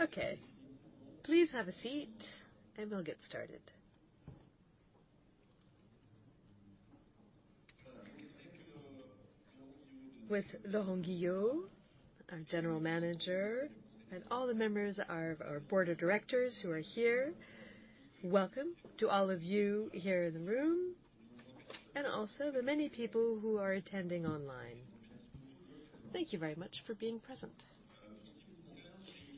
Okay. Please have a seat and we'll get started. With Laurent Guillot, our general manager, and all the members of our board of directors who are here. Welcome to all of you here in the room and also the many people who are attending online. Thank you very much for being present.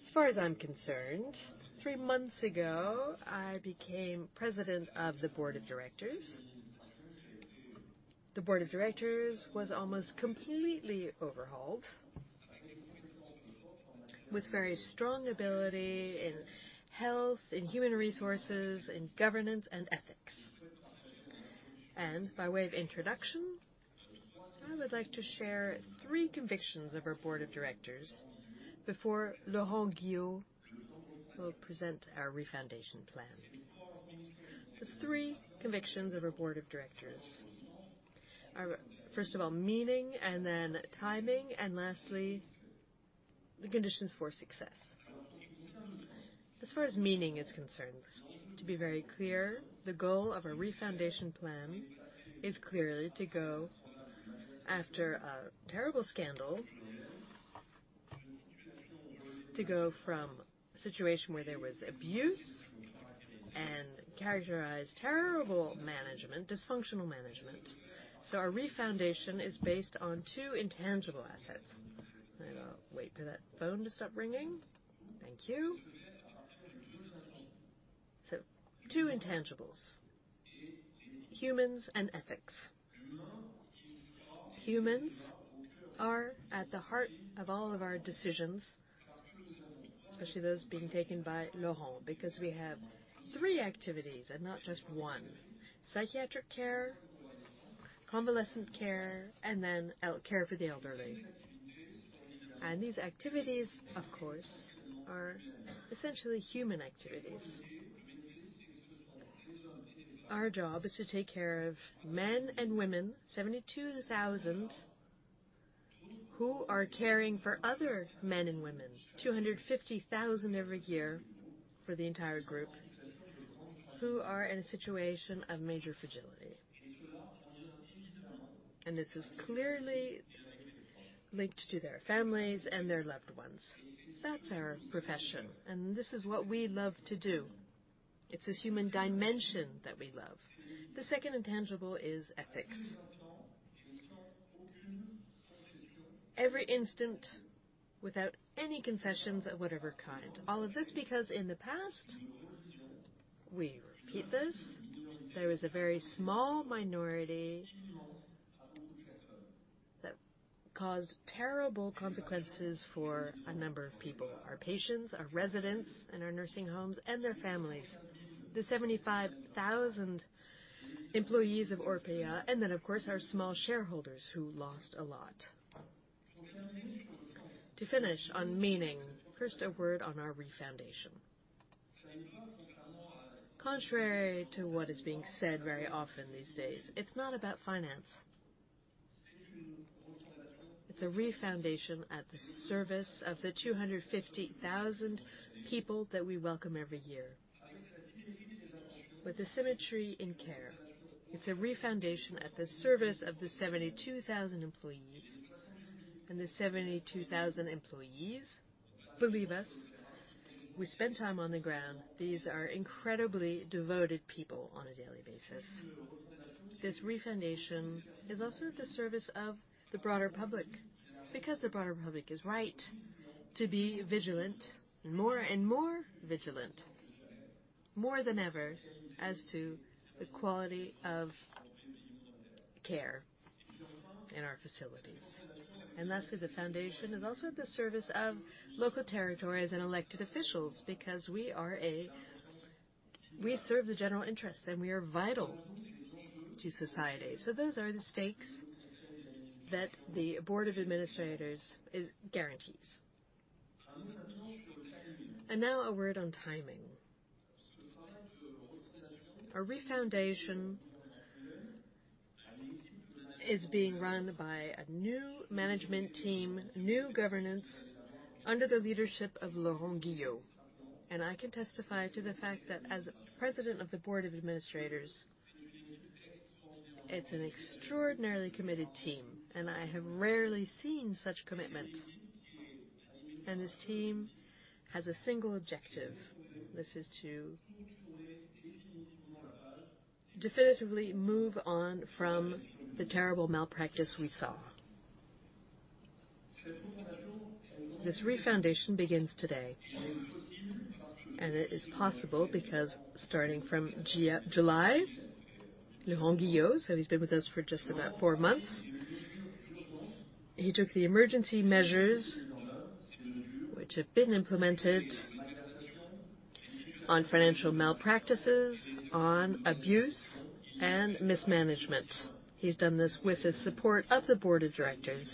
As far as I'm concerned, three months ago, I became president of the board of directors. The board of directors was almost completely overhauled with very strong ability in health, in human resources, in governance and ethics. By way of introduction, I would like to share three convictions of our board of directors before Laurent Guillot will present our refoundation plan. The three convictions of our board of directors are, first of all, meaning, and then timing, and lastly, the conditions for success. As far as meaning is concerned, to be very clear, the goal of our refoundation plan is clearly to go after a terrible scandal, to go from a situation where there was abuse and characterized terrible management, dysfunctional management. Our refoundation is based on two intangible assets. I'll wait for that phone to stop ringing. Thank you. Two intangibles, humans and ethics. Humans are at the heart of all of our decisions, especially those being taken by Laurent, because we have three activities and not just one. Psychiatric care, convalescent care, and then care for the elderly. These activities, of course, are essentially human activities. Our job is to take care of men and women, 72,000, who are caring for other men and women, 250,000 every year for the entire group, who are in a situation of major fragility. This is clearly linked to their families and their loved ones. That's our profession, and this is what we love to do. It's this human dimension that we love. The second intangible is ethics. Every instant without any concessions of whatever kind. All of this because in the past, we repeat this, there was a very small minority that caused terrible consequences for a number of people, our patients, our residents in our nursing homes, and their families. The 75,000 employees of Orpea, and then, of course, our small shareholders who lost a lot. To finish on meaning, first, a word on our refoundation. Contrary to what is being said very often these days, it's not about finance. It's a refoundation at the service of the 250,000 people that we welcome every year with sympathy in care. It's a refoundation at the service of the 72,000 employees. The 72,000 employees, believe us, we spend time on the ground. These are incredibly devoted people on a daily basis. This refoundation is also at the service of the broader public, because the broader public is right to be vigilant, more and more vigilant, more than ever as to the quality of care in our facilities. Lastly, the refoundation is also at the service of local territories and elected officials because we are. We serve the general interest, and we are vital to society. Those are the stakes that the board of directors guarantees. Now a word on timing. Our refoundation is being run by a new management team, new governance under the leadership of Laurent Guillot. I can testify to the fact that as president of the board of administrators, it's an extraordinarily committed team, and I have rarely seen such commitment. This team has a single objective. This is to definitively move on from the terrible malpractice we saw. This refoundation begins today, and it is possible because starting from July, Laurent Guillot, so he's been with us for just about four months. He took the emergency measures which have been implemented on financial malpractices on abuse and mismanagement. He's done this with the support of the board of directors.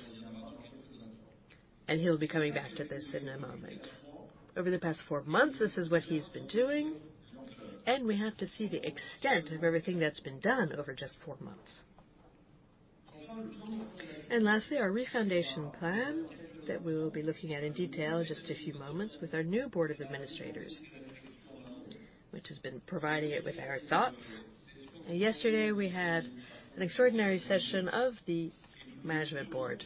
He'll be coming back to this in a moment. Over the past four months, this is what he's been doing, and we have to see the extent of everything that's been done over just four months. Lastly, our refoundation plan that we will be looking at in detail in just a few moments with our new board of directors, which has been providing it with our thoughts. Yesterday, we had an extraordinary session of the management board,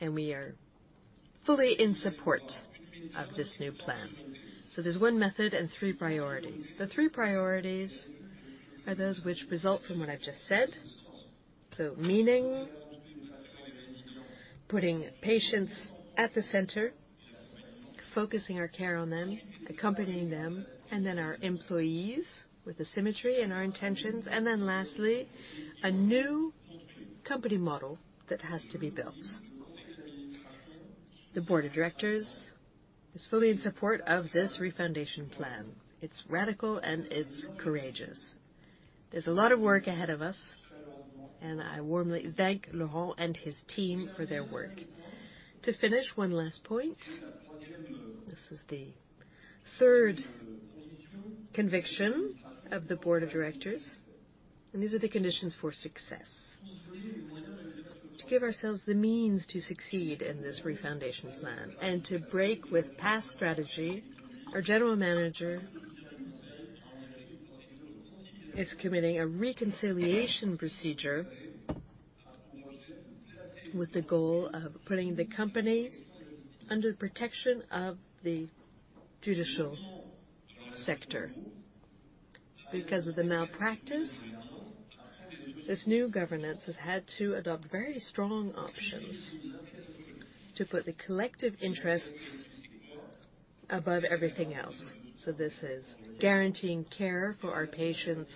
and we are fully in support of this new plan. There's one method and three priorities. The three priorities are those which result from what I've just said. Meaning, putting patients at the center, focusing our care on them, accompanying them, and then our employees with the symmetry in our intentions. Then lastly, a new company model that has to be built. The board of directors is fully in support of this refoundation plan. It's radical and it's courageous. There's a lot of work ahead of us, and I warmly thank Laurent and his team for their work. To finish, one last point. This is the third conviction of the board of directors, and these are the conditions for success. To give ourselves the means to succeed in this refoundation plan and to break with past strategy, our general manager is committing a conciliation procedure with the goal of putting the company under the protection of the judicial sector. Because of the malpractice, this new governance has had to adopt very strong options to put the collective interests above everything else. This is guaranteeing care for our patients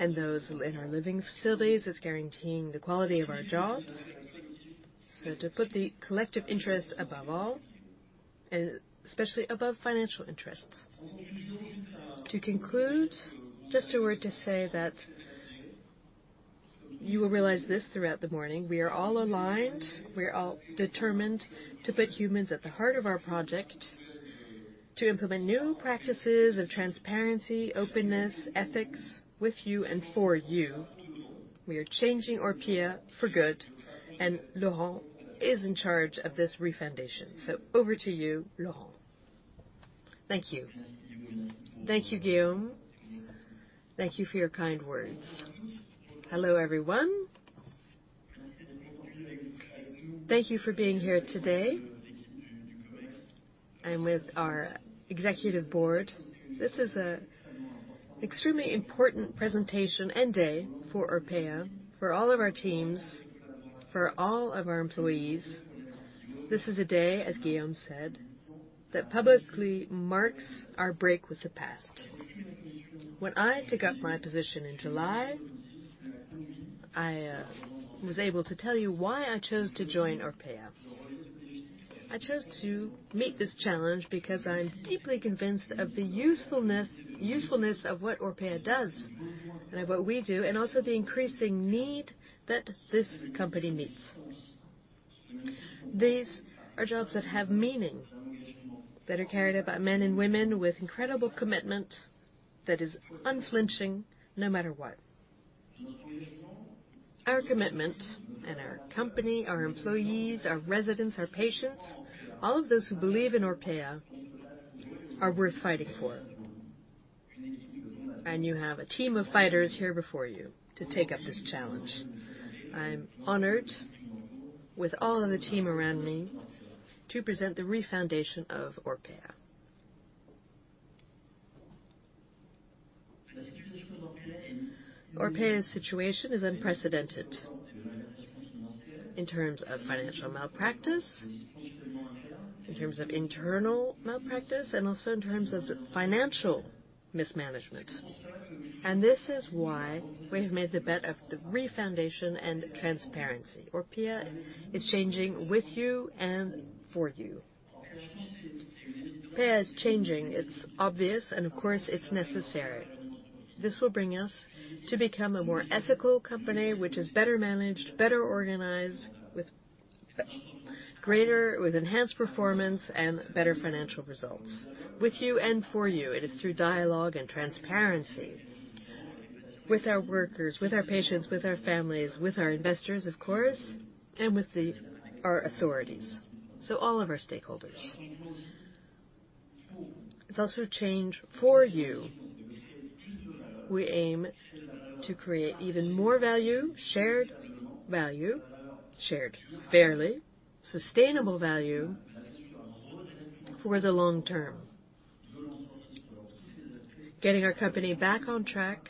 and those in our living facilities. It's guaranteeing the quality of our jobs. To put the collective interest above all, and especially above financial interests. To conclude, just a word to say that you will realize this throughout the morning. We are all aligned. We're all determined to put humans at the heart of our project, to implement new practices of transparency, openness, ethics with you and for you. We are changing Orpea for good, and Laurent is in charge of this refoundation. Over to you, Lauren. Thank you. Thank you, Guillaume. Thank you for your kind words. Hello, everyone. Thank you for being here today. I'm with our executive board. This is an extremely important presentation and day for Orpea, for all of our teams, for all of our employees. This is a day, as Guillaume said, that publicly marks our break with the past. When I took up my position in July, I was able to tell you why I chose to join Orpea. I chose to meet this challenge because I'm deeply convinced of the usefulness of what Orpea does and of what we do, and also the increasing need that this company meets. These are jobs that have meaning, that are carried out by men and women with incredible commitment that is unflinching no matter what. Our commitment and our company, our employees, our residents, our patients, all of those who believe in Orpea are worth fighting for. You have a team of fighters here before you to take up this challenge. I'm honored with all of the team around me to present the refoundation of Orpea. Orpea's situation is unprecedented in terms of financial malpractice, in terms of internal malpractice, and also in terms of the financial mismanagement. This is why we have made the bet of the refoundation and transparency. Orpea is changing with you and for you. Orpea is changing. It's obvious, and of course, it's necessary. This will bring us to become a more ethical company, which is better managed, better organized, with enhanced performance and better financial results. With you and for you, it is through dialogue and transparency with our workers, with our patients, with our families, with our investors, of course, and with our authorities. All of our stakeholders. It's also a change for you. We aim to create even more value, shared value, shared fairly, sustainable value for the long term. Getting our company back on track,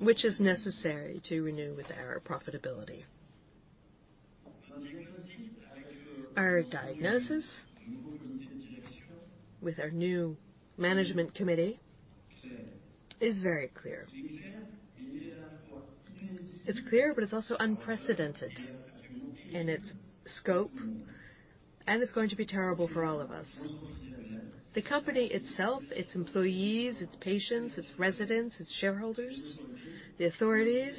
which is necessary to renew with our profitability. Our diagnosis with our new management committee is very clear. It's clear, but it's also unprecedented in its scope. It's going to be terrible for all of us. The company itself, its employees, its patients, its residents, its shareholders, the authorities,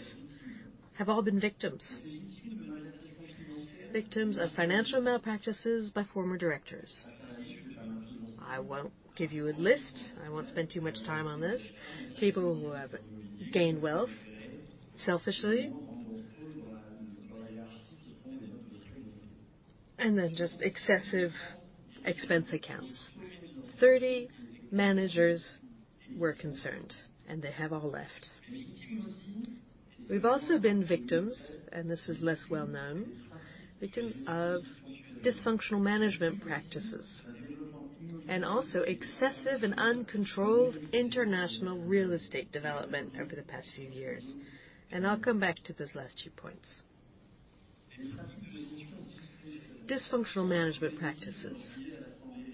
have all been victims. Victims of financial malpractices by former directors. I won't give you a list. I won't spend too much time on this. People who have gained wealth selfishly. Just excessive expense accounts. 30 managers were concerned, and they have all left. We've also been victims, and this is less well-known, victims of dysfunctional management practices, and also excessive and uncontrolled international real estate development over the past few years. I'll come back to those last two points. Dysfunctional management practices.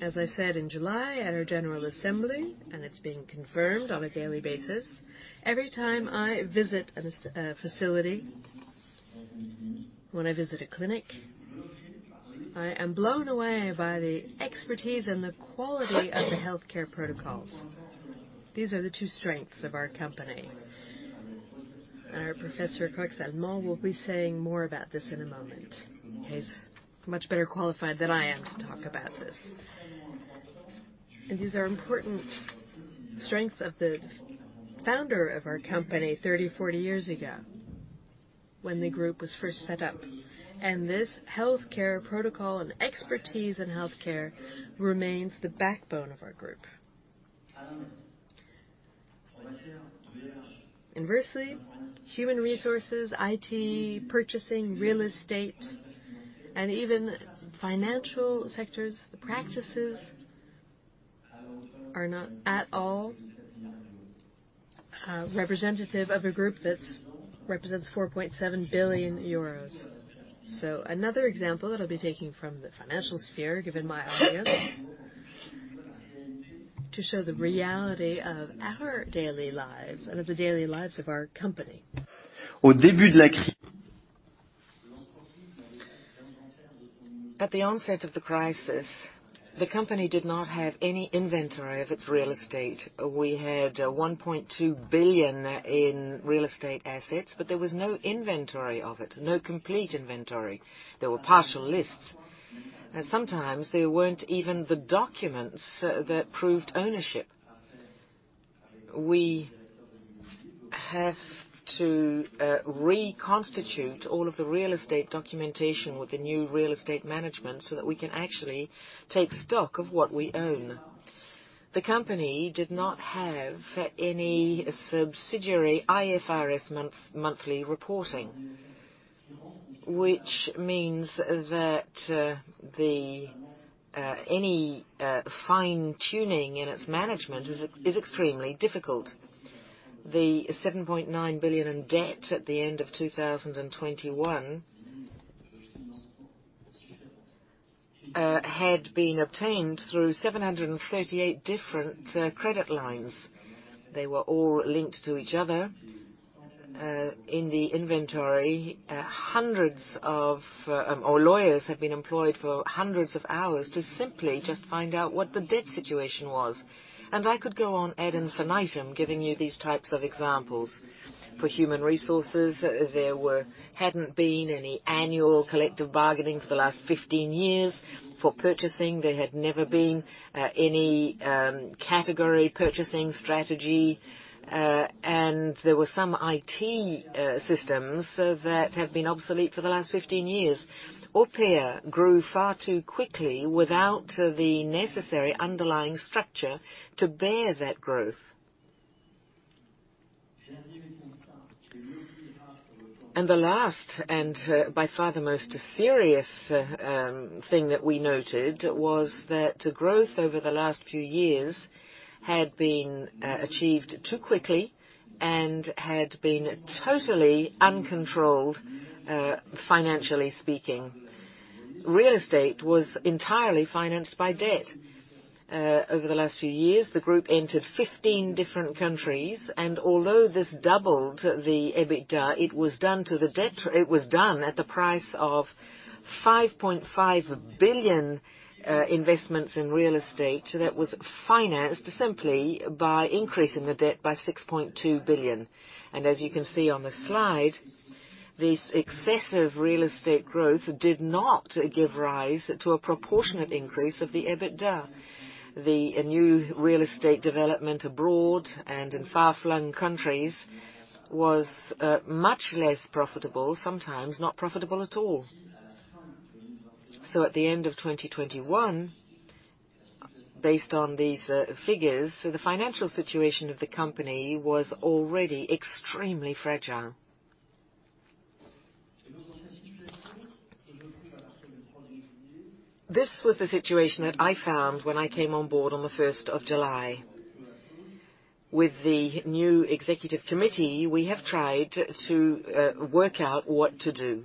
As I said in July at our general assembly, and it's been confirmed on a daily basis, every time I visit a facility, when I visit a clinic, I am blown away by the expertise and the quality of the healthcare protocols. These are the two strengths of our company. Our Professor Pierre Krolak-Salmon will be saying more about this in a moment. He's much better qualified than I am to talk about this. These are important strengths of the founder of our company 30, 40 years ago when the group was first set up. This healthcare protocol and expertise in healthcare remains the backbone of our group. Inversely, human resources, IT, purchasing, real estate, and even financial sectors, the practices are not at all representative of a group that represents 4.7 billion euros. Another example that I'll be taking from the financial sphere, given my audience, to show the reality of our daily lives and of the daily lives of our company. At the onset of the crisis, the company did not have any inventory of its real estate. We had 1.2 billion in real estate assets, but there was no inventory of it, no complete inventory. There were partial lists, and sometimes there weren't even the documents that proved ownership. We have to reconstitute all of the real estate documentation with the new real estate management so that we can actually take stock of what we own. The company did not have any subsidiary IFRS monthly reporting, which means that any fine-tuning in its management is extremely difficult. The 7.9 billion in debt at the end of 2021 had been obtained through 738 different credit lines. They were all linked to each other in the inventory. Hundreds of lawyers have been employed for hundreds of hours to simply just find out what the debt situation was. I could go on ad infinitum, giving you these types of examples. For human resources, there hadn't been any annual collective bargaining for the last 15 years. For purchasing, there had never been any category purchasing strategy, and there were some IT systems that have been obsolete for the last 15 years. Orpea grew far too quickly without the necessary underlying structure to bear that growth. The last, and by far the most serious, thing that we noted was that growth over the last few years had been achieved too quickly and had been totally uncontrolled, financially speaking. Real estate was entirely financed by debt. Over the last few years, the group entered 15 different countries, and although this doubled the EBITDA, it was done at the price of 5.5 billion investments in real estate that was financed simply by increasing the debt by 6.2 billion. As you can see on the slide, this excessive real estate growth did not give rise to a proportionate increase of the EBITDA. The new real estate development abroad and in far-flung countries was much less profitable, sometimes not profitable at all. At the end of 2021, based on these figures, the financial situation of the company was already extremely fragile. This was the situation that I found when I came on board on the first of July. With the new executive committee, we have tried to work out what to do.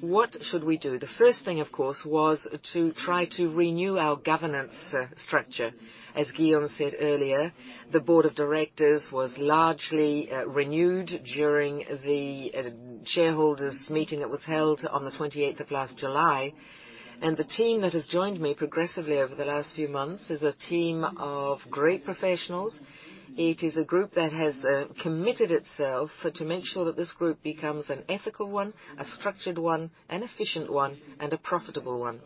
What should we do? The first thing, of course, was to try to renew our governance structure. As Guillaume said earlier, the board of directors was largely renewed during the shareholders meeting that was held on the 28th of last July. The team that has joined me progressively over the last few months is a team of great professionals. It is a group that has committed itself to make sure that this group becomes an ethical one, a structured one, an efficient one, and a profitable one.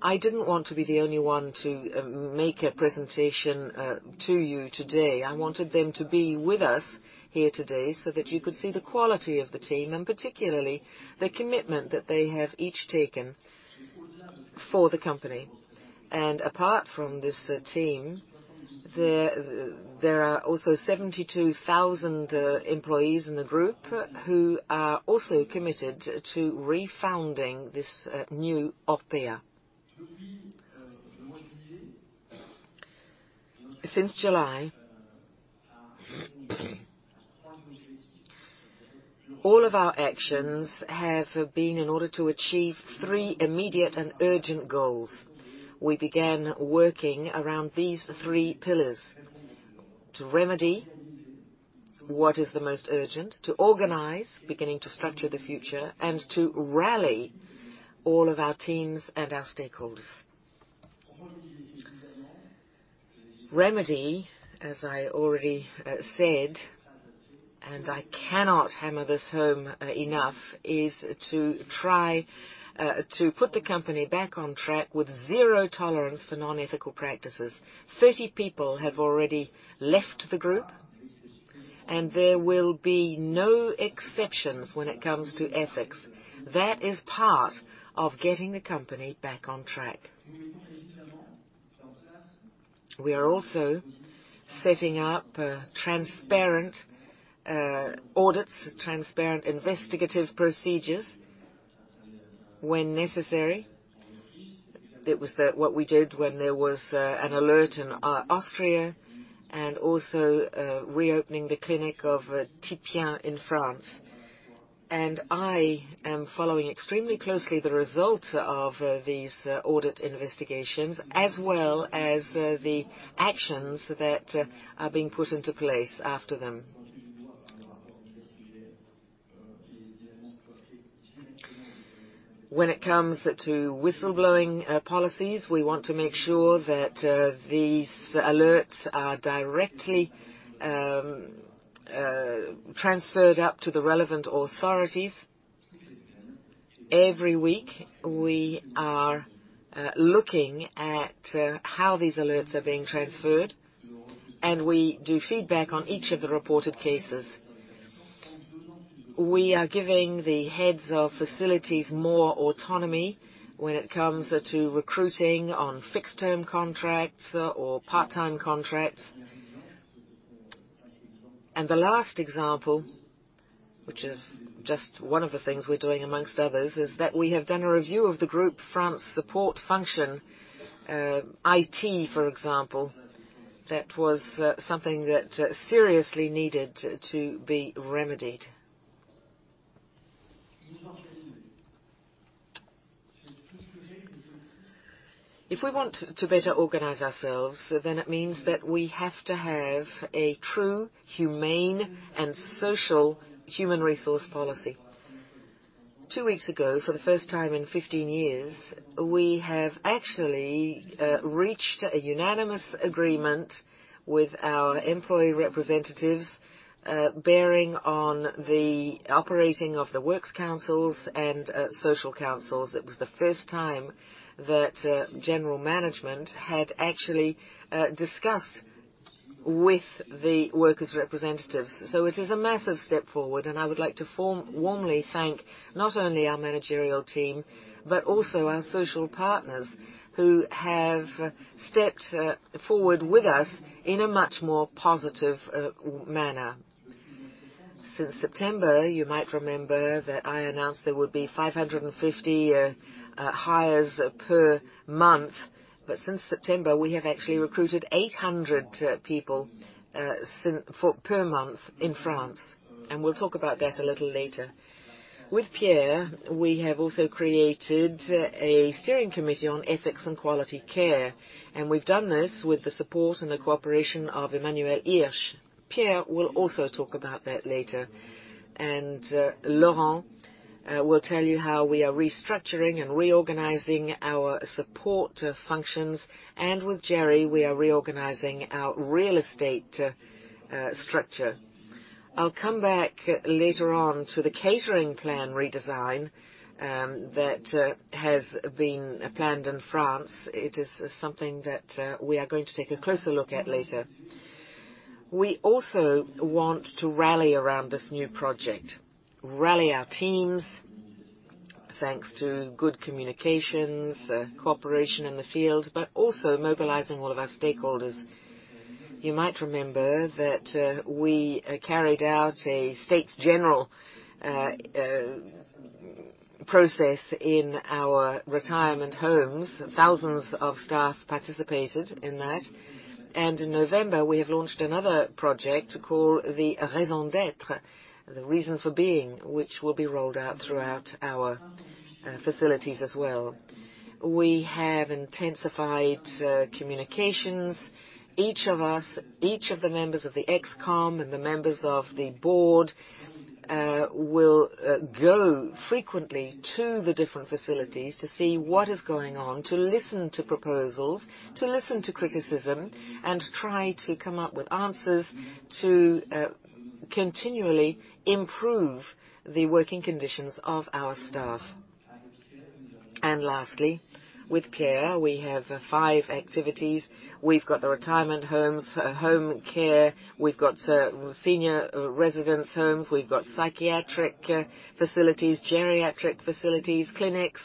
I didn't want to be the only one to make a presentation to you today. I wanted them to be with us here today so that you could see the quality of the team, and particularly the commitment that they have each taken for the company. Apart from this team, there are also 72,000 employees in the group who are also committed to refounding this new Orpea. Since July, all of our actions have been in order to achieve three immediate and urgent goals. We began working around these three pillars to remedy what is the most urgent, to organize, beginning to structure the future, and to rally all of our teams and our stakeholders. Remedy, as I already said, and I cannot hammer this home enough, is to try to put the company back on track with zero tolerance for non-ethical practices. 30 people have already left the group, and there will be no exceptions when it comes to ethics. That is part of getting the company back on track. We are also setting up transparent audits, transparent investigative procedures when necessary. It was what we did when there was an alert in Austria and also reopening the clinic of Thiviers in France. I am following extremely closely the results of these audit investigations as well as the actions that are being put into place after them. When it comes to whistleblowing policies, we want to make sure that these alerts are directly transferred up to the relevant authorities. Every week, we are looking at how these alerts are being transferred, and we do feedback on each of the reported cases. We are giving the heads of facilities more autonomy when it comes to recruiting on fixed-term contracts or part-time contracts. The last example, which is just one of the things we're doing amongst others, is that we have done a review of the Group France support function, IT, for example, that was something that seriously needed to be remedied. If we want to better organize ourselves, then it means that we have to have a true humane and social human resource policy. Two weeks ago, for the first time in 15 years, we have actually reached a unanimous agreement with our employee representatives, bearing on the operating of the works councils and social councils. It was the first time that general management had actually discussed with the workers' representatives. It is a massive step forward, and I would like to warmly thank not only our managerial team, but also our social partners who have stepped forward with us in a much more positive manner. Since September, you might remember that I announced there would be 550 hires per month. Since September, we have actually recruited 800 people per month in France, and we'll talk about that a little later. With Pierre, we have also created a steering committee on ethics and quality care, and we've done this with the support and the cooperation of Emmanuel Hirsch. Pierre will also talk about that later. Laurent will tell you how we are restructuring and reorganizing our support functions. With Gery, we are reorganizing our real estate structure. I'll come back later on to the catering plan redesign that has been planned in France. It is something that we are going to take a closer look at later. We also want to rally around this new project, rally our teams, thanks to good communications, cooperation in the field, but also mobilizing all of our stakeholders. You might remember that we carried out an États généraux process in our retirement homes. Thousands of staff participated in that. In November, we have launched another project called the Raison d'être, The Reason for Being, which will be rolled out throughout our facilities as well. We have intensified communications. Each of us, each of the members of the ExCom and the members of the board, will go frequently to the different facilities to see what is going on, to listen to proposals, to listen to criticism, and to try to come up with answers to continually improve the working conditions of our staff. Lastly, with Pierre, we have five activities. We've got the retirement homes, home care. We've got senior residence homes. We've got psychiatric facilities, geriatric facilities, clinics.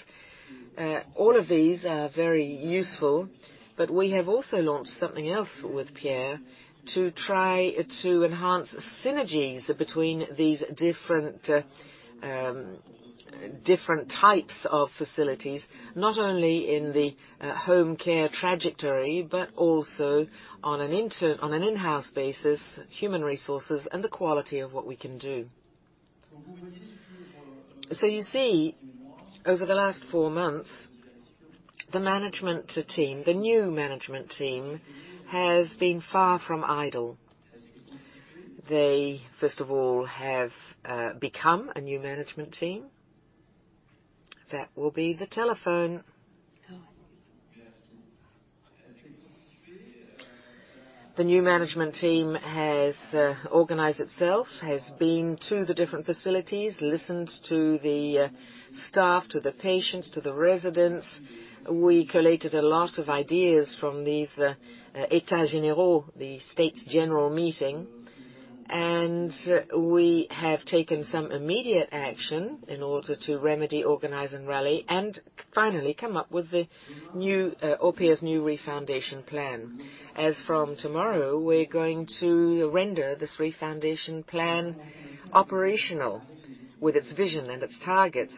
All of these are very useful, but we have also launched something else with Pierre to try to enhance synergies between these different types of facilities, not only in the home care trajectory, but also on an in-house basis, human resources, and the quality of what we can do. You see, over the last four months, the new management team has been far from idle. They first of all have become a new management team. The new management team has organized itself, has been to the different facilities, listened to the staff, to the patients, to the residents. We collated a lot of ideas from these États généraux, the States general meeting, and we have taken some immediate action in order to remedy, organize, and rally, and finally come up with the new Orpea's refoundation plan. As from tomorrow, we're going to render this refoundation plan operational with its vision and its targets.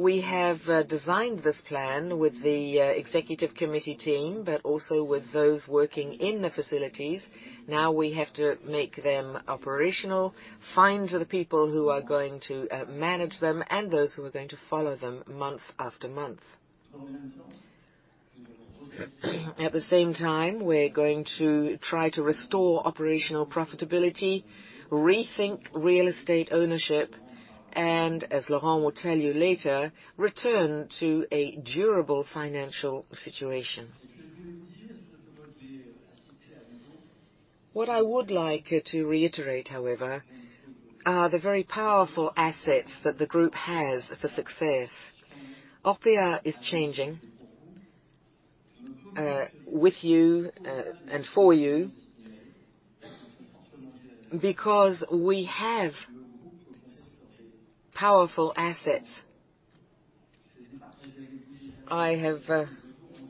We have designed this plan with the executive committee team, but also with those working in the facilities. Now we have to make them operational, find the people who are going to manage them, and those who are going to follow them month after month. At the same time, we're going to try to restore operational profitability, rethink real estate ownership, and as Laurent will tell you later, return to a durable financial situation. What I would like to reiterate, however, are the very powerful assets that the group has for success. Orpea is changing, with you, and for you because we have powerful assets. I have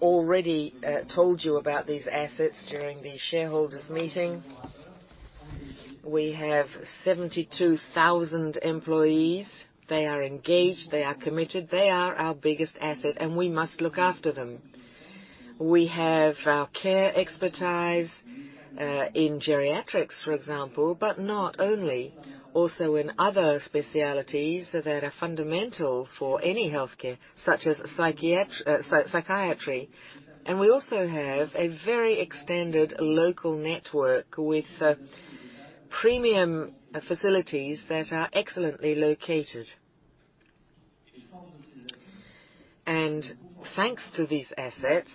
already told you about these assets during the shareholders meeting. We have 72,000 employees. They are engaged, they are committed. They are our biggest asset, and we must look after them. We have our care expertise, in geriatrics, for example, but not only, also in other specialties that are fundamental for any healthcare, such as psychiatry. We also have a very extended local network with, premium facilities that are excellently located. Thanks to these assets,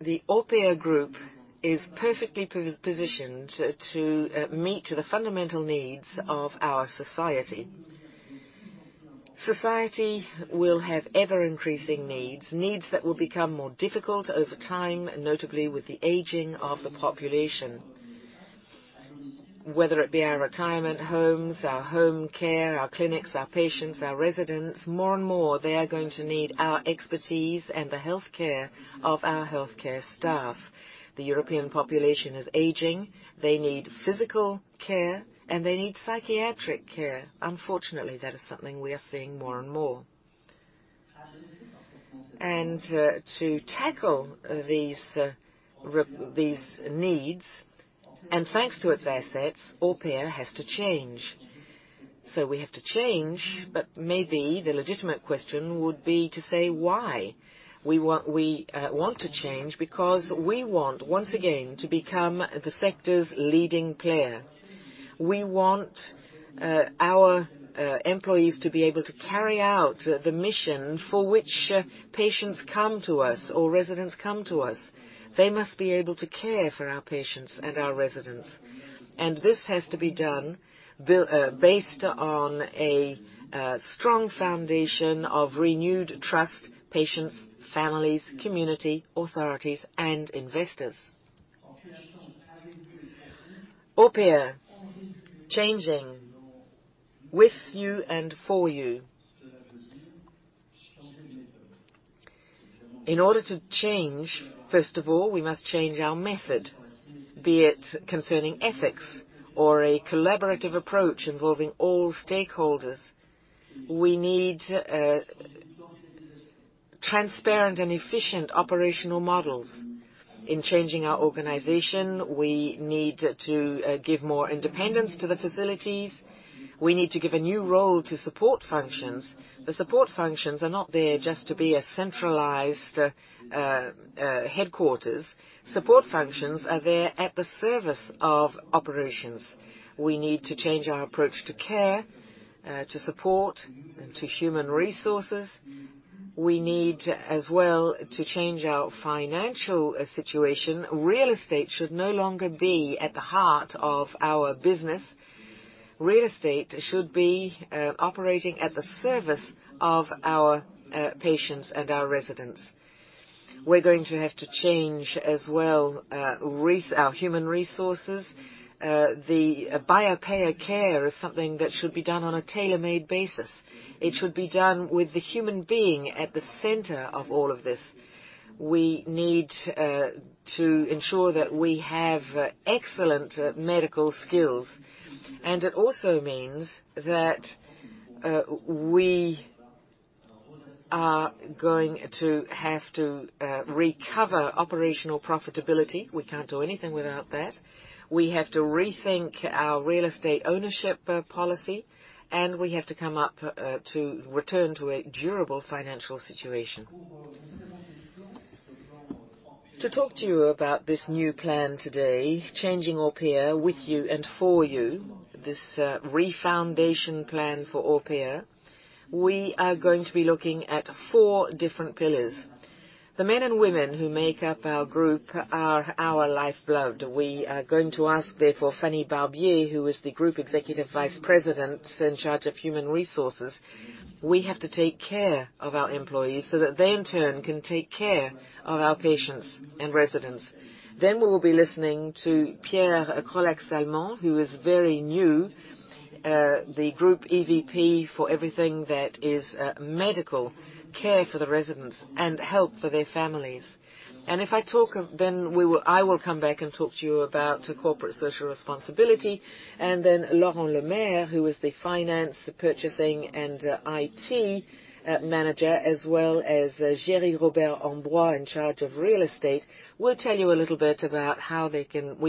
the Orpea Group is perfectly positioned to meet the fundamental needs of our society. Society will have ever-increasing needs that will become more difficult over time, notably with the aging of the population. Whether it be our retirement homes, our home care, our clinics, our patients, our residents, more and more, they are going to need our expertise and the health care of our health care staff. The European population is aging. They need physical care, and they need psychiatric care. Unfortunately, that is something we are seeing more and more. To tackle these needs, and thanks to its assets, Orpea has to change. We have to change, but maybe the legitimate question would be to say why. We want to change because we want, once again, to become the sector's leading player. We want our employees to be able to carry out the mission for which patients come to us or residents come to us. They must be able to care for our patients and our residents. This has to be done based on a strong foundation of renewed trust, patients, families, community, authorities, and investors. Orpea, changing with you and for you. In order to change, first of all, we must change our method, be it concerning ethics or a collaborative approach involving all stakeholders. We need transparent and efficient operational models. In changing our organization, we need to give more independence to the facilities. We need to give a new role to support functions. The support functions are not there just to be a centralized headquarters. Support functions are there at the service of operations. We need to change our approach to care, to support, and to human resources. We need as well to change our financial situation. Real estate should no longer be at the heart of our business. Real estate should be operating at the service of our patients and our residents. We're going to have to change as well our human resources. The buyer-payer care is something that should be done on a tailor-made basis. It should be done with the human being at the center of all of this. We need to ensure that we have excellent medical skills, and it also means that we are going to have to recover operational profitability. We can't do anything without that. We have to rethink our real estate ownership policy, and we have to come up to return to a durable financial situation. To talk to you about this new plan today, changing Orpea with you and for you, this refoundation plan for Orpea, we are going to be looking at four different pillars. The men and women who make up our group are our lifeblood. We are going to ask, therefore, Fanny Barbier, who is the Group Executive Vice President in charge of human resources. We have to take care of our employees so that they in turn can take care of our patients and residents. We will be listening to Pierre Krolak-Salmon, who is very new, the Group EVP for everything that is medical care for the residents and help for their families. If I talk of... I will come back and talk to you about corporate social responsibility and then Laurent Lemaire, who is the finance, purchasing, and IT manager, as well as Géry Robert-Ambroix, in charge of real estate, will tell you a little bit about how we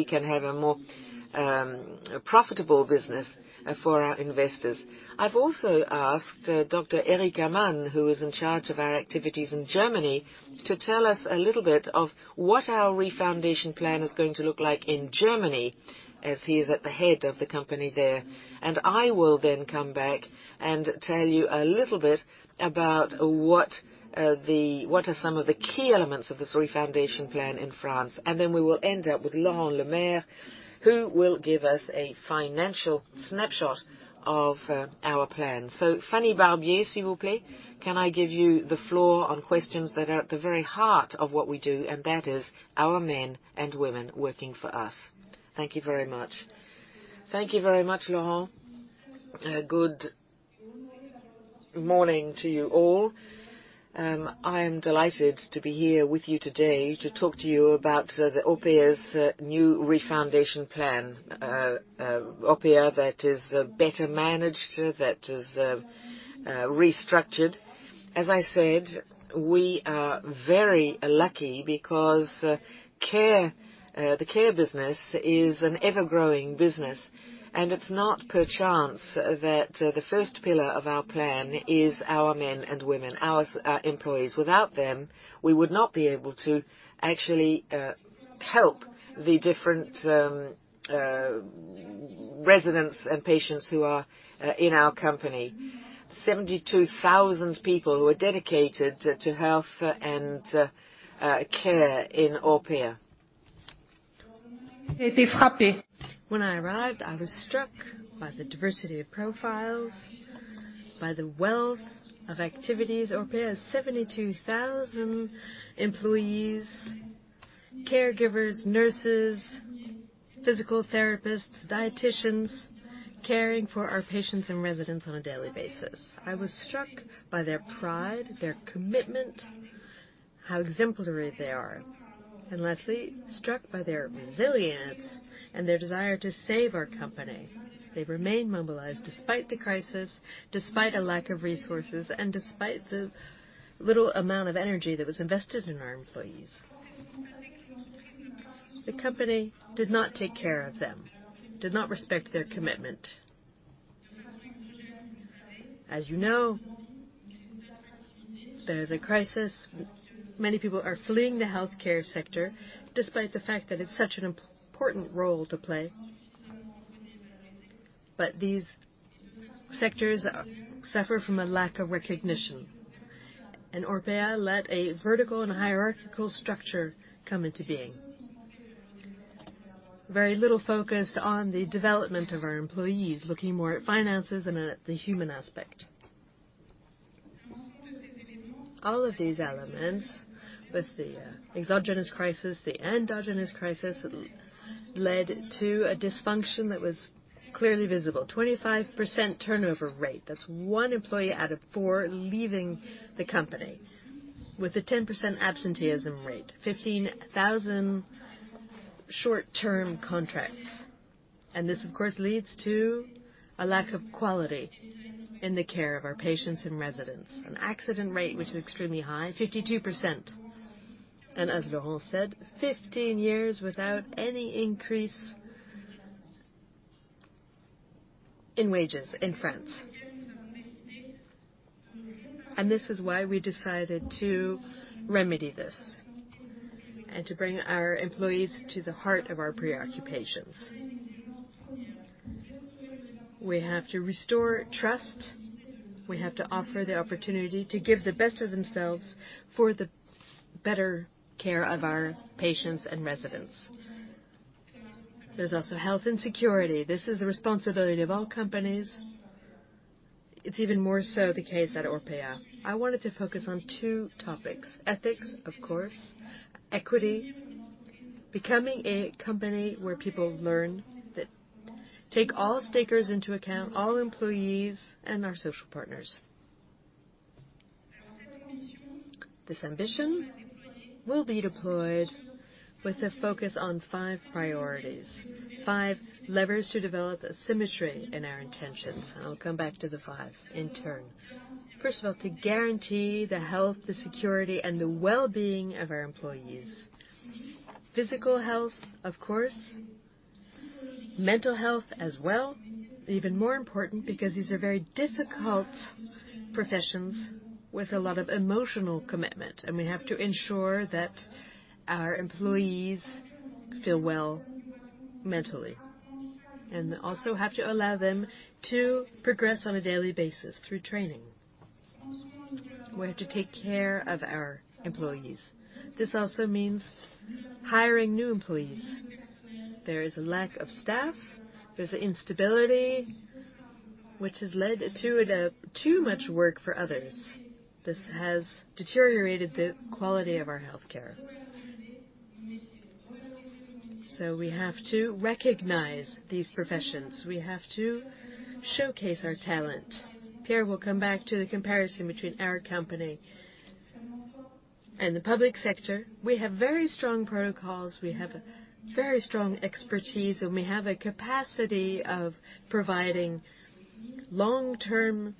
can have a more profitable business for our investors. I've also asked Dr. Erik Hamann, who is in charge of our activities in Germany, to tell us a little bit of what our refoundation plan is going to look like in Germany, as he is at the head of the company there. I will then come back and tell you a little bit about what are some of the key elements of this refoundation plan in France. We will end up with Laurent Lemaire, who will give us a financial snapshot of our plan. Fanny Barbier, s'il vous plaît, can I give you the floor on questions that are at the very heart of what we do, and that is our men and women working for us. Thank you very much. Thank you very much, Laurent. Good morning to you all. I am delighted to be here with you today to talk to you about the Orpea's new refoundation plan. Orpea that is better managed, that is restructured. As I said, we are very lucky because the care business is an ever-growing business, and it's not by chance that the first pillar of our plan is our men and women, our employees. Without them, we would not be able to actually help the different residents and patients who are in our company. 72,000 people who are dedicated to health and care in Orpea. When I arrived, I was struck by the diversity of profiles, by the wealth of activities. Orpea has 72,000 employees, caregivers, nurses, physical therapists, dieticians caring for our patients and residents on a daily basis. I was struck by their pride, their commitment, how exemplary they are, and lastly, struck by their resilience and their desire to save our company. They remain mobilized despite the crisis, despite a lack of resources, and despite the little amount of energy that was invested in our employees. The company did not take care of them, did not respect their commitment. As you know, there's a crisis. Many people are fleeing the healthcare sector despite the fact that it's such an important role to play. These sectors suffer from a lack of recognition. Orpea let a vertical and hierarchical structure come into being. Very little focus on the development of our employees, looking more at finances than at the human aspect. All of these elements, with the exogenous crisis, the endogenous crisis, led to a dysfunction that was clearly visible. 25% turnover rate. That's one employee out of four leaving the company with a 10% absenteeism rate. Fifteen thousand Short-term contracts. This of course leads to a lack of quality in the care of our patients and residents. An accident rate which is extremely high, 52%. As Laurent said, 15 years without any increase in wages in France. This is why we decided to remedy this and to bring our employees to the heart of our preoccupations. We have to restore trust. We have to offer the opportunity to give the best of themselves for the better care of our patients and residents. There's also health and security. This is the responsibility of all companies. It's even more so the case at Orpea. I wanted to focus on two topics, ethics, of course, equity, becoming a company where people learn that take all stakeholders into account, all employees and our social partners. This ambition will be deployed with a focus on five priorities, five levers to develop a symmetry in our intentions. I'll come back to the five in turn. First of all, to guarantee the health, the security, and the well-being of our employees. Physical health, of course. Mental health as well. Even more important, because these are very difficult professions with a lot of emotional commitment, and we have to ensure that our employees feel well mentally, and also have to allow them to progress on a daily basis through training. We have to take care of our employees. This also means hiring new employees. There is a lack of staff. There's instability which has led to too much work for others. This has deteriorated the quality of our healthcare. We have to recognize these professions. We have to showcase our talent. Pierre will come back to the comparison between our company and the public sector. We have very strong protocols, we have a very strong expertise, and we have a capacity of providing long-term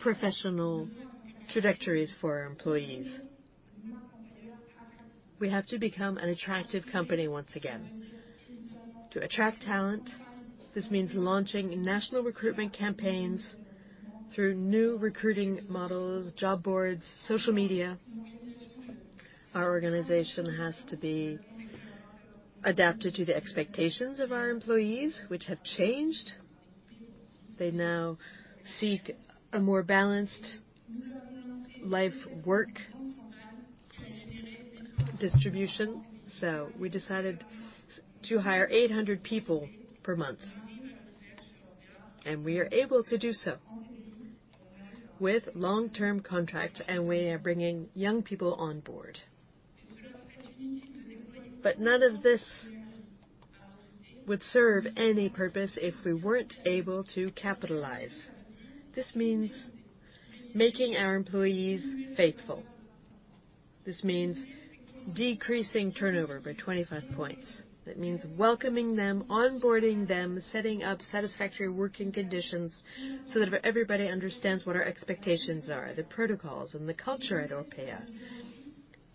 professional trajectories for our employees. We have to become an attractive company once again. To attract talent, this means launching national recruitment campaigns through new recruiting models, job boards, social media. Our organization has to be adapted to the expectations of our employees, which have changed. They now seek a more balanced work-life balance. We decided to hire 800 people per month, and we are able to do so with long-term contracts, and we are bringing young people on board. None of this would serve any purpose if we weren't able to capitalize. This means making our employees faithful. This means decreasing turnover by 25 points. That means welcoming them, onboarding them, setting up satisfactory working conditions, so that everybody understands what our expectations are, the protocols and the culture at Orpea.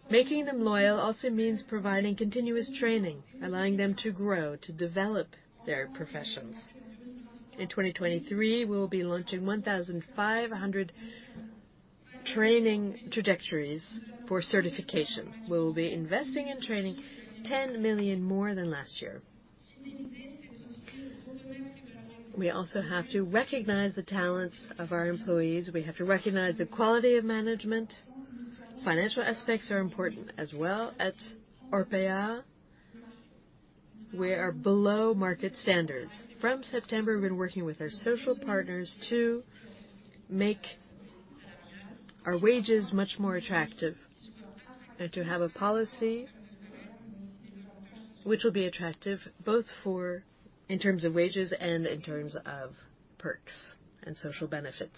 Making them loyal also means providing continuous training, allowing them to grow, to develop their professions. In 2023, we will be launching 1,500 training trajectories for certification. We will be investing in training 10 million more than last year. We also have to recognize the talents of our employees. We have to recognize the quality of management. Financial aspects are important as well. At Orpea, we are below market standards. From September, we've been working with our social partners to make our wages much more attractive and to have a policy which will be attractive in terms of wages and in terms of perks and social benefits.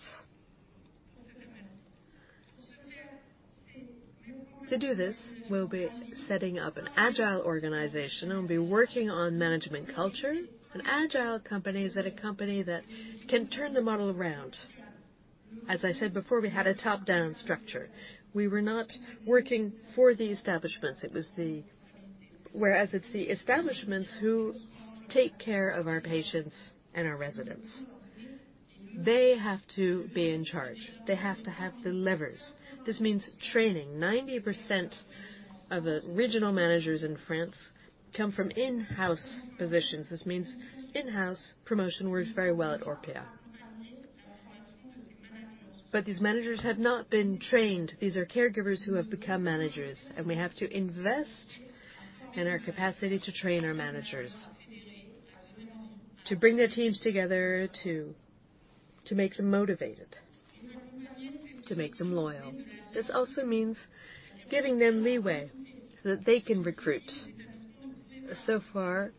To do this, we'll be setting up an agile organization, and we'll be working on management culture. An agile company is a company that can turn the model around. As I said before, we had a top-down structure. We were not working for the establishments. Whereas it's the establishments who take care of our patients and our residents. They have to be in charge. They have to have the levers. This means training. 90% of original managers in France come from in-house positions. This means in-house promotion works very well at Orpea. But these managers have not been trained. These are caregivers who have become managers, and we have to invest in our capacity to train our managers to bring their teams together to make them motivated, to make them loyal. This also means giving them leeway so that they can recruit. So far,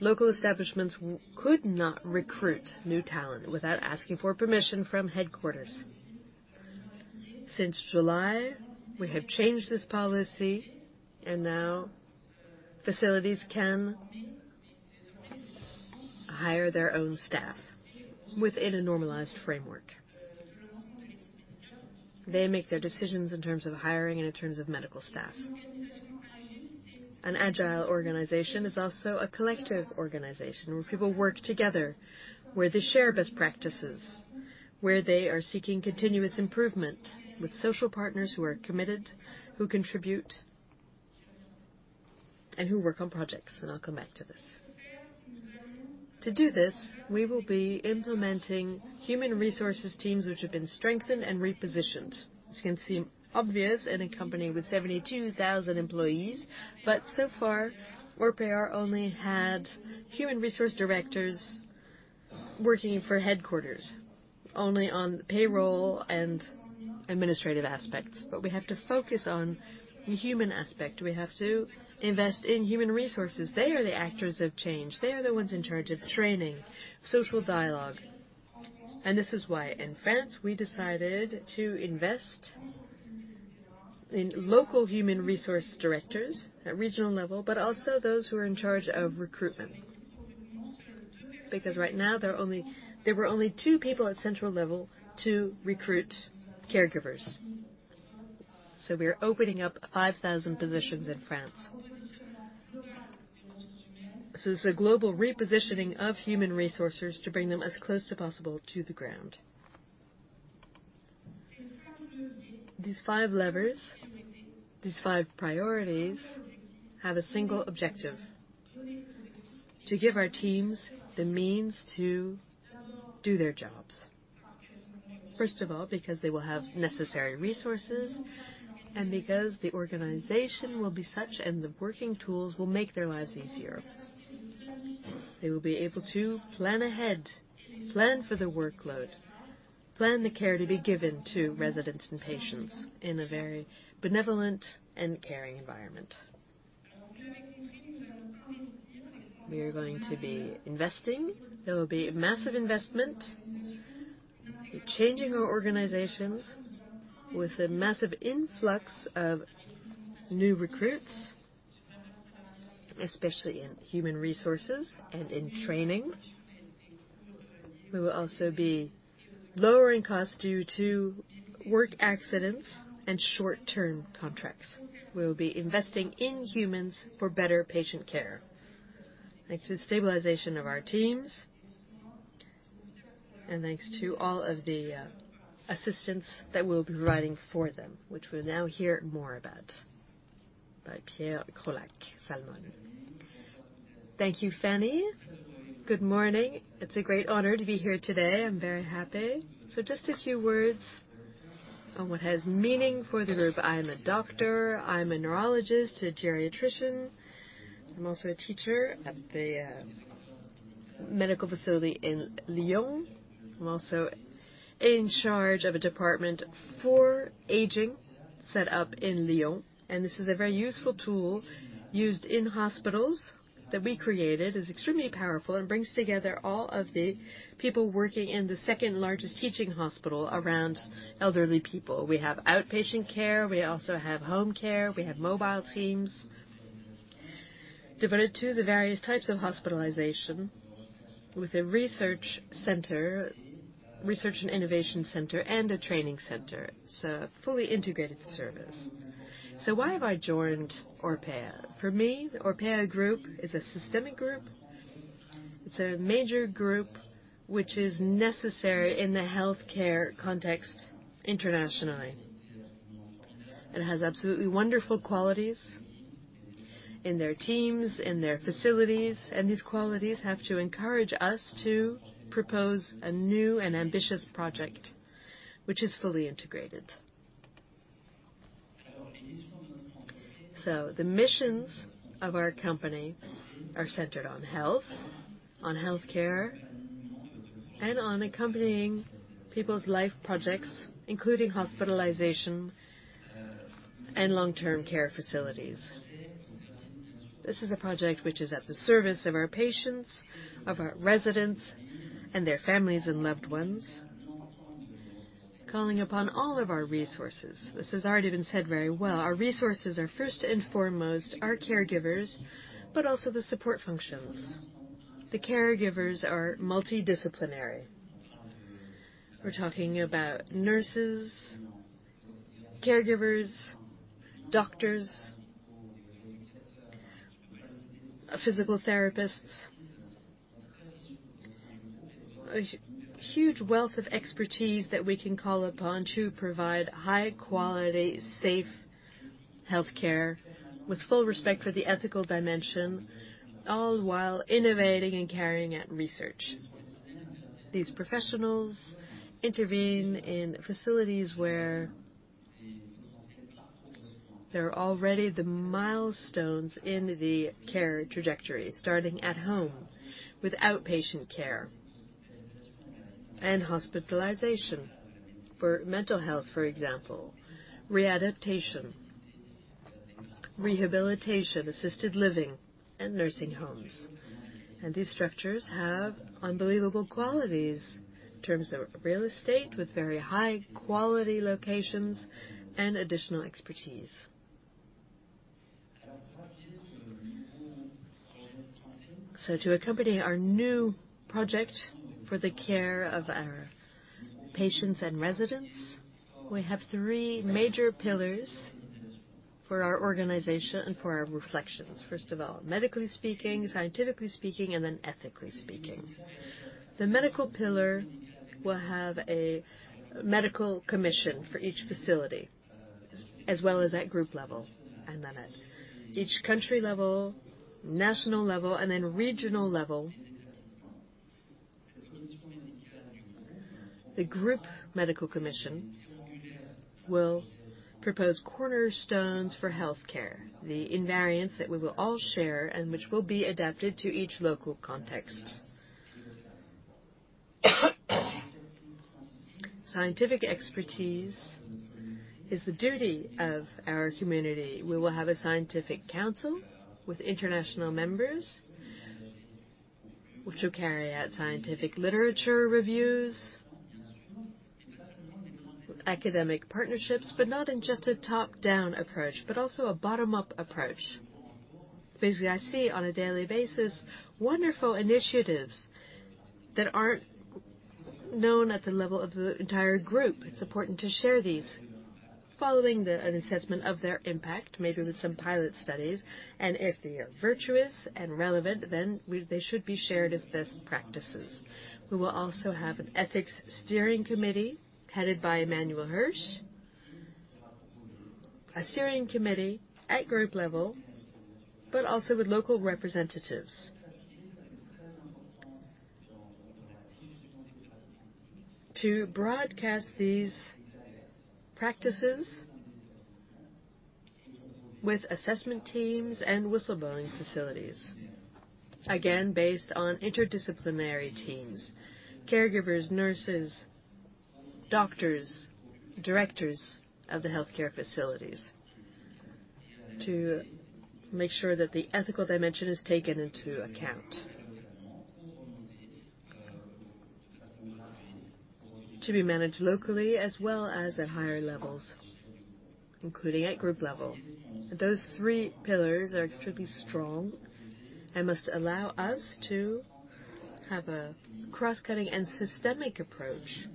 local establishments could not recruit new talent without asking for permission from headquarters. Since July, we have changed this policy and now facilities can hire their own staff within a normalized framework. They make their decisions in terms of hiring and in terms of medical staff. An agile organization is also a collective organization where people work together, where they share best practices, where they are seeking continuous improvement with social partners who are committed, who contribute, and who work on projects. I'll come back to this. To do this, we will be implementing human resources teams which have been strengthened and repositioned. This can seem obvious in a company with 72,000 employees, but so far, Orpea only had human resources directors working for headquarters only on payroll and administrative aspects. We have to focus on the human aspect. We have to invest in human resources. They are the actors of change. They are the ones in charge of training, social dialogue. This is why in France, we decided to invest in local human resource directors at regional level, but also those who are in charge of recruitment. Because right now, there were only two people at central level to recruit caregivers. We are opening up 5,000 positions in France. This is a global repositioning of human resources to bring them as close as possible to the ground. These five levers, these five priorities have a single objective, to give our teams the means to do their jobs. First of all, because they will have necessary resources and because the organization will be such and the working tools will make their lives easier. They will be able to plan ahead, plan for their workload, plan the care to be given to residents and patients in a very benevolent and caring environment. We are going to be investing. There will be massive investment in changing our organizations with a massive influx of new recruits, especially in human resources and in training. We will also be lowering costs due to work accidents and short-term contracts. We will be investing in humans for better patient care, thanks to the stabilization of our teams, and thanks to all of the assistance that we'll be providing for them, which we'll now hear more about by Pierre Krolak-Salmon. Thank you, Fanny. Good morning. It's a great honor to be here today. I'm very happy. Just a few words on what has meaning for the group. I am a doctor. I'm a neurologist, a geriatrician. I'm also a teacher at the medical facility in Lyon. I'm also in charge of a department for aging set up in Lyon, and this is a very useful tool used in hospitals that we created. It's extremely powerful and brings together all of the people working in the second-largest teaching hospital around elderly people. We have outpatient care. We also have home care. We have mobile teams devoted to the various types of hospitalization with a research center, research and innovation center, and a training center. It's a fully integrated service. Why have I joined Orpea? For me, the Orpea Group is a systemic group. It's a major group which is necessary in the healthcare context internationally. It has absolutely wonderful qualities in their teams, in their facilities, and these qualities have to encourage us to propose a new and ambitious project which is fully integrated. The missions of our company are centered on health, on healthcare, and on accompanying people's life projects, including hospitalization and long-term care facilities. This is a project which is at the service of our patients, of our residents, and their families and loved ones, calling upon all of our resources. This has already been said very well. Our resources are first and foremost our caregivers, but also the support functions. The caregivers are multidisciplinary. We're talking about nurses, caregivers, doctors, physical therapists. A huge wealth of expertise that we can call upon to provide high-quality, safe healthcare with full respect for the ethical dimension, all while innovating and carrying out research. These professionals intervene in facilities where there are already the milestones in the care trajectory, starting at home with outpatient care and hospitalization for mental health, for example, readaptation, rehabilitation, assisted living, and nursing homes. These structures have unbelievable qualities in terms of real estate with very high-quality locations and additional expertise. To accompany our new project for the care of our patients and residents, we have three major pillars for our organization and for our reflections. First of all, medically speaking, scientifically speaking, and then ethically speaking. The medical pillar will have a medical commission for each facility, as well as at group level, and then at each country level, national level, and then regional level. The group medical commission will propose cornerstones for healthcare, the invariants that we will all share and which will be adapted to each local context. Scientific expertise is the duty of our community. We will have a scientific council with international members which will carry out scientific literature reviews. With academic partnerships, but not in just a top-down approach, but also a bottom-up approach. Because I see on a daily basis wonderful initiatives that aren't known at the level of the entire group. It's important to share these following an assessment of their impact, maybe with some pilot studies. If they are virtuous and relevant, then they should be shared as best practices. We will also have an ethics steering committee headed by Emmanuel Hirsch. A steering committee at group level, but also with local representatives. To broadcast these practices with assessment teams and whistleblowing facilities. Again, based on interdisciplinary teams, caregivers, nurses, doctors, directors of the healthcare facilities to make sure that the ethical dimension is taken into account. To be managed locally as well as at higher levels, including at group level. Those three pillars are extremely strong and must allow us to have a cross-cutting and systemic approach,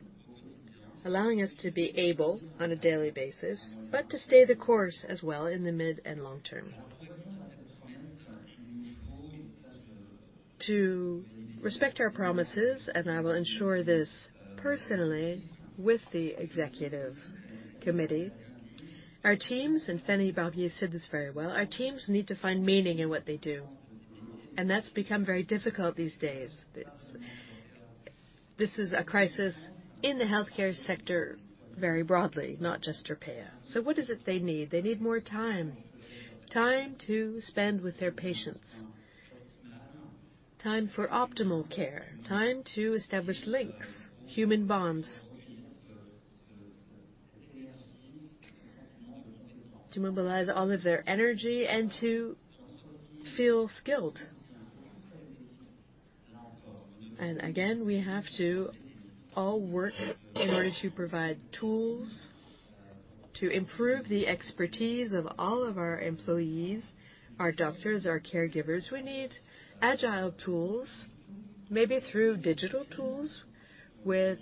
allowing us to be able on a daily basis, but to stay the course as well in the mid and long term. To respect our promises, and I will ensure this personally with the executive committee. Our teams, and Fanny Barbier said this very well, our teams need to find meaning in what they do, and that's become very difficult these days. This is a crisis in the healthcare sector very broadly, not just Orpea. What is it they need? They need more time. Time to spend with their patients, time for optimal care, time to establish links, human bonds. To mobilize all of their energy and to feel skilled. Again, we have to all work in order to provide tools to improve the expertise of all of our employees, our doctors, our caregivers. We need agile tools, maybe through digital tools with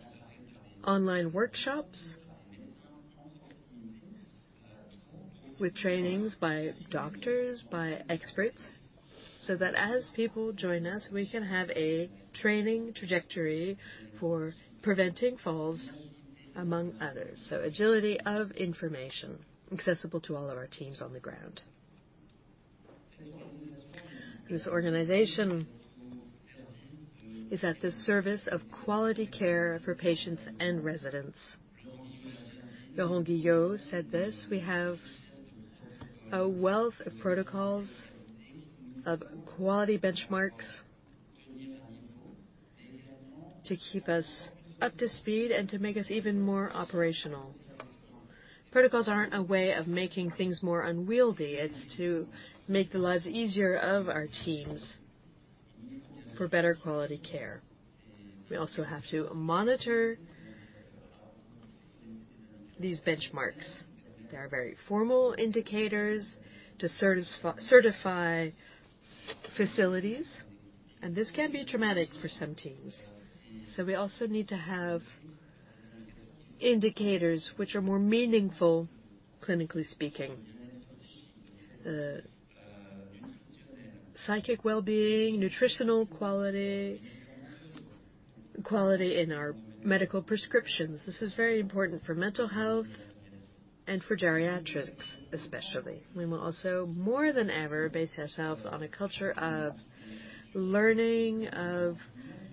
online workshops. With trainings by doctors, by experts, so that as people join us, we can have a training trajectory for preventing falls, among others. Agility of information accessible to all of our teams on the ground. This organization is at the service of quality care for patients and residents. Laurent Guillot said this. We have a wealth of protocols, of quality benchmarks to keep us up to speed and to make us even more operational. Protocols aren't a way of making things more unwieldy. It's to make the lives easier of our teams for better quality care. We also have to monitor these benchmarks. There are very formal indicators to certify facilities, and this can be traumatic for some teams. We also need to have indicators which are more meaningful, clinically speaking. Psychic wellbeing, nutritional quality in our medical prescriptions. This is very important for mental health and for geriatrics especially. We will also, more than ever, base ourselves on a culture of learning, of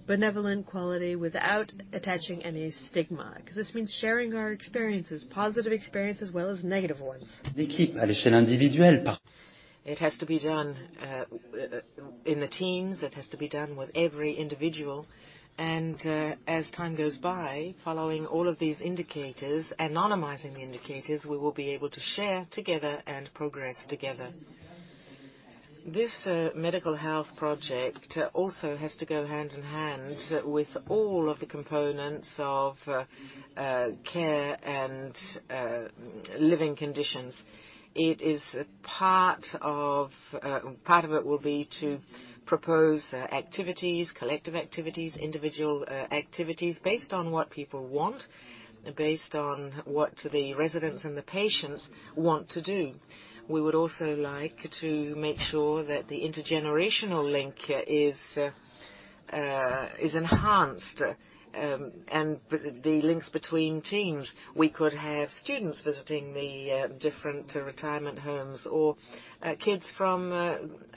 benevolent quality without attaching any stigma, 'cause this means sharing our experiences, positive experiences as well as negative ones. It has to be done in the teams. It has to be done with every individual. As time goes by, following all of these indicators, anonymizing the indicators, we will be able to share together and progress together. This medical health project also has to go hand in hand with all of the components of care and living conditions. Part of it will be to propose activities, collective activities, individual activities based on what people want, based on what the residents and the patients want to do. We would also like to make sure that the intergenerational link is enhanced and the links between teams. We could have students visiting the different retirement homes or kids from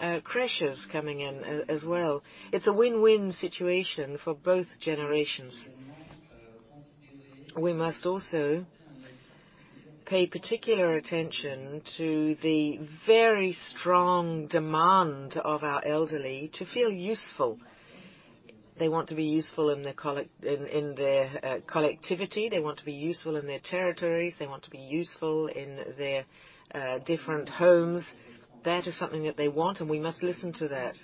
crèches coming in as well. It's a win-win situation for both generations. We must also pay particular attention to the very strong demand of our elderly to feel useful. They want to be useful in their collectivity. They want to be useful in their territories. They want to be useful in their different homes. That is something that they want, and we must listen to that.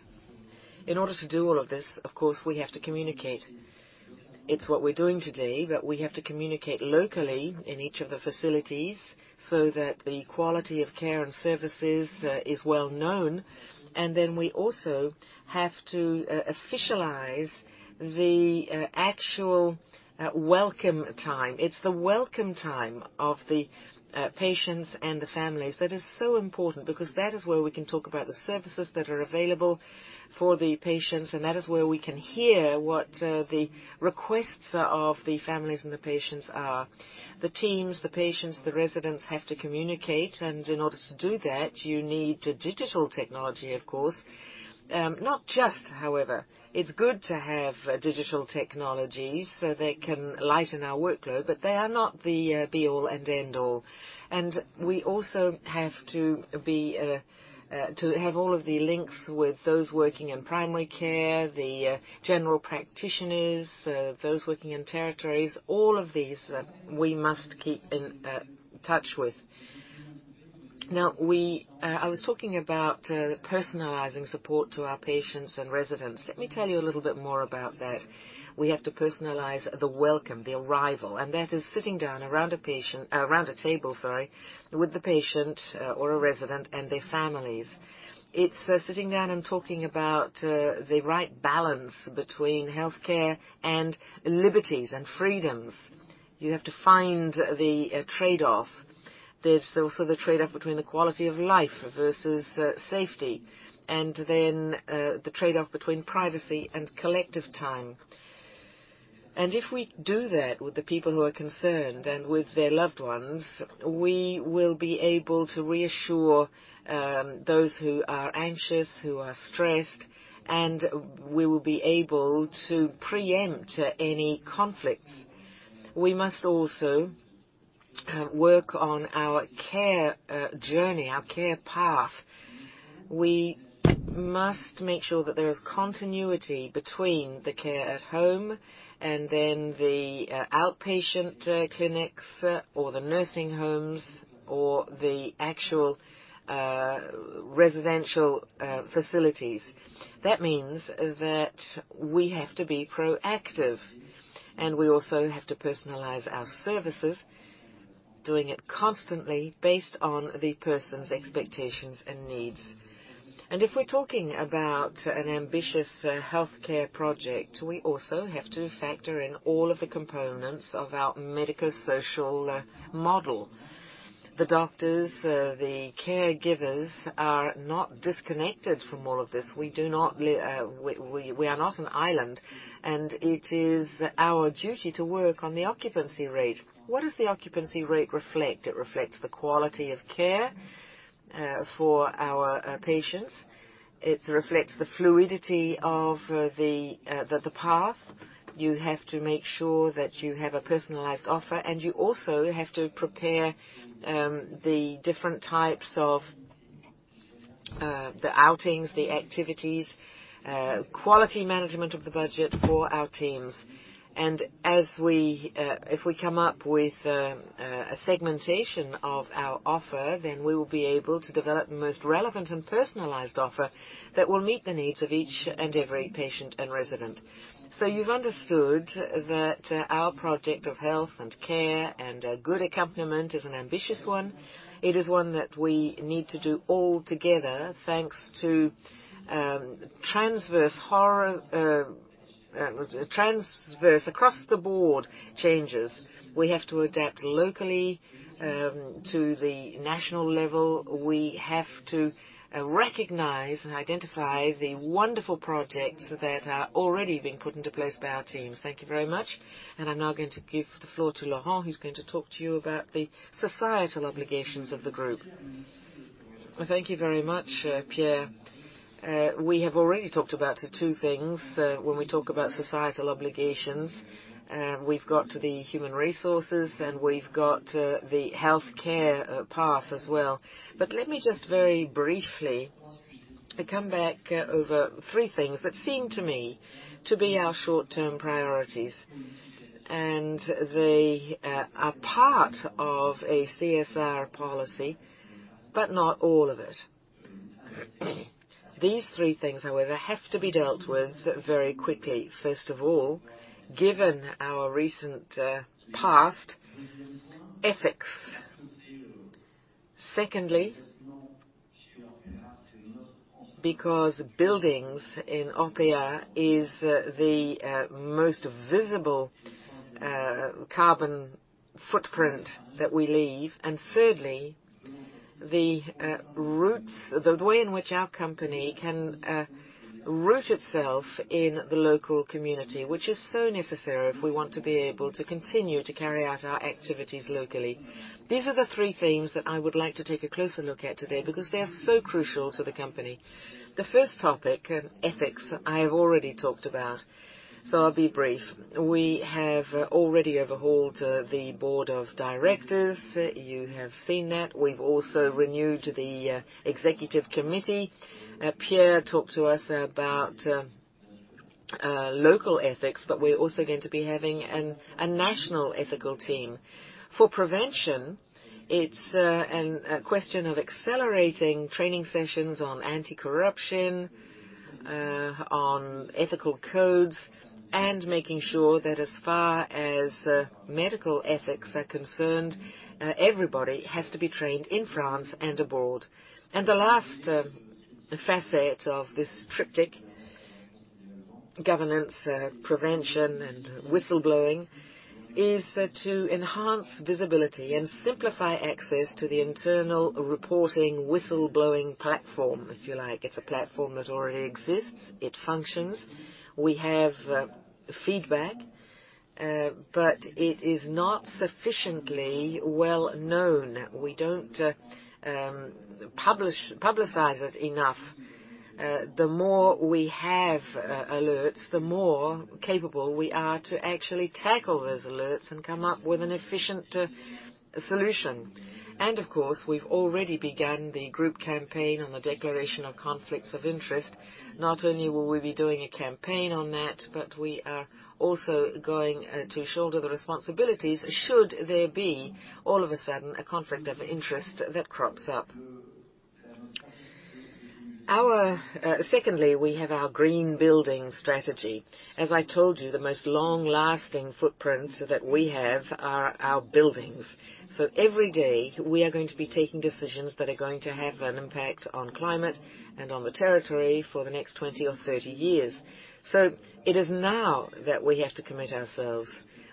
In order to do all of this, of course, we have to communicate. It's what we're doing today, but we have to communicate locally in each of the facilities so that the quality of care and services is well known. Then we also have to officialize the actual welcome time. It's the welcome time of the patients and the families. That is so important because that is where we can talk about the services that are available for the patients, and that is where we can hear what the requests of the families and the patients are. The teams, the patients, the residents have to communicate, and in order to do that, you need the digital technology, of course, not just, however. It's good to have digital technology, so they can lighten our workload, but they are not the be all and end all. We also have to be, to have all of the links with those working in primary care, the general practitioners, those working in territories, all of these that we must keep in touch with. Now, I was talking about personalizing support to our patients and residents. Let me tell you a little bit more about that. We have to personalize the welcome, the arrival, and that is sitting down around a table, sorry, with the patient or a resident and their families. It's sitting down and talking about the right balance between healthcare and liberties and freedoms. You have to find the trade-off. There's also the trade-off between the quality of life versus safety, and then the trade-off between privacy and collective time. If we do that with the people who are concerned and with their loved ones, we will be able to reassure those who are anxious, who are stressed, and we will be able to preempt any conflicts. We must also work on our care journey, our care path. We must make sure that there is continuity between the care at home and then the outpatient clinics or the nursing homes or the actual residential facilities. That means that we have to be proactive, and we also have to personalize our services, doing it constantly based on the person's expectations and needs. If we're talking about an ambitious healthcare project, we also have to factor in all of the components of our medical, social model. The doctors, the caregivers are not disconnected from all of this. We are not an island, and it is our duty to work on the occupancy rate. What does the occupancy rate reflect? It reflects the quality of care for our patients. It reflects the fluidity of the path. You have to make sure that you have a personalized offer, and you also have to prepare the different types of the outings, the activities, quality management of the budget for our teams. As we if we come up with a segmentation of our offer, then we will be able to develop the most relevant and personalized offer that will meet the needs of each and every patient and resident. You've understood that our project of health and care and a good accompaniment is an ambitious one. It is one that we need to do all together, thanks to transverse across-the-board changes. We have to adapt locally to the national level. We have to recognize and identify the wonderful projects that are already being put into place by our teams. Thank you very much. I'm now going to give the floor to Laurent, who's going to talk to you about the societal obligations of the group. Thank you very much, Pierre. We have already talked about the two things when we talk about societal obligations. We've got the human resources, and we've got the healthcare path as well. Let me just very briefly come back over three things that seem to me to be our short-term priorities. They are part of a CSR policy, but not all of it. These three things, however, have to be dealt with very quickly. First of all, given our recent past, ethics. Secondly, because buildings in Orpea is the most visible carbon footprint that we leave. Thirdly, the roots. The way in which our company can root itself in the local community, which is so necessary if we want to be able to continue to carry out our activities locally. These are the three themes that I would like to take a closer look at today because they are so crucial to the company. The first topic, ethics, I have already talked about, so I'll be brief. We have already overhauled the board of directors. You have seen that. We've also renewed the executive committee. Pierre talked to us about local ethics, but we're also going to be having a national ethical team. For prevention, it's an. A question of accelerating training sessions on anti-corruption, on ethical codes, and making sure that as far as medical ethics are concerned, everybody has to be trained in France and abroad. The last facet of this triptych, governance, prevention, and whistleblowing, is to enhance visibility and simplify access to the internal reporting whistleblowing platform, if you like. It's a platform that already exists. It functions. We have feedback, but it is not sufficiently well-known. We don't publicize it enough. The more we have alerts, the more capable we are to actually tackle those alerts and come up with an efficient solution. Of course, we've already begun the group campaign on the declaration of conflicts of interest. Not only will we be doing a campaign on that, but we are also going to shoulder the responsibilities should there be all of a sudden a conflict of interest that crops up. Secondly, we have our green building strategy. As I told you, the most long-lasting footprints that we have are our buildings. Every day, we are going to be taking decisions that are going to have an impact on climate and on the territory for the next 20 or 30 years. It is now that we have to commit ourselves.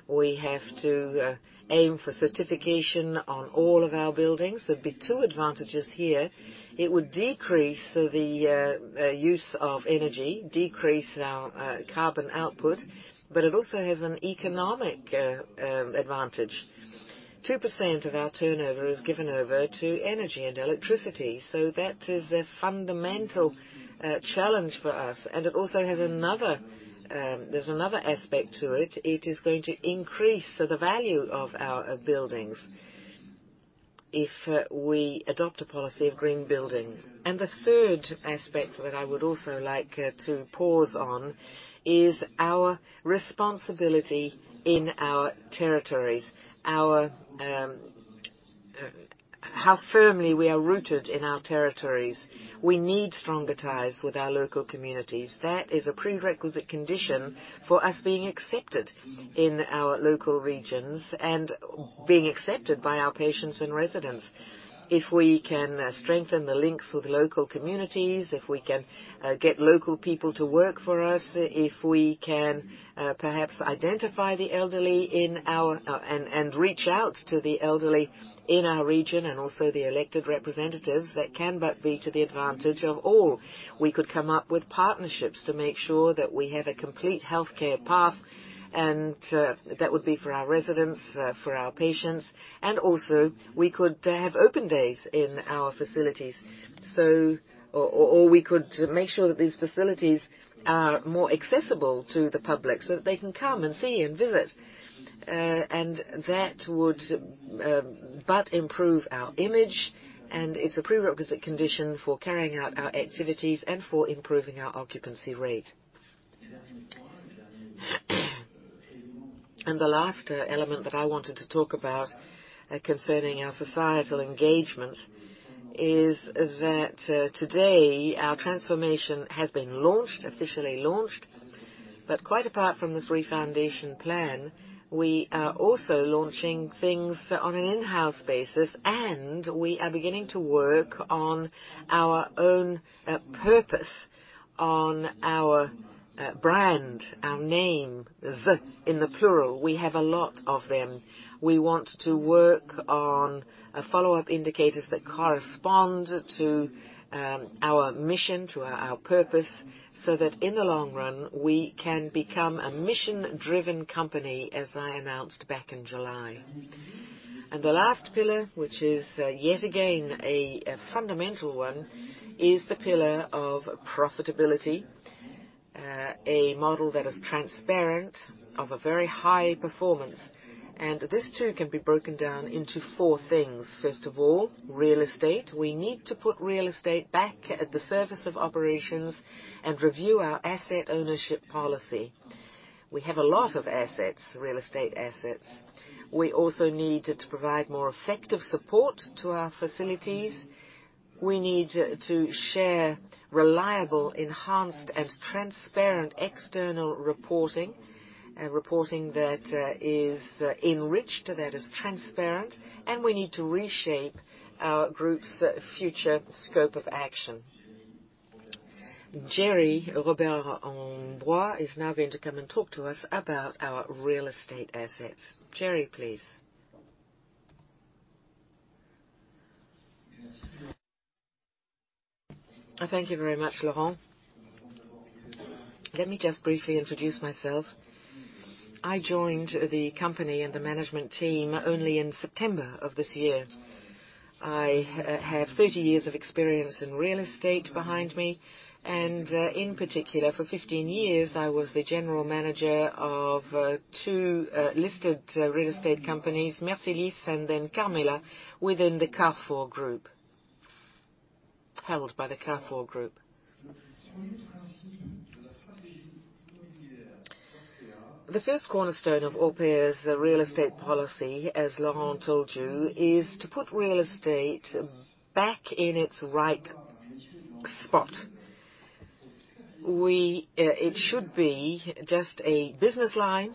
We have to aim for certification on all of our buildings. There'd be two advantages here. It would decrease the use of energy, decrease our carbon output, but it also has an economic advantage. 2% of our turnover is given over to energy and electricity, so that is the fundamental challenge for us. It also has another aspect to it. It is going to increase the value of our buildings if we adopt a policy of green building. The third aspect that I would also like to pause on is our responsibility in our territories, how firmly we are rooted in our territories. We need stronger ties with our local communities. That is a prerequisite condition for us being accepted in our local regions and being accepted by our patients and residents. If we can strengthen the links with local communities, if we can get local people to work for us, if we can perhaps identify the elderly in our reach out to the elderly in our region and also the elected representatives, that can but be to the advantage of all. We could come up with partnerships to make sure that we have a complete healthcare path, and that would be for our residents, for our patients. We could have open days in our facilities. We could make sure that these facilities are more accessible to the public so that they can come and see and visit. That would but improve our image, and it's a prerequisite condition for carrying out our activities and for improving our occupancy rate. The last element that I wanted to talk about concerning our societal engagement is that today, our transformation has been launched, officially launched. Quite apart from this refoundation plan, we are also launching things on an in-house basis, and we are beginning to work on our own purpose, on our brand, our name, the in the plural. We have a lot of them. We want to work on follow-up indicators that correspond to our mission, to our purpose, so that in the long run, we can become a mission-driven company, as I announced back in July. The last pillar, which is yet again a fundamental one, is the pillar of profitability. A model that is transparent, of a very high performance. This too can be broken down into four things. First of all, real estate. We need to put real estate back at the service of operations and review our asset ownership policy. We have a lot of assets, real estate assets. We also need to provide more effective support to our facilities. We need to share reliable, enhanced, and transparent external reporting. A reporting that is enriched, that is transparent, and we need to reshape our group's future scope of action. Géry Robert-Ambroix is now going to come and talk to us about our real estate assets. Gerry, please. Thank you very much, Laurent. Let me just briefly introduce myself. I joined the company and the management team only in September of this year. I have 30 years of experience in real estate behind me, and in particular for 15 years, I was the general manager of 2 listed real estate companies, Mercialys and then Carmila, within the Carrefour Group. Held by the Carrefour Group. The first cornerstone of Orpea's real estate policy, as Laurent told you, is to put real estate back in its right spot. It should be just a business line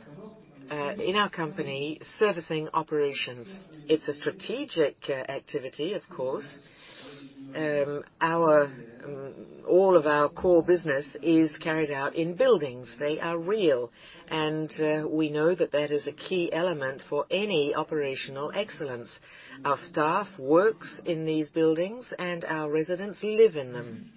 in our company, servicing operations. It's a strategic activity, of course. All of our core business is carried out in buildings. They are real, and we know that that is a key element for any operational excellence. Our staff works in these buildings, and our residents live in them.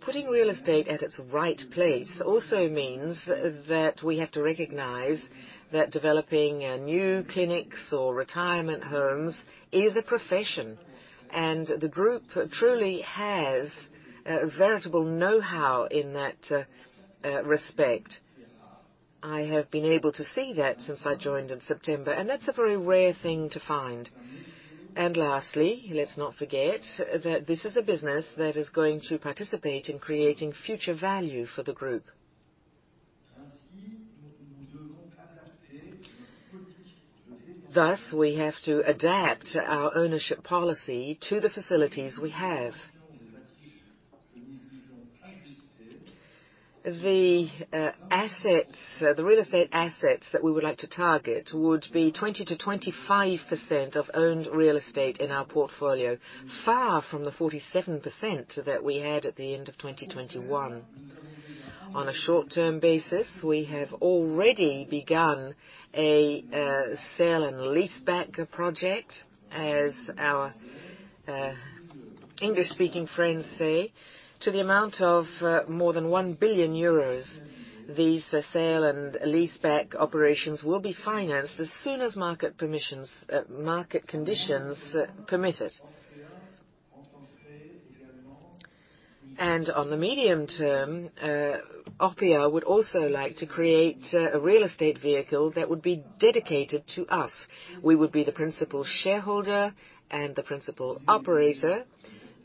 Putting real estate at its right place also means that we have to recognize that developing new clinics or retirement homes is a profession, and the group truly has a veritable know-how in that respect. I have been able to see that since I joined in September, and that's a very rare thing to find. Lastly, let's not forget that this is a business that is going to participate in creating future value for the Group. Thus, we have to adapt our ownership policy to the facilities we have. The real estate assets that we would like to target would be 20%-25% of owned real estate in our portfolio, far from the 47% that we had at the end of 2021. On a short-term basis, we have already begun a sale and leaseback project, as our English-speaking friends say, to the amount of more than 1 billion euros. These sale and leaseback operations will be financed as soon as market conditions permit it. On the medium term, Orpea would also like to create a real estate vehicle that would be dedicated to us. We would be the principal shareholder and the principal operator.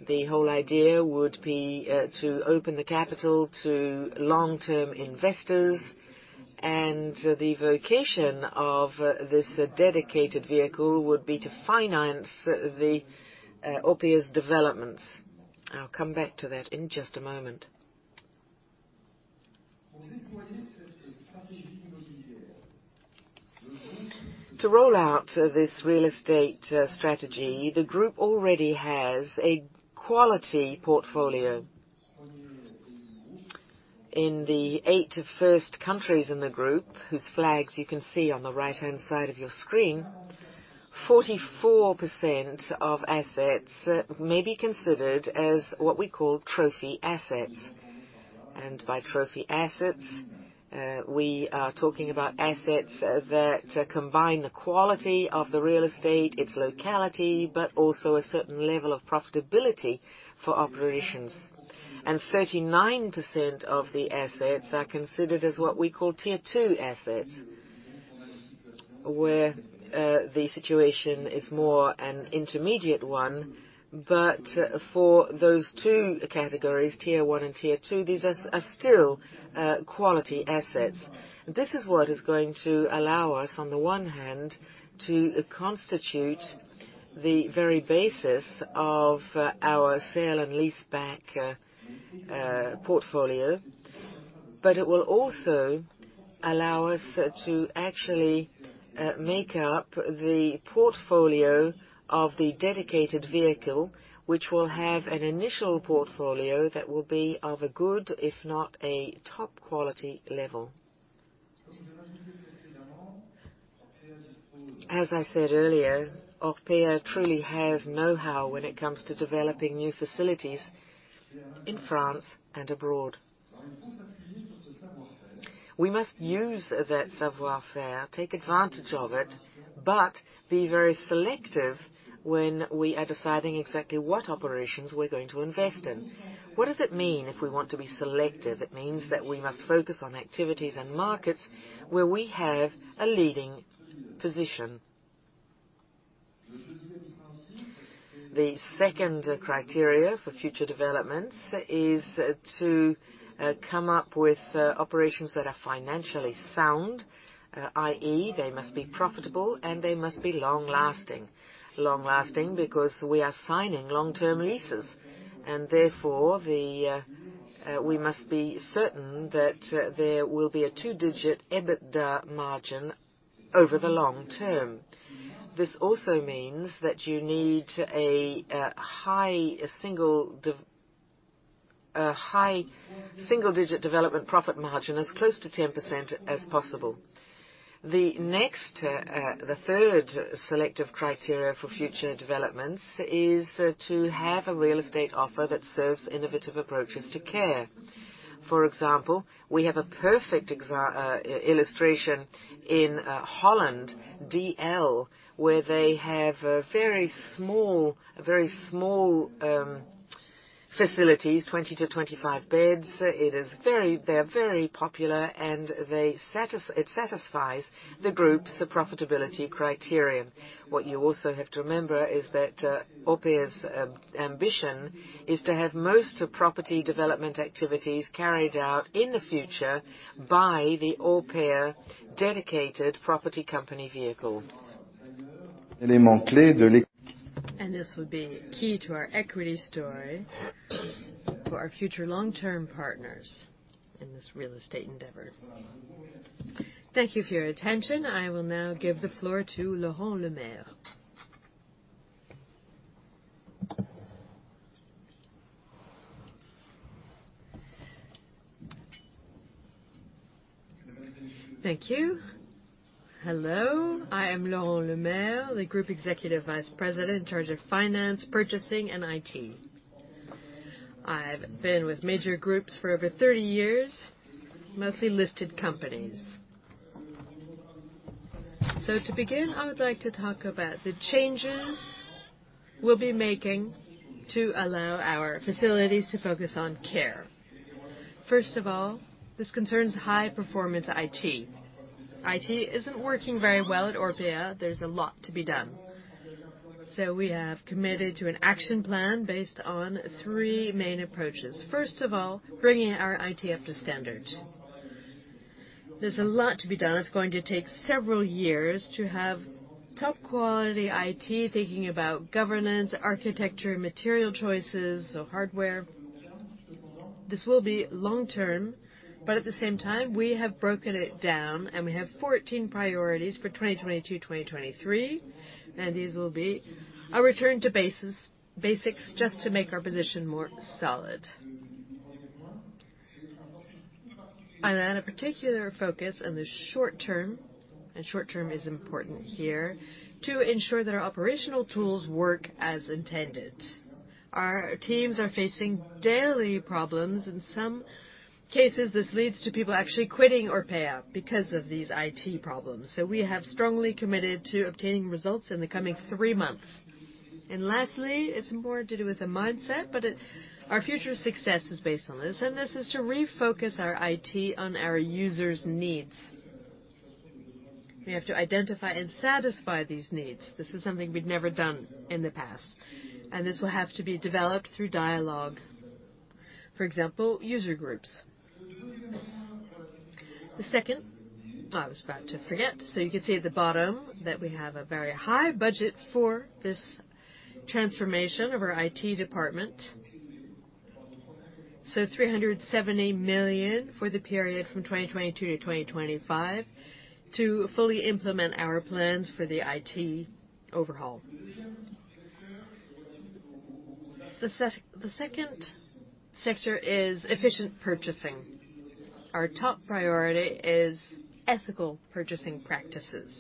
The whole idea would be to open the capital to long-term investors, and the vocation of this dedicated vehicle would be to finance the Orpea's developments. I'll come back to that in just a moment. To roll out this real estate strategy, the Group already has a quality portfolio. In the first eight countries in the Group, whose flags you can see on the right-hand side of your screen, 44% of assets may be considered as what we call trophy assets. By trophy assets, we are talking about assets that combine the quality of the real estate, its locality, but also a certain level of profitability for operations. 39% of the assets are considered as what we call tier two assets, where the situation is more an intermediate one. For those two categories, tier one and tier two, these are still quality assets. This is what is going to allow us, on the one hand, to constitute the very basis of our sale and leaseback portfolio, but it will also allow us to actually make up the portfolio of the dedicated vehicle, which will have an initial portfolio that will be of a good, if not a top quality level. As I said earlier, Orpea truly has know-how when it comes to developing new facilities in France and abroad. We must use that savoir-faire, take advantage of it, but be very selective when we are deciding exactly what operations we're going to invest in. What does it mean if we want to be selective? It means that we must focus on activities and markets where we have a leading position. The second criterion for future developments is to come up with operations that are financially sound, i.e. they must be profitable and they must be long-lasting. Long-lasting because we are signing long-term leases, and therefore we must be certain that there will be a two-digit EBITDA margin over the long term. This also means that you need a high single digit development profit margin as close to 10% as possible. The next, the third selective criteria for future developments is to have a real estate offer that serves innovative approaches to care. For example, we have a perfect illustration in Holland, DL, where they have a very small facilities, 20-25 beds. They are very popular, and they satisfies the group's profitability criterion. What you also have to remember is that, Orpea's ambition is to have most of property development activities carried out in the future by the Orpea dedicated property company vehicle. This will be key to our equity story for our future long-term partners in this real estate endeavor. Thank you for your attention. I will now give the floor to Laurent Lemaire. Thank you. Hello, I am Laurent Lemaire, the Group Executive Vice President in charge of Finance, Purchasing, and IT. I've been with major groups for over 30 years, mostly listed companies. To begin, I would like to talk about the changes we'll be making to allow our facilities to focus on care. First of all, this concerns high-performance IT. IT isn't working very well at Emeis. There's a lot to be done. We have committed to an action plan based on three main approaches. First of all, bringing our IT up to standard. There's a lot to be done. It's going to take several years to have top quality IT, thinking about governance, architecture, material choices, so hardware. This will be long-term, but at the same time, we have broken it down, and we have 14 priorities for 2022, 2023. These will be a return to basics just to make our position more solid. A particular focus on the short term, and short term is important here, to ensure that our operational tools work as intended. Our teams are facing daily problems. In some cases, this leads to people actually quitting Orpea because of these IT problems. We have strongly committed to obtaining results in the coming three months. Lastly, it's more to do with the mindset, but it, our future success is based on this, and this is to refocus our IT on our users' needs. We have to identify and satisfy these needs. This is something we'd never done in the past, and this will have to be developed through dialogue, for example, user groups. The second. I was about to forget. You can see at the bottom that we have a very high budget for this transformation of our IT department. 370 million for the period from 2022 to 2025 to fully implement our plans for the IT overhaul. The second sector is efficient purchasing. Our top priority is ethical purchasing practices.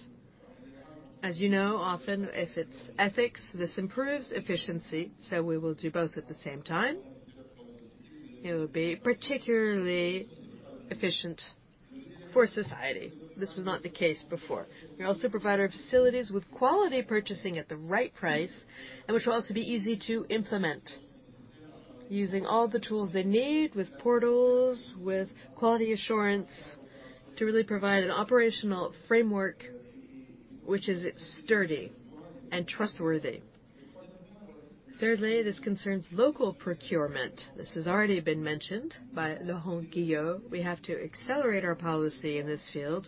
As you know, often, if it's ethics, this improves efficiency, so we will do both at the same time. It will be particularly efficient for society. This was not the case before. We also provide our facilities with quality purchasing at the right price, and which will also be easy to implement using all the tools they need with portals, with quality assurance to really provide an operational framework which is sturdy and trustworthy. Thirdly, this concerns local procurement. This has already been mentioned by Laurent Guillot. We have to accelerate our policy in this field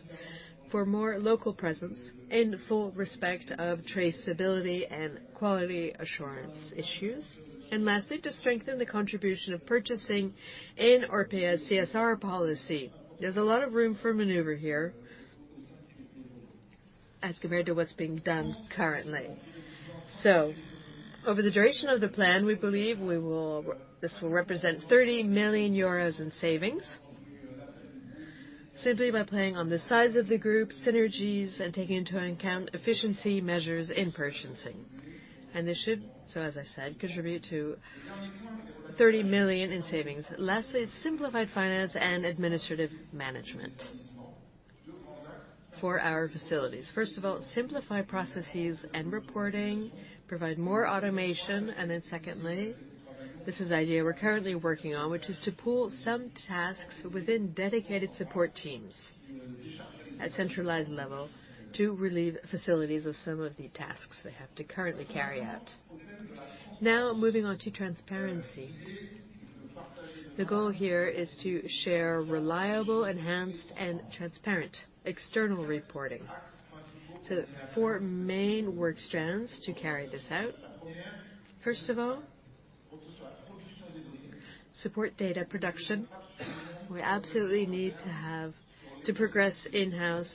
for more local presence in full respect of traceability and quality assurance issues. Lastly, to strengthen the contribution of purchasing in Orpea's CSR policy. There's a lot of room for maneuver here as compared to what's being done currently. Over the duration of the plan, we believe this will represent 30 million euros in savings. Simply by playing on the size of the group synergies and taking into account efficiency measures in purchasing. This should, so as I said, contribute to 30 million in savings. Lastly, simplified finance and administrative management for our facilities. First of all, simplify processes and reporting, provide more automation, and then secondly, this is the idea we're currently working on, which is to pool some tasks within dedicated support teams at centralized level to relieve facilities of some of the tasks they have to currently carry out. Now, moving on to transparency. The goal here is to share reliable, enhanced, and transparent external reporting. Four main work strands to carry this out. First of all, support data production. We absolutely need to progress in-house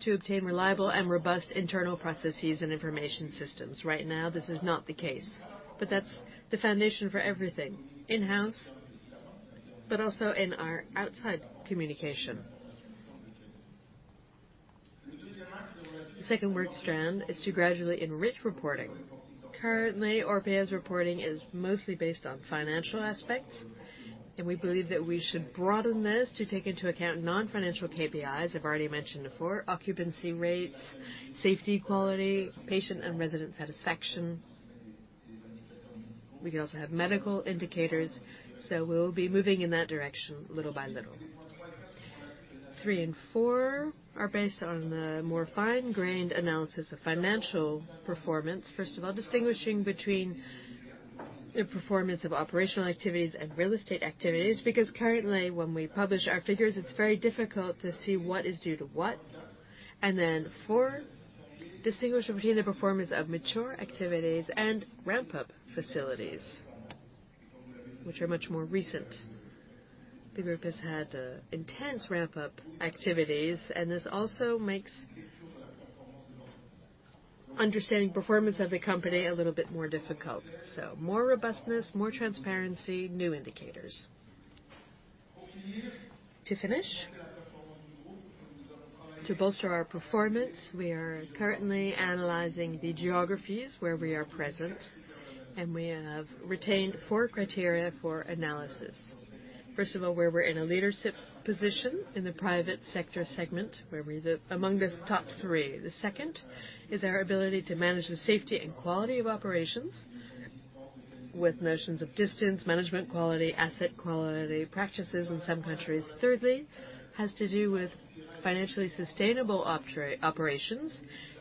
to obtain reliable and robust internal processes and information systems. Right now, this is not the case, but that's the foundation for everything in-house, but also in our outside communication. The second work strand is to gradually enrich reporting. Currently, Orpea's reporting is mostly based on financial aspects, and we believe that we should broaden this to take into account non-financial KPIs I've already mentioned before, occupancy rates, safety, quality, patient and resident satisfaction. We can also have medical indicators, so we'll be moving in that direction little by little. Three and four are based on the more fine-grained analysis of financial performance. First of all, distinguishing between the performance of operational activities and real estate activities, because currently, when we publish our figures, it's very difficult to see what is due to what. Then 4, distinguish between the performance of mature activities and ramp-up facilities, which are much more recent. The group has had intense ramp-up activities, and this also makes understanding performance of the company a little bit more difficult. More robustness, more transparency, new indicators. To finish, to bolster our performance, we are currently analyzing the geographies where we are present, and we have retained 4 criteria for analysis. First of all, where we're in a leadership position in the private sector segment, where we're among the top 3. The second is our ability to manage the safety and quality of operations with notions of distance, management quality, asset quality, practices in some countries. Thirdly, has to do with financially sustainable operations,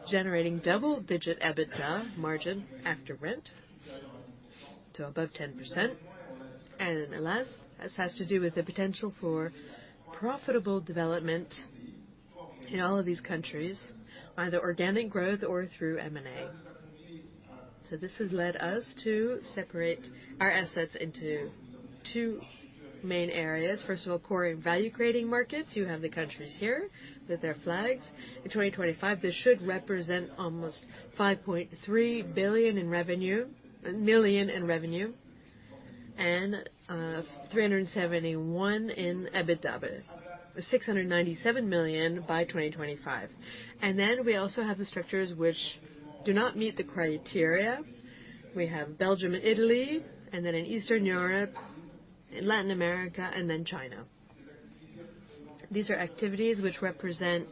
generating double-digit EBITDA margin after rent to above 10%. The last, this has to do with the potential for profitable development in all of these countries, either organic growth or through M&A. This has led us to separate our assets into two main areas. First of all, core and value-creating markets. You have the countries here with their flags. In 2025, this should represent almost 5.3 billion in revenue and 371 million in EBITDA. 697 million by 2025. We also have the structures which do not meet the criteria. We have Belgium and Italy, and then in Eastern Europe, in Latin America, and then China. These are activities which represent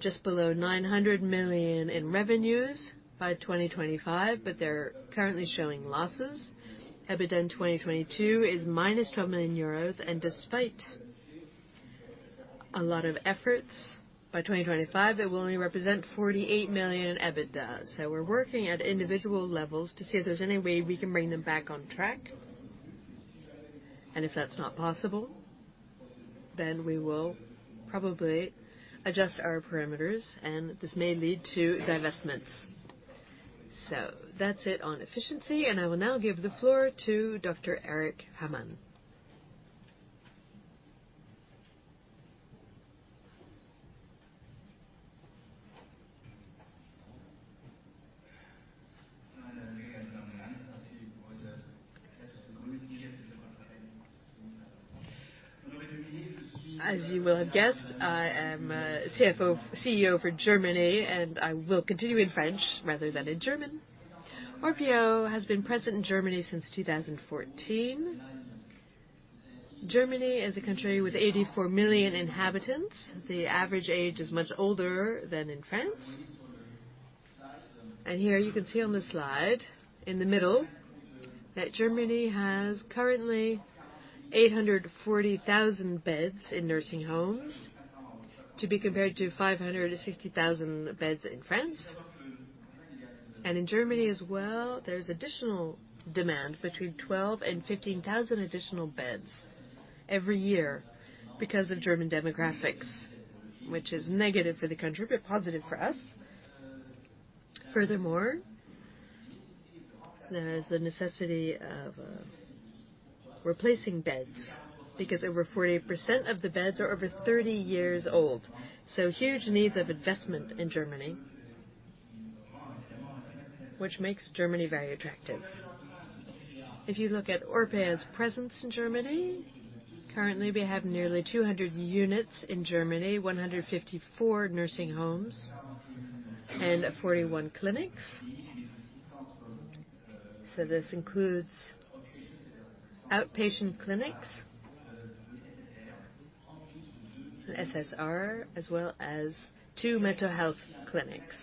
just below 900 million in revenues by 2025, but they're currently showing losses. EBITDA in 2022 is -12 million euros, and despite a lot of efforts, by 2025, it will only represent 48 million in EBITDA. We're working at individual levels to see if there's any way we can bring them back on track. If that's not possible, then we will probably adjust our parameters, and this may lead to divestments. That's it on efficiency, and I will now give the floor to Dr. Erik Hamann. As you will have guessed, I am CEO for Germany, and I will continue in French rather than in German. Orpea has been present in Germany since 2014. Germany is a country with 84 million inhabitants. The average age is much older than in France. Here you can see on the slide in the middle that Germany has currently 840,000 beds in nursing homes, to be compared to 560,000 beds in France. In Germany as well, there's additional demand between 12,000 and 15,000 additional beds every year because of German demographics, which is negative for the country, but positive for us. Furthermore, there is the necessity of replacing beds because over 40% of the beds are over thirty years old. Huge needs of investment in Germany. This makes Germany very attractive. If you look at Orpea's presence in Germany, currently we have nearly 200 units in Germany, 154 nursing homes and 41 clinics. This includes outpatient clinics, SSR, as well as 2 mental health clinics.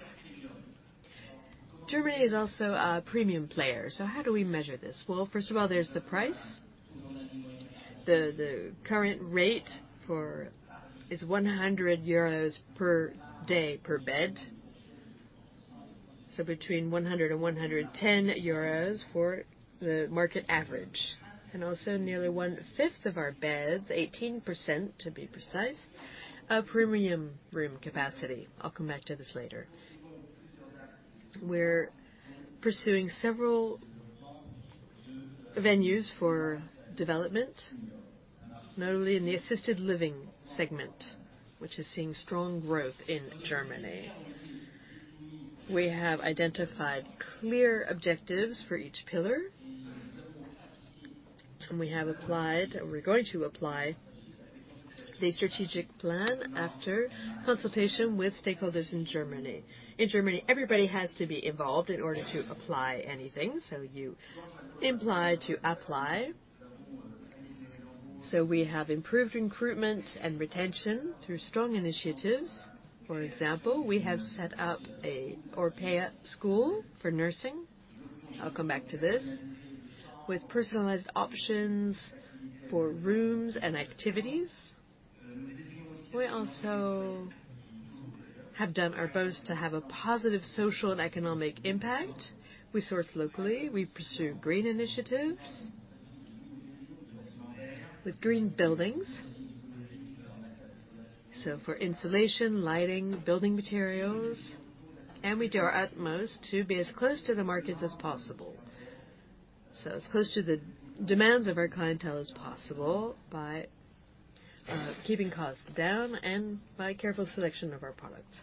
Germany is also a premium player. How do we measure this? Well, first of all, there's the price. The current rate for is 100 euros per day per bed. Between 100 and 110 euros for the market average. Also nearly one-fifth of our beds, 18% to be precise, are premium room capacity. I'll come back to this later. We're pursuing several avenues for development, not only in the assisted living segment, which is seeing strong growth in Germany. We have identified clear objectives for each pillar. We have applied, or we're going to apply the strategic plan after consultation with stakeholders in Germany. In Germany, everybody has to be involved in order to apply anything, so you imply to apply. We have improved recruitment and retention through strong initiatives. For example, we have set up a Orpea school for nursing. I'll come back to this. With personalized options for rooms and activities. We also have done our best to have a positive social and economic impact. We source locally. We pursue green initiatives with green buildings. For insulation, lighting, building materials, and we do our utmost to be as close to the markets as possible. As close to the demands of our clientele as possible by, keeping costs down and by careful selection of our products.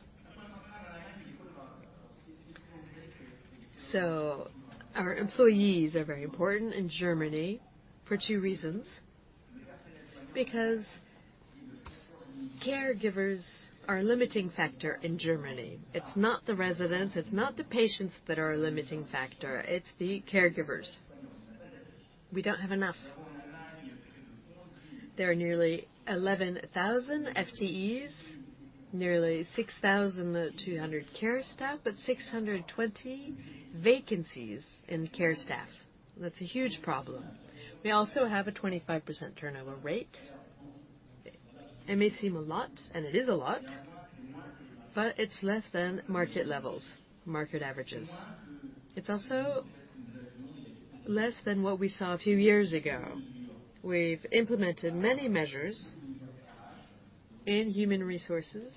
Our employees are very important in Germany for two reasons, because caregivers are a limiting factor in Germany. It's not the residents, it's not the patients that are a limiting factor, it's the caregivers. We don't have enough. There are nearly 11,000 FTEs, nearly 6,200 care staff, but 620 vacancies in care staff. That's a huge problem. We also have a 25% turnover rate. It may seem a lot, and it is a lot, but it's less than market levels, market averages. It's also less than what we saw a few years ago. We've implemented many measures in human resources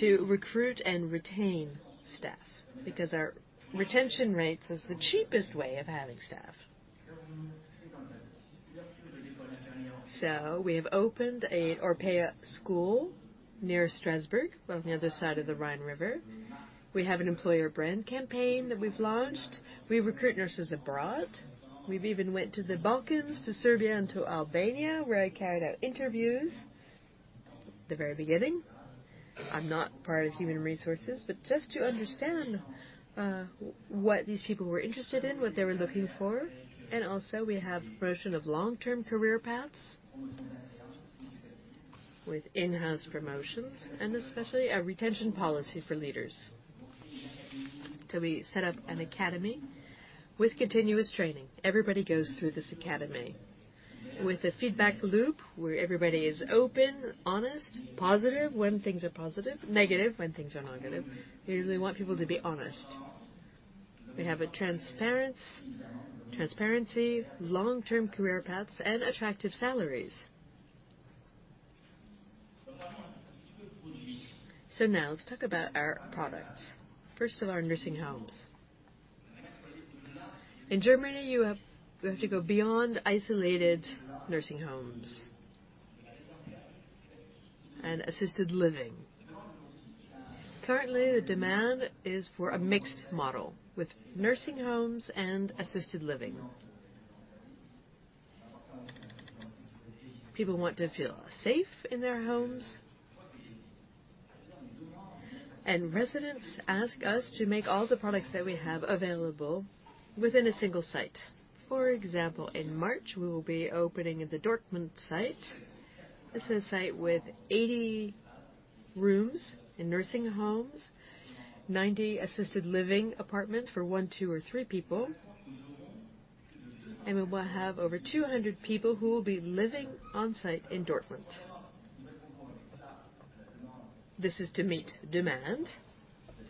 to recruit and retain staff because our retention rates is the cheapest way of having staff. We have opened a Orpea school near Strasbourg, on the other side of the Rhine River. We have an employer brand campaign that we've launched. We recruit nurses abroad. We've even went to the Balkans, to Serbia, and to Albania, where I carried out interviews at the very beginning. I'm not part of human resources, but just to understand, what these people were interested in, what they were looking for. Also we have promotion of long-term career paths with in-house promotions and especially a retention policy for leaders. We set up an academy with continuous training. Everybody goes through this academy with a feedback loop where everybody is open, honest, positive when things are positive, negative when things are negative. We want people to be honest. We have a transparence, transparency, long-term career paths, and attractive salaries. Now let's talk about our products. First of all, our nursing homes. In Germany, we have to go beyond isolated nursing homes and assisted living. Currently, the demand is for a mixed model with nursing homes and assisted living. People want to feel safe in their homes. Residents ask us to make all the products that we have available within a single site. For example, in March, we will be opening the Dortmund site. This is a site with 80 rooms in nursing homes, 90 assisted living apartments for 1, 2 or 3 people. We will have over 200 people who will be living on-site in Dortmund. This is to meet demand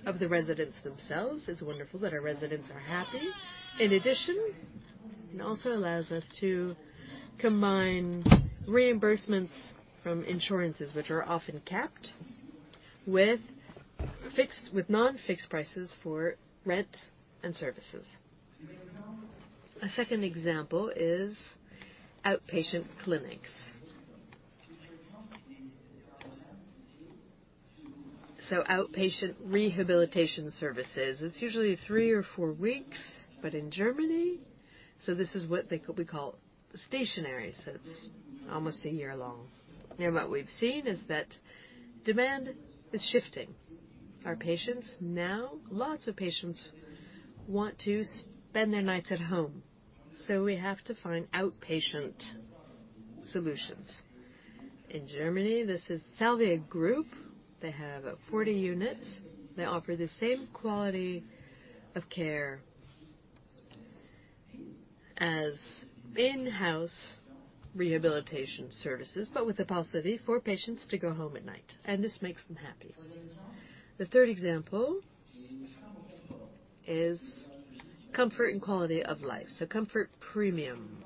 of the residents themselves. It's wonderful that our residents are happy. In addition, it also allows us to combine reimbursements from insurances that are often capped with non-fixed prices for rent and services. A second example is outpatient clinics. Outpatient rehabilitation services, it's usually 3 or 4 weeks. In Germany, this is what they, we call stationary, so it's almost a year long. What we've seen is that demand is shifting. Our patients now, lots of patients want to spend their nights at home, so we have to find outpatient solutions. In Germany, this is Salus Group. They have 40 units. They offer the same quality of care as in-house rehabilitation services, but with the possibility for patients to go home at night, and this makes them happy. The third example is comfort and quality of life, so comfort premium.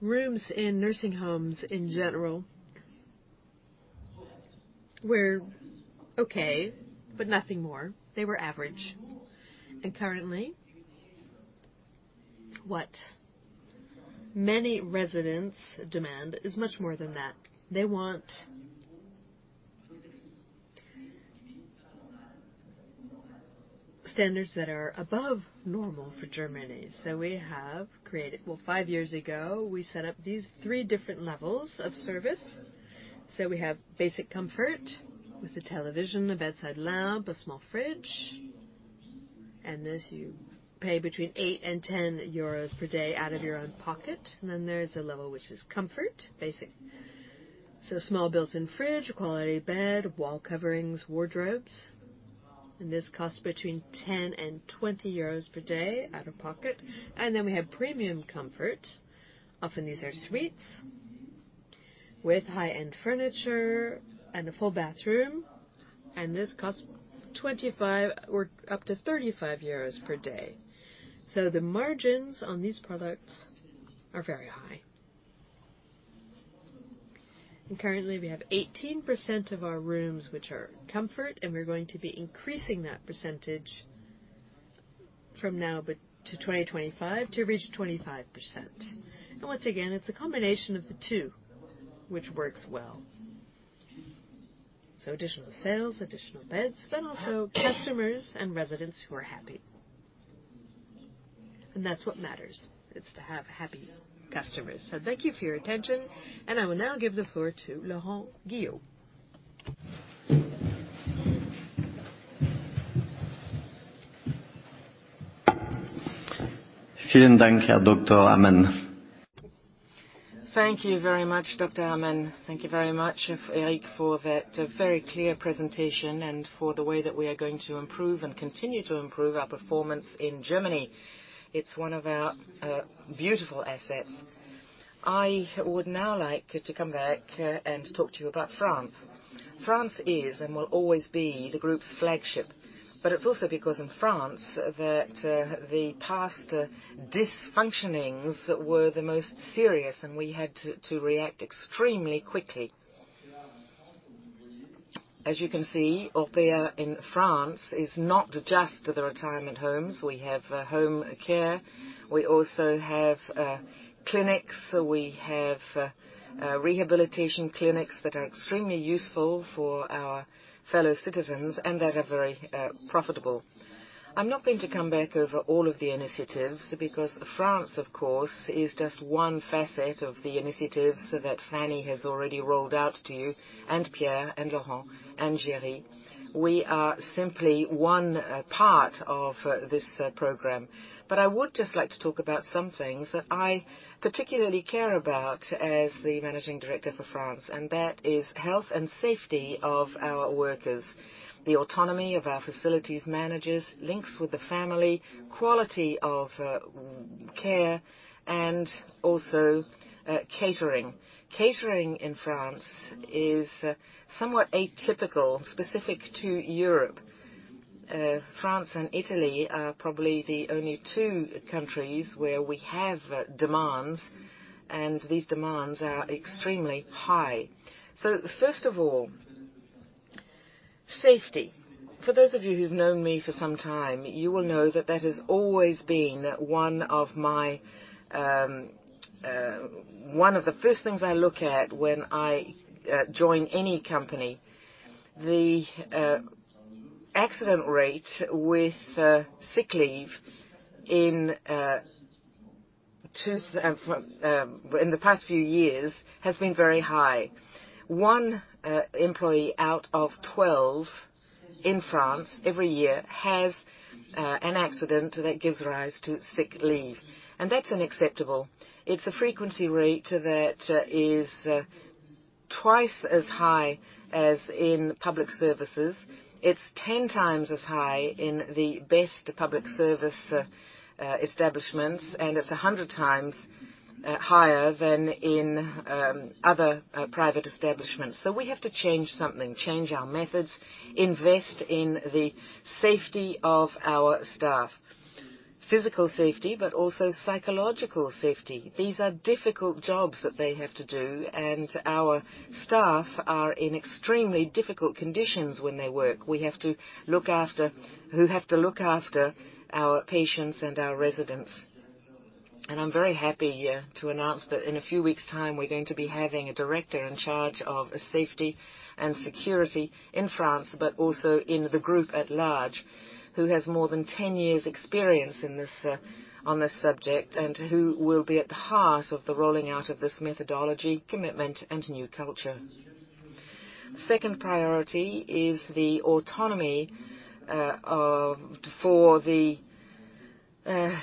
Rooms in nursing homes in general were okay, but nothing more. They were average. Currently, what many residents demand is much more than that. They want standards that are above normal for Germany. We have created. Well, 5 years ago, we set up these three different levels of service. We have basic comfort with a television, a bedside lamp, a small fridge. This, you pay between 8 and 10 euros per day out of your own pocket. Then there's a level which is comfort, basic. Small built-in fridge, a quality bed, wall coverings, wardrobes. This costs between 10 and 20 euros per day out of pocket. Then we have premium comfort. Often these are suites with high-end furniture and a full bathroom. This costs 25 or up to 35 euros per day. The margins on these products are very high. Currently, we have 18% of our rooms which are comfort, and we're going to be increasing that percentage from now to 2025 to reach 25%. Once again, it's a combination of the two which works well. Additional sales, additional beds, but also customers and residents who are happy. That's what matters. It's to have happy customers. Thank you for your attention, and I will now give the floor to Laurent Guillot. Dr. Hamann. Thank you very much, Dr. Hamann. Thank you very much, Eric, for that very clear presentation and for the way that we are going to improve and continue to improve our performance in Germany. It's one of our beautiful assets. I would now like to come back and talk to you about France. France is and will always be the group's flagship, but it's also because in France that the past dysfunctionings were the most serious, and we had to react extremely quickly. As you can see, Orpea in France is not just the retirement homes. We have home care. We also have clinics. We have rehabilitation clinics that are extremely useful for our fellow citizens and that are very profitable. I'm not going to come back over all of the initiatives because France, of course, is just one facet of the initiatives that Fanny has already rolled out to you, and Pierre and Laurent and Géry. We are simply one part of this program. I would just like to talk about some things that I particularly care about as the managing director for France, and that is health and safety of our workers, the autonomy of our facilities managers, links with the family, quality of care, and also catering. Catering in France is somewhat atypical, specific to Europe. France and Italy are probably the only two countries where we have demands, and these demands are extremely high. First of all, safety. For those of you who've known me for some time, you will know that that has always been one of the first things I look at when I join any company. The accident rate with sick leave in the past few years has been very high. One employee out of 12 in France every year has an accident that gives rise to sick leave, and that's unacceptable. It's a frequency rate that is twice as high as in public services. It's 10 times as high in the best public service establishments, and it's 100 times higher than in other private establishments. We have to change something, change our methods, invest in the safety of our staff. Physical safety, but also psychological safety. These are difficult jobs that they have to do, and our staff are in extremely difficult conditions when they work. We have to look after our patients and our residents. I'm very happy to announce that in a few weeks' time, we're going to be having a director in charge of safety and security in France, but also in the group at large, who has more than 10 years experience on this subject, and who will be at the heart of the rolling out of this methodology, commitment, and new culture. Second priority is the autonomy for the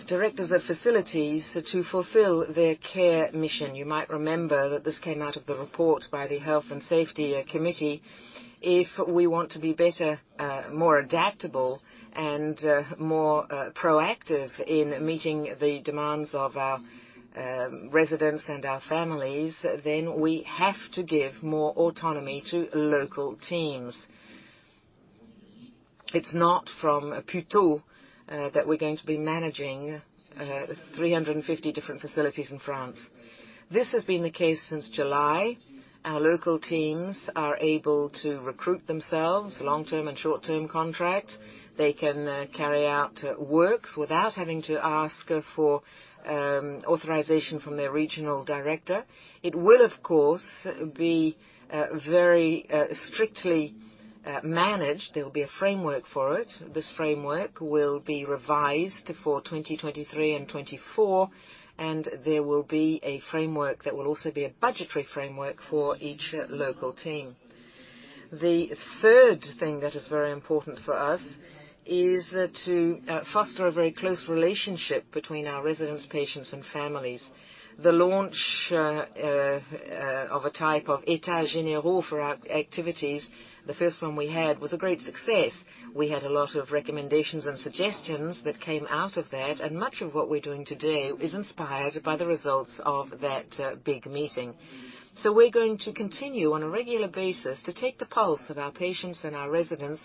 directors of facilities to fulfill their care mission. You might remember that this came out of the report by the Health and Safety Committee. If we want to be better, more adaptable and more proactive in meeting the demands of our residents and our families, then we have to give more autonomy to local teams. It's not from Puteaux that we're going to be managing 350 different facilities in France. This has been the case since July. Our local teams are able to recruit themselves, long-term and short-term contracts. They can carry out works without having to ask for authorization from their regional director. It will, of course, be very strictly managed. There will be a framework for it. This framework will be revised for 2023 and 2024, and there will be a framework that will also be a budgetary framework for each local team. The third thing that is very important for us is to foster a very close relationship between our residents, patients, and families. The launch of a type of États généraux for our activities, the first one we had, was a great success. We had a lot of recommendations and suggestions that came out of that, and much of what we're doing today is inspired by the results of that big meeting. We're going to continue on a regular basis to take the pulse of our patients and our residents,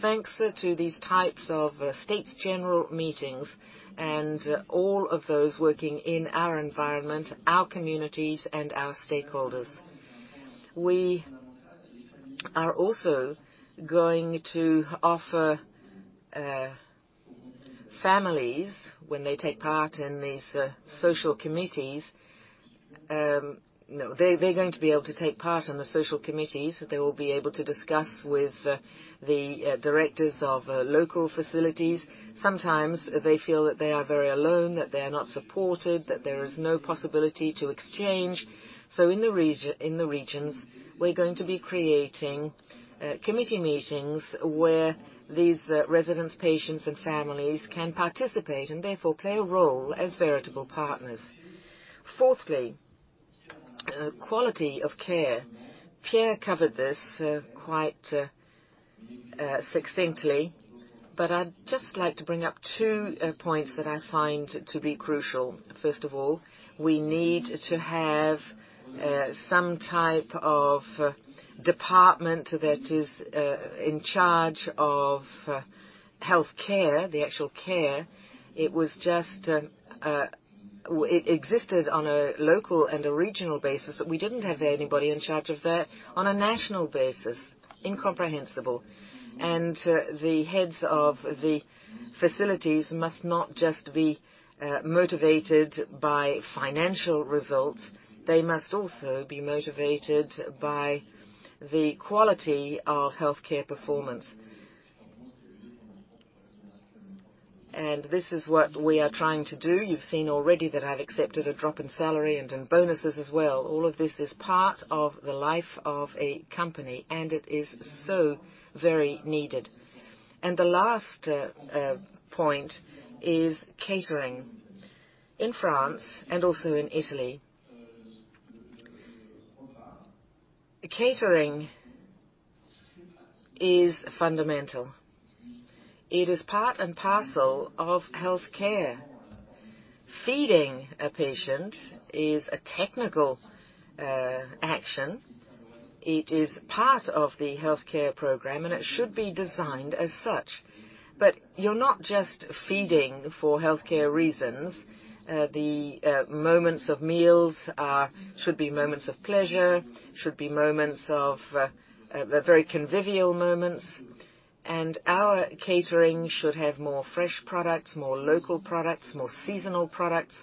thanks to these types of États généraux meetings and all of those working in our environment, our communities, and our stakeholders. We are also going to offer families, when they take part in these social committees, they're going to be able to take part in the social committees. They will be able to discuss with the directors of local facilities. Sometimes they feel that they are very alone, that they are not supported, that there is no possibility to exchange. In the regions, we're going to be creating committee meetings where these residents, patients, and families can participate and therefore play a role as veritable partners. Fourthly, quality of care. Pierre covered this quite succinctly, but I'd just like to bring up two points that I find to be crucial. First of all, we need to have some type of department that is in charge of healthcare, the actual care. It existed on a local and a regional basis, but we didn't have anybody in charge of that on a national basis. Heads of the facilities must not just be motivated by financial results, they must also be motivated by the quality of healthcare performance. This is what we are trying to do. You've seen already that I've accepted a drop in salary and in bonuses as well. All of this is part of the life of a company, and it is so very needed. The last point is catering. In France and also in Italy, catering is fundamental. It is part and parcel of healthcare. Feeding a patient is a technical action. It is part of the healthcare program, and it should be designed as such. You're not just feeding for healthcare reasons. The moments of meals should be moments of pleasure. They're very convivial moments. Our catering should have more fresh products, more local products, more seasonal products.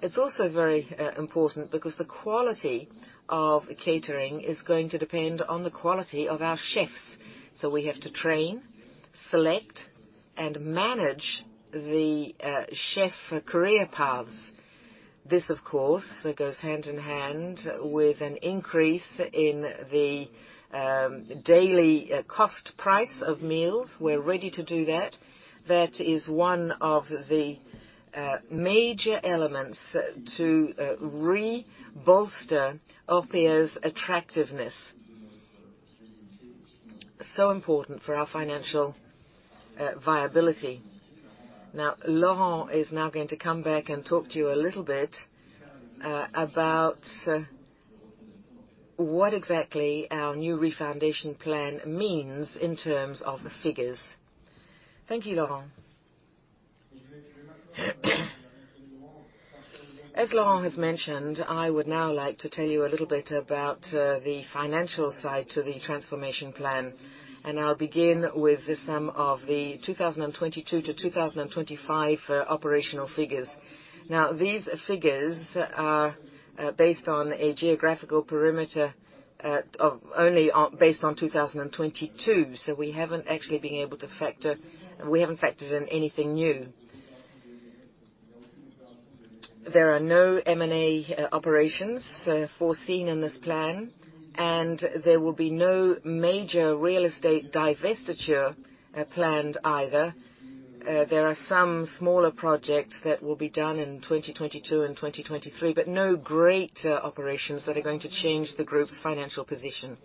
It's also very important because the quality of catering is going to depend on the quality of our chefs. We have to train, select, and manage the chef career paths. This, of course, goes hand in hand with an increase in the daily cost price of meals. We're ready to do that. That is one of the major elements to re-bolster Orpea's attractiveness. Important for our financial viability. Now, Laurent is now going to come back and talk to you a little bit about what exactly our new refoundation plan means in terms of the figures. Thank you, Laurent. As Laurent has mentioned, I would now like to tell you a little bit about the financial side to the transformation plan, and I'll begin with the summary of the 2022-2025 operational figures. Now, these figures are based on a geographical perimeter as at 2022, so we haven't actually been able to factor in anything new. There are no M&A operations foreseen in this plan, and there will be no major real estate divestiture planned either. There are some smaller projects that will be done in 2022 and 2023, but no great operations that are going to change the group's financial position.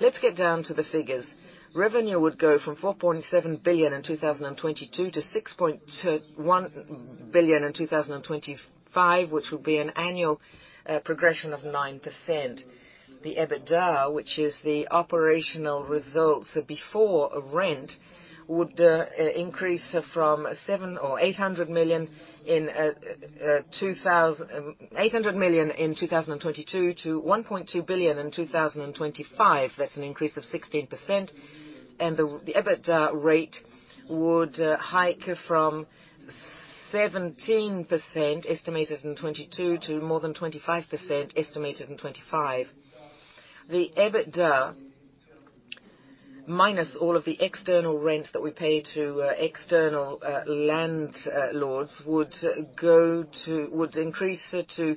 Let's get down to the figures. Revenue would go from 4.7 billion in 2022 to 6.1 billion in 2025, which would be an annual progression of 9%. The EBITDA, which is the operational results before rent, would increase from 800 million in 2022 to 1.2 billion in 2025. That's an increase of 16%. The EBITDA rate would hike from 17% estimated in 2022 to more than 25% estimated in 2025. The EBITDA minus all of the external rents that we pay to external landlords would increase it to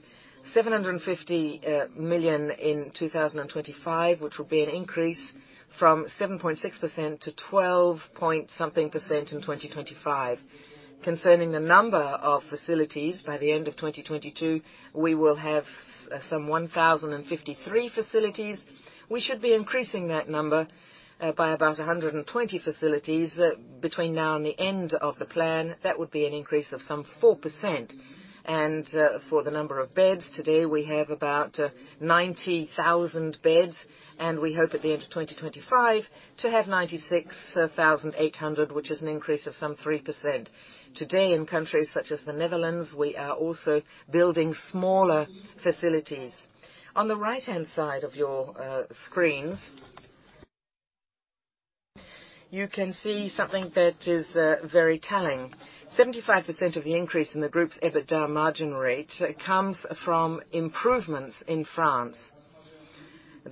750 million in 2025, which will be an increase from 7.6% to 12-point-something% in 2025. Concerning the number of facilities by the end of 2022, we will have some 1,053 facilities. We should be increasing that number by about 120 facilities between now and the end of the plan. That would be an increase of some 4%. For the number of beds today, we have about 90,000 beds, and we hope at the end of 2025 to have 96,800, which is an increase of some 3%. Today, in countries such as the Netherlands, we are also building smaller facilities. On the right-hand side of your screens, you can see something that is very telling. 75% of the increase in the group's EBITDA margin rate comes from improvements in France.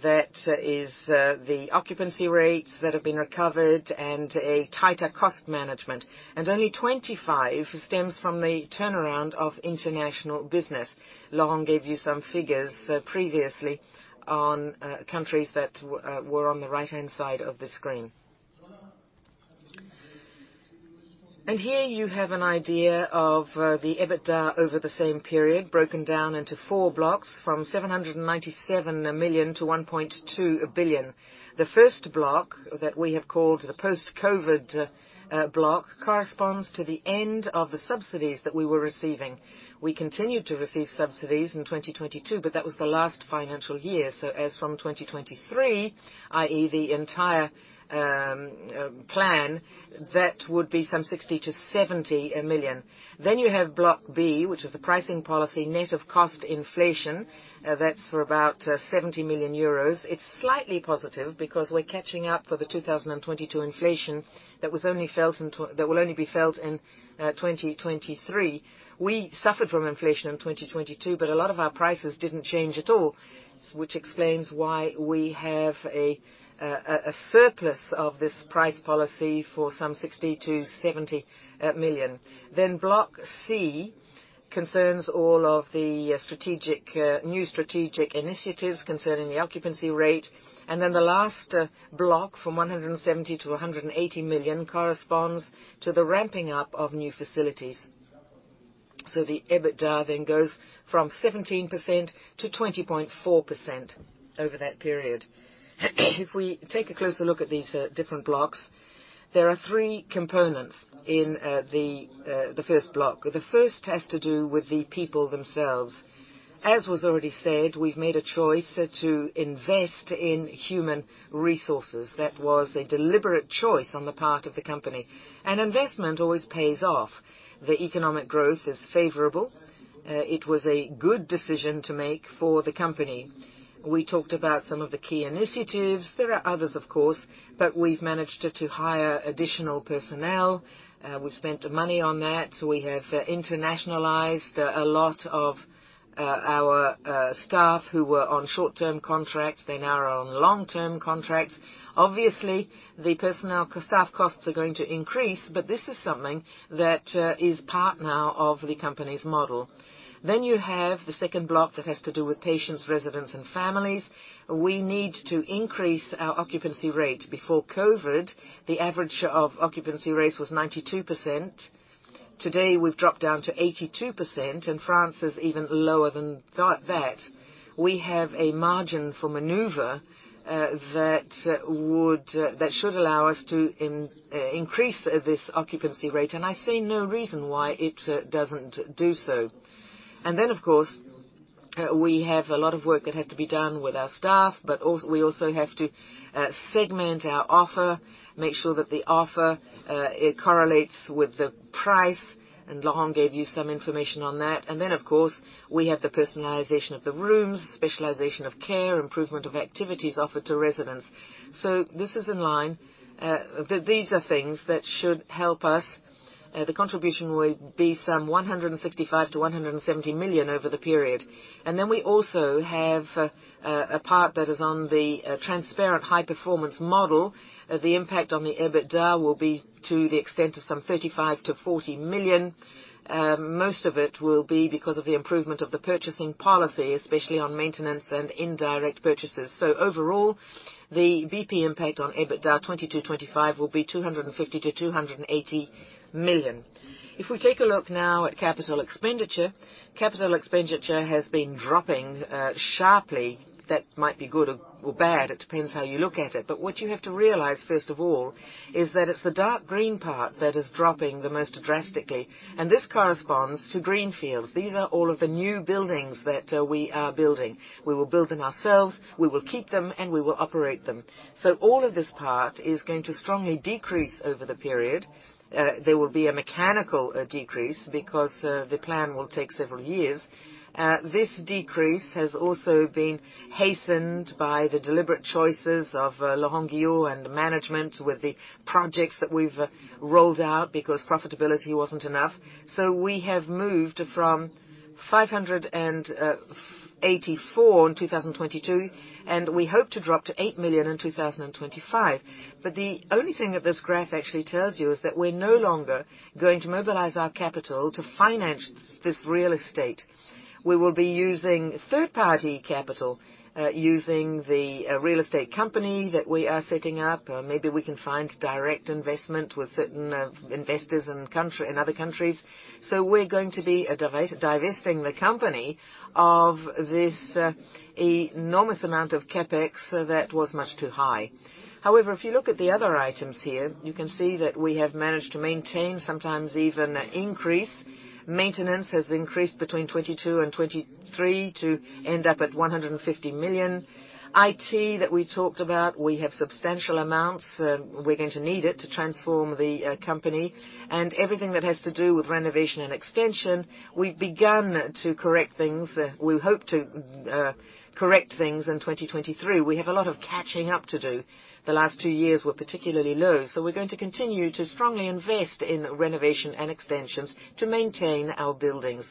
That is, the occupancy rates that have been recovered and a tighter cost management. Only 25% stems from the turnaround of international business. Laurent gave you some figures previously on countries that were on the right-hand side of the screen. Here you have an idea of the EBITDA over the same period, broken down into four blocks from 797 million to 1.2 billion. The first block that we have called the post-COVID block corresponds to the end of the subsidies that we were receiving. We continued to receive subsidies in 2022, but that was the last financial year. As from 2023, i.e. the entire plan, that would be some 60-70 million. You have block B, which is the pricing policy net of cost inflation. That's for about 70 million euros. It's slightly positive because we're catching up for the 2022 inflation that will only be felt in 2023. We suffered from inflation in 2022, but a lot of our prices didn't change at all, which explains why we have a surplus of this price policy for some 60-70 million. Block C concerns all of the strategic new strategic initiatives concerning the occupancy rate. The last block from 170 million to 180 million corresponds to the ramping up of new facilities. The EBITDA then goes from 17% to 20.4% over that period. If we take a closer look at these different blocks, there are three components in the first block. The first has to do with the people themselves. As was already said, we've made a choice to invest in human resources. That was a deliberate choice on the part of the company. An investment always pays off. The economic growth is favorable. It was a good decision to make for the company. We talked about some of the key initiatives. There are others, of course, but we've managed to hire additional personnel. We've spent money on that. We have internationalized a lot of our staff who were on short-term contracts. They now are on long-term contracts. Obviously, staff costs are going to increase, but this is something that is part now of the company's model. You have the second block that has to do with patients, residents, and families. We need to increase our occupancy rate. Before COVID, the average of occupancy rates was 92%. Today, we've dropped down to 82%, and France is even lower than that. We have a margin for maneuver that should allow us to increase this occupancy rate, and I see no reason why it doesn't do so. Of course we have a lot of work that has to be done with our staff, but we also have to segment our offer, make sure that the offer it correlates with the price, and Laurent gave you some information on that. We have the personalization of the rooms, specialization of care, improvement of activities offered to residents. This is in line. These are things that should help us. The contribution will be some 165-170 million over the period. We also have a part that is on the transparent high performance model. The impact on the EBITDA will be to the extent of some 35-40 million. Most of it will be because of the improvement of the purchasing policy, especially on maintenance and indirect purchases. Overall, the BPs impact on EBITDA 2022-2025 will be 250 million-280 million. If we take a look now at CapEx. CapEx has been dropping sharply. That might be good or bad. It depends how you look at it. What you have to realize, first of all, is that it's the dark green part that is dropping the most drastically, and this corresponds to greenfields. These are all of the new buildings that we are building. We will build them ourselves, we will keep them, and we will operate them. All of this part is going to strongly decrease over the period. There will be a mechanical decrease because the plan will take several years. This decrease has also been hastened by the deliberate choices of Laurent Guillot and management with the projects that we've rolled out because profitability wasn't enough. We have moved from 584 million in 2022, and we hope to drop to 8 million in 2025. The only thing that this graph actually tells you is that we're no longer going to mobilize our capital to finance this real estate. We will be using third-party capital, using the real estate company that we are setting up. Maybe we can find direct investment with certain investors in other countries. We're going to be divesting the company of this enormous amount of CapEx that was much too high. However, if you look at the other items here, you can see that we have managed to maintain, sometimes even increase. Maintenance has increased between 2022 and 2023 to end up at 150 million. IT, that we talked about, we have substantial amounts. We're going to need it to transform the company. Everything that has to do with renovation and extension, we've begun to correct things. We hope to correct things in 2023. We have a lot of catching up to do. The last two years were particularly low, so we're going to continue to strongly invest in renovation and extensions to maintain our buildings.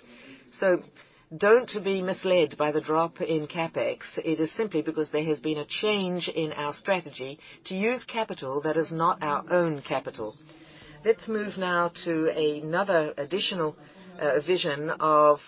Don't be misled by the drop in CapEx. It is simply because there has been a change in our strategy to use capital that is not our own capital. Let's move now to another additional version of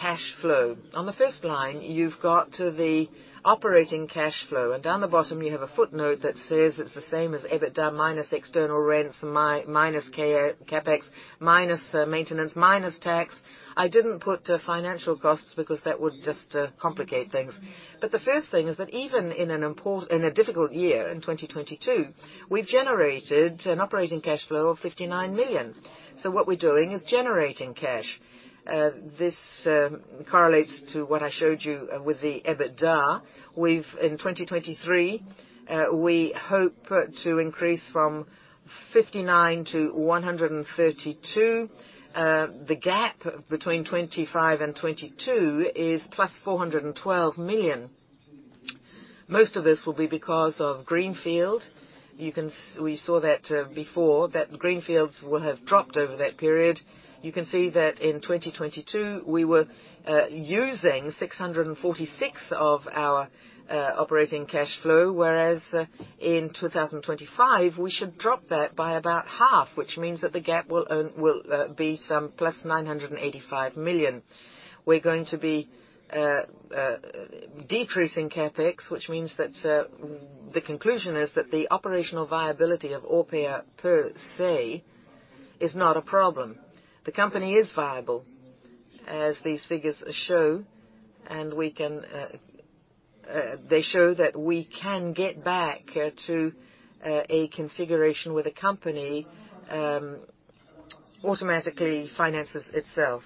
cash flow. On the first line, you've got the operating cash flow, and down the bottom, you have a footnote that says it's the same as EBITDA minus external rents, minus CapEx, minus maintenance, minus tax. I didn't put financial costs because that would just complicate things. The first thing is that even in a difficult year, in 2022, we've generated an operating cash flow of 59 million. What we're doing is generating cash. This correlates to what I showed you with the EBITDA. In 2023, we hope to increase from 59 million to 132 million. The gap between 2025 and 2022 is + 412 million. Most of this will be because of greenfield. You can see we saw that before, that greenfields will have dropped over that period. You can see that in 2022, we were using 646 million of our operating cash flow, whereas in 2025, we should drop that by about half. Which means that the gap will be some plus 985 million. We're going to be decreasing CapEx, which means that the conclusion is that the operational viability of Orpea per se is not a problem. The company is viable, as these figures show. They show that we can get back to a configuration where the company automatically finances itself.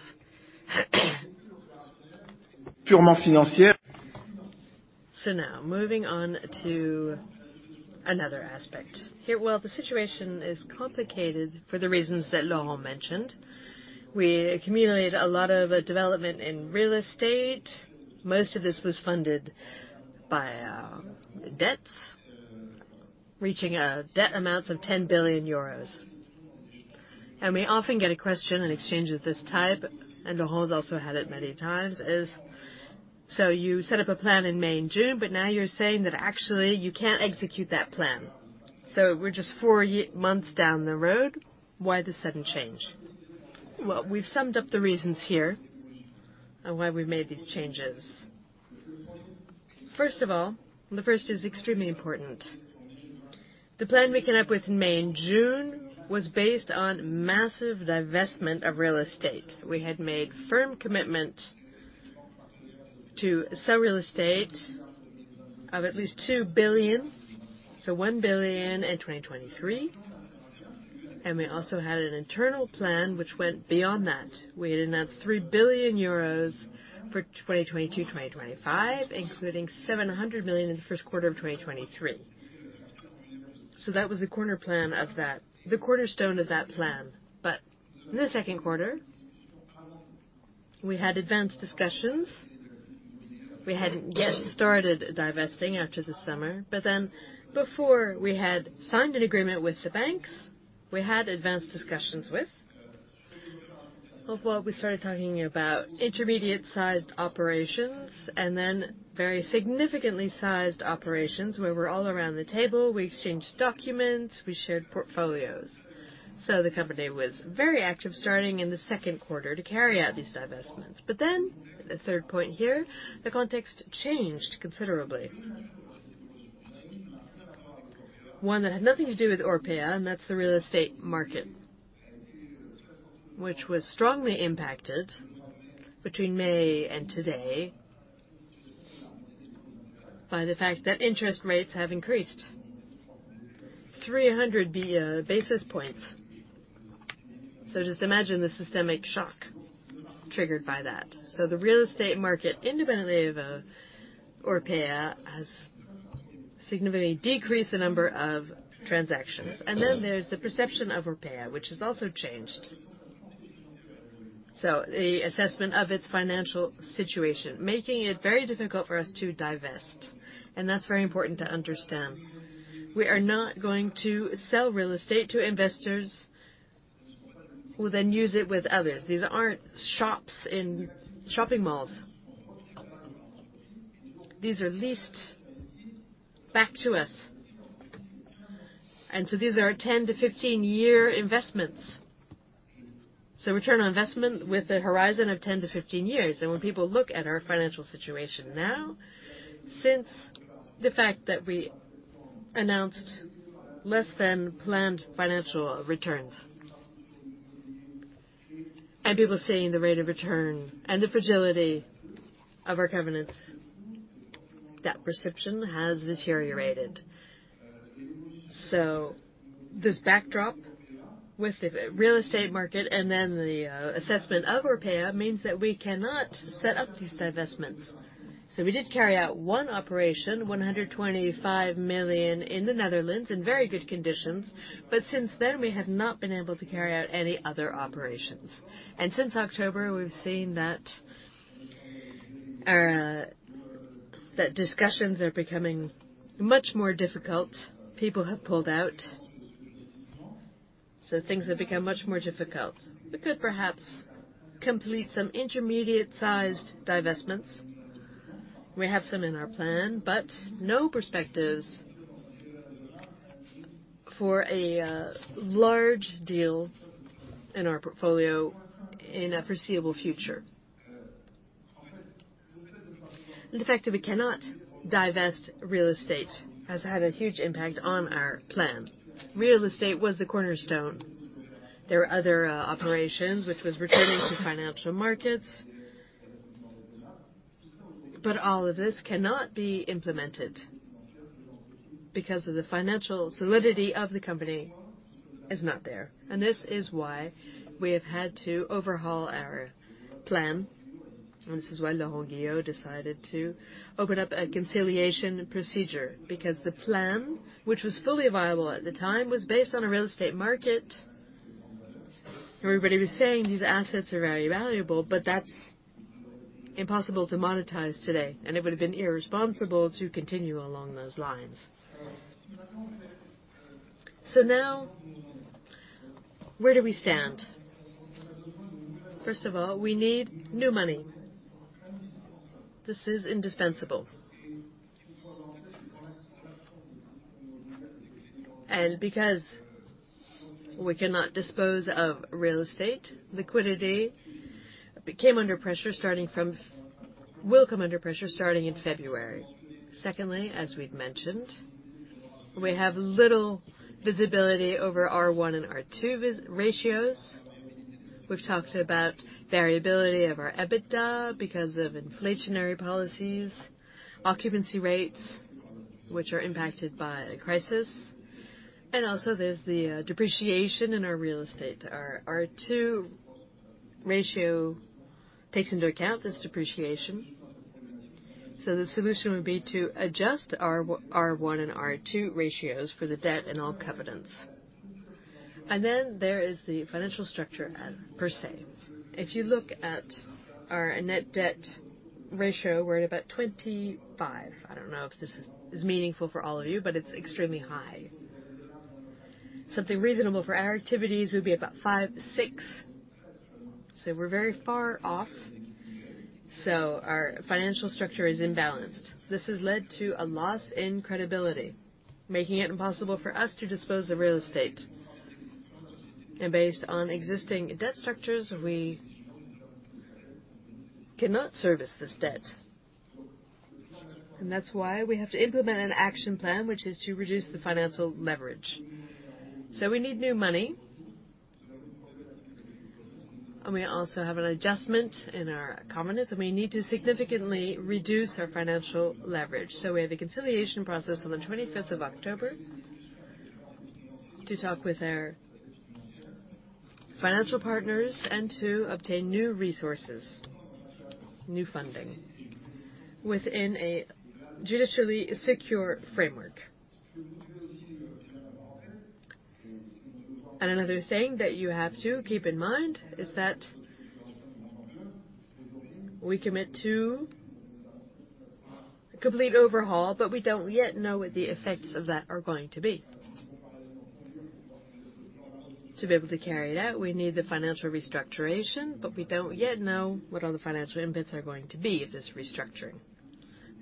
Now, moving on to another aspect. Here, well, the situation is complicated for the reasons that Laurent mentioned. We accumulated a lot of development in real estate. Most of this was funded by debts, reaching debt amounts of 10 billion euros. We often get a question in exchanges of this type, and Laurent's also had it many times, is: "So you set up a plan in May and June, but now you're saying that actually you can't execute that plan. So we're just four months down the road. Why the sudden change?" Well, we've summed up the reasons here on why we've made these changes. First of all, and the first is extremely important, the plan we came up with in May and June was based on massive divestment of real estate. We had made firm commitment to sell real estate of at least 2 billion, so 1 billion in 2023. We also had an internal plan which went beyond that. We had announced 3 billion euros for 2022-2025, including 700 million in the first quarter of 2023. That was the corner plan of that, the cornerstone of that plan. In the second quarter, we had advanced discussions. We hadn't yet started divesting after the summer, but then before we had signed an agreement with the banks, we had advanced discussions with. Of what we started talking about intermediate-sized operations and then very significantly sized operations where we're all around the table, we exchanged documents, we shared portfolios. The company was very active, starting in the second quarter to carry out these divestments. Then, the third point here, the context changed considerably. One that had nothing to do with Orpea, and that's the real estate market, which was strongly impacted between May and today by the fact that interest rates have increased 300 basis points. Just imagine the systemic shock triggered by that. The real estate market, independently of Orpea, has significantly decreased the number of transactions. Then there's the perception of Orpea, which has also changed. An assessment of its financial situation, making it very difficult for us to divest, and that's very important to understand. We are not going to sell real estate to investors who then use it with others. These aren't shops in shopping malls. These are leased back to us. These are 10-15-year investments. Return on investment with a horizon of 10-15 years. When people look at our financial situation now, since the fact that we announced less than planned financial returns. People are seeing the rate of return and the fragility of our covenants, that perception has deteriorated. This backdrop with the real estate market and then the assessment of Orpea means that we cannot set up these divestments. We did carry out one operation, 125 million in the Netherlands in very good conditions, but since then, we have not been able to carry out any other operations. Since October, we've seen that our discussions are becoming much more difficult. People have pulled out. Things have become much more difficult. We could perhaps complete some intermediate-sized divestments. We have some in our plan, but no perspectives for a large deal in our portfolio in the foreseeable future. The fact that we cannot divest real estate has had a huge impact on our plan. Real estate was the cornerstone. There are other operations which was returning to financial markets. All of this cannot be implemented because the financial solidity of the company is not there. This is why we have had to overhaul our plan, and this is why Laurent Guillot decided to open up a conciliation procedure, because the plan, which was fully viable at the time, was based on a real estate market. Everybody was saying these assets are very valuable, but that's impossible to monetize today, and it would have been irresponsible to continue along those lines. Now, where do we stand? First of all, we need new money. This is indispensable. Because we cannot dispose of real estate, liquidity will come under pressure starting in February. Secondly, as we've mentioned, we have little visibility over R1 and R2 ratios. We've talked about variability of our EBITDA because of inflationary policies, occupancy rates, which are impacted by the crisis, and also there's the depreciation in our real estate. Our R2 ratio takes into account this depreciation. The solution would be to adjust R1 and R2 ratios for the debt and all covenants. Then there is the financial structure as per se. If you look at our net debt ratio, we're at about 25. I don't know if this is meaningful for all of you, but it's extremely high. Something reasonable for our activities would be about 5-6. We're very far off. Our financial structure is imbalanced. This has led to a loss in credibility, making it impossible for us to dispose of the real estate. Based on existing debt structures, we cannot service this debt. That's why we have to implement an action plan, which is to reduce the financial leverage. We need new money. We also have an adjustment in our covenants, and we need to significantly reduce our financial leverage. We have a conciliation process on the 25th of October to talk with our financial partners and to obtain new resources, new funding within a judicially secure framework. Another thing that you have to keep in mind is that we commit to complete overhaul, but we don't yet know what the effects of that are going to be. To be able to carry it out, we need the financial restructuring, but we don't yet know what all the financial impacts are going to be of this restructuring.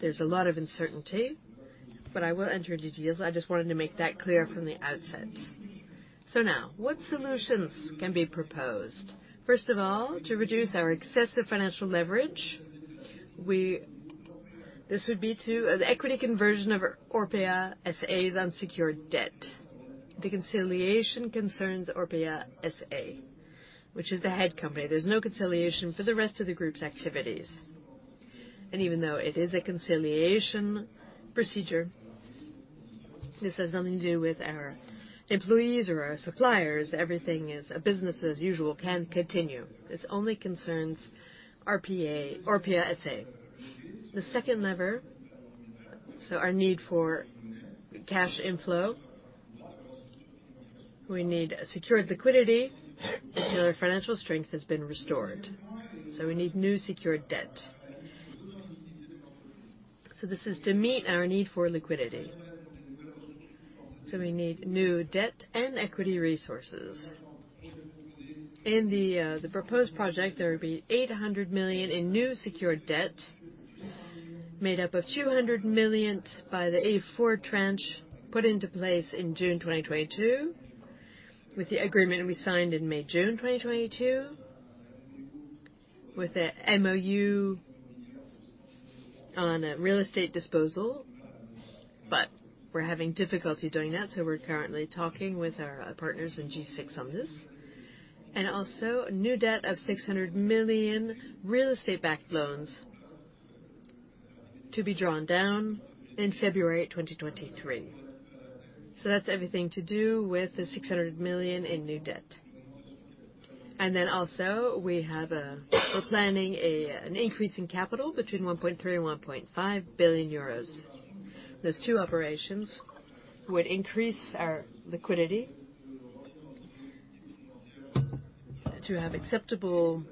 There's a lot of uncertainty, but I won't enter details. I just wanted to make that clear from the outset. Now what solutions can be proposed? First of all, to reduce our excessive financial leverage, this would be to an equity conversion of ORPEA S.A.'s unsecured debt. The conciliation concerns ORPEA S.A., which is the head company. There's no conciliation for the rest of the group's activities. Even though it is a conciliation procedure, this has nothing to do with our employees or our suppliers. Everything is business as usual and can continue. This only concerns ORPEA S.A. The second lever, so our need for cash inflow. We need secured liquidity until our financial strength has been restored, so we need new secured debt. This is to meet our need for liquidity. We need new debt and equity resources. In the proposed project, there will be 800 million in new secured debt, made up of 200 million by the A4 tranche put into place in June 2022, with the agreement we signed in May, June 2022, with a MoU on a real estate disposal. We're having difficulty doing that, so we're currently talking with our partners in G6 on this. Also new debt of 600 million real estate-backed loans to be drawn down in February 2023. That's everything to do with the 600 million in new debt. We also have a we're planning an increase in capital between 1.3 billion and 1.5 billion euros. Those two operations would increase our liquidity to have acceptable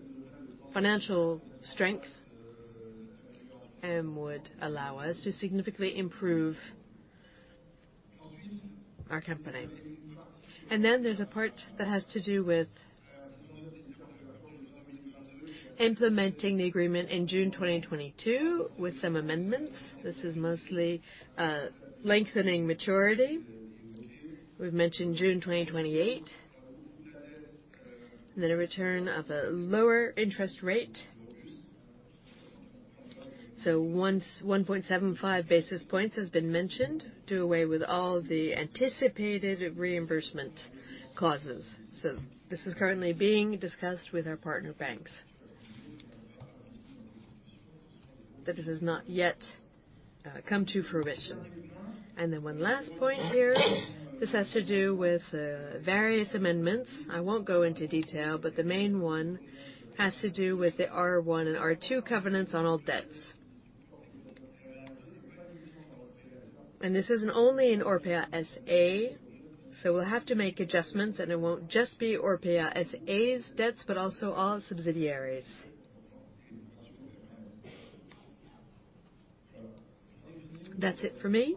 financial strength and would allow us to significantly improve our company. There's a part that has to do with implementing the agreement in June 2022 with some amendments. This is mostly lengthening maturity. We've mentioned June 2028. Then a return of a lower interest rate. 1.75 basis points has been mentioned, do away with all the anticipated reimbursement clauses. This is currently being discussed with our partner banks. This has not yet come to fruition. One last point here, this has to do with various amendments. I won't go into detail, but the main one has to do with the R1 and R2 covenants on all debts. This isn't only in ORPEA S.A., so we'll have to make adjustments, and it won't just be ORPEA S.A.'s debts, but also all subsidiaries. That's it for me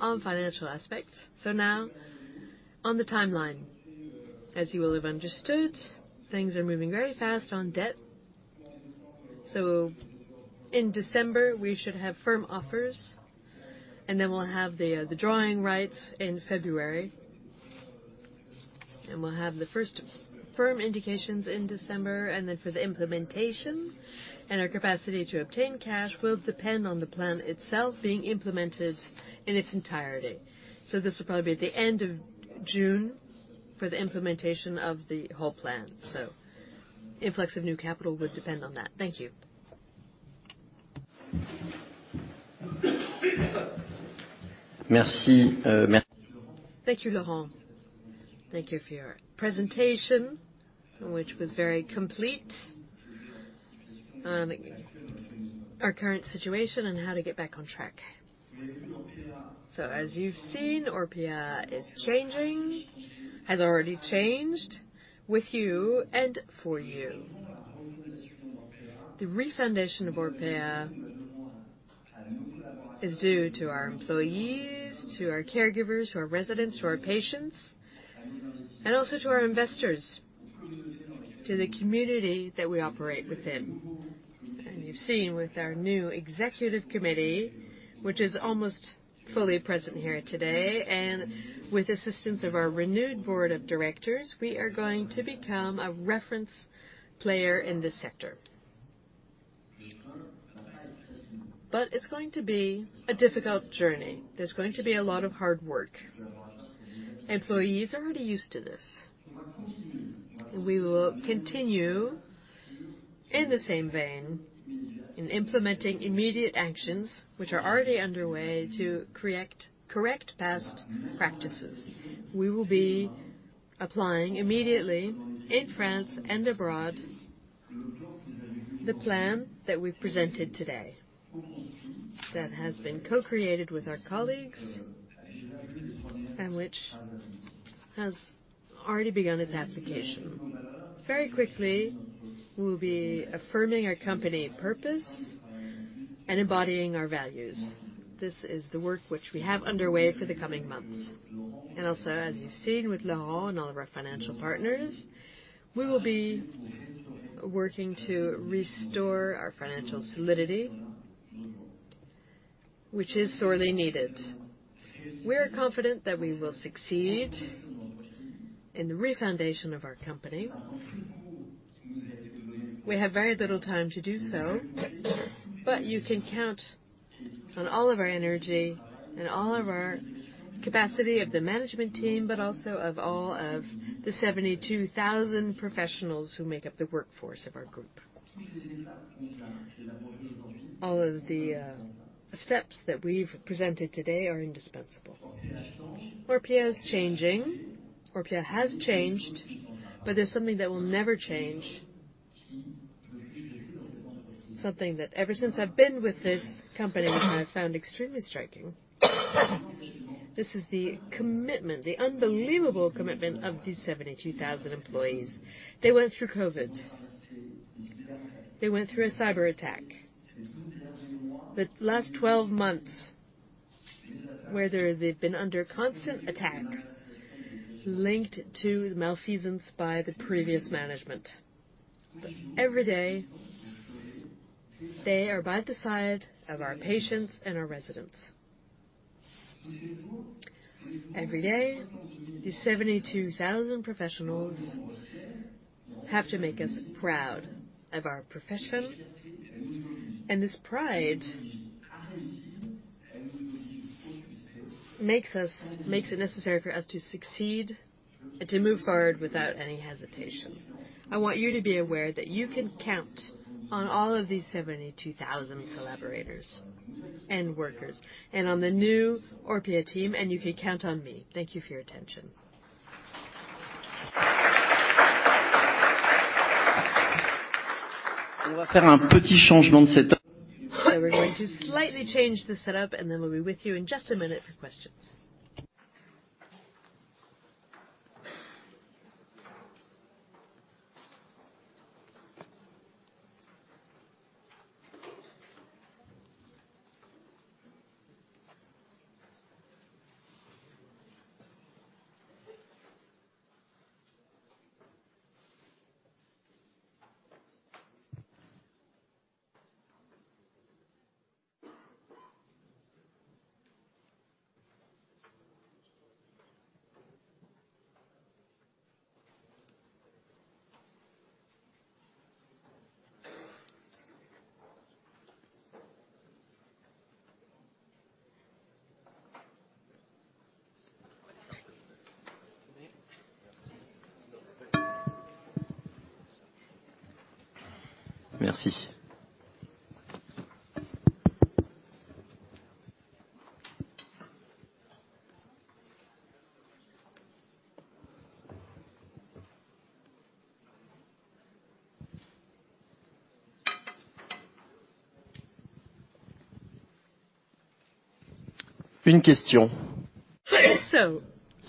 on financial aspects. Now on the timeline, as you will have understood, things are moving very fast on debt. In December, we should have firm offers, and then we'll have the drawing rights in February. We'll have the first firm indications in December, and then for the implementation and our capacity to obtain cash will depend on the plan itself being implemented in its entirety. This will probably be at the end of June for the implementation of the whole plan. Influx of new capital would depend on that. Thank you. Merci. Thank you, Laurent. Thank you for your presentation, which was very complete on our current situation and how to get back on track. As you've seen, Orpea is changing, has already changed with you and for you. The re-foundation of Orpea is due to our employees, to our caregivers, to our residents, to our patients, and also to our investors, to the community that we operate within. You've seen with our new executive committee, which is almost fully present here today, and with assistance of our renewed board of directors, we are going to become a reference player in this sector. It's going to be a difficult journey. There's going to be a lot of hard work. Employees are already used to this. We will continue in the same vein in implementing immediate actions which are already underway to correct past practices. We will be applying immediately in France and abroad the plan that we've presented today, that has been co-created with our colleagues and which has already begun its application. Very quickly, we will be affirming our company purpose and embodying our values. This is the work which we have underway for the coming months. Also, as you've seen with Laurent and all of our financial partners, we will be working to restore our financial solidity, which is sorely needed. We are confident that we will succeed in the refoundation of our company. We have very little time to do so, but you can count on all of our energy and all of our capacity of the management team, but also of all of the 72,000 professionals who make up the workforce of our group. All of the steps that we've presented today are indispensable. Orpea is changing. Orpea has changed, but there's something that will never change. Something that ever since I've been with this company, I have found extremely striking. This is the commitment, the unbelievable commitment of these 72,000 employees. They went through COVID. They went through a cyberattack. The last 12 months, where they've been under constant attack linked to malfeasance by the previous management. Every day, they are by the side of our patients and our residents. Every day, these 72,000 professionals have to make us proud of our profession, and this pride makes it necessary for us to succeed and to move forward without any hesitation. I want you to be aware that you can count on all of these 72,000 collaborators and workers and on the new Orpea team, and you can count on me. Thank you for your attention. We're going to slightly change the setup, and then we'll be with you in just a minute for questions.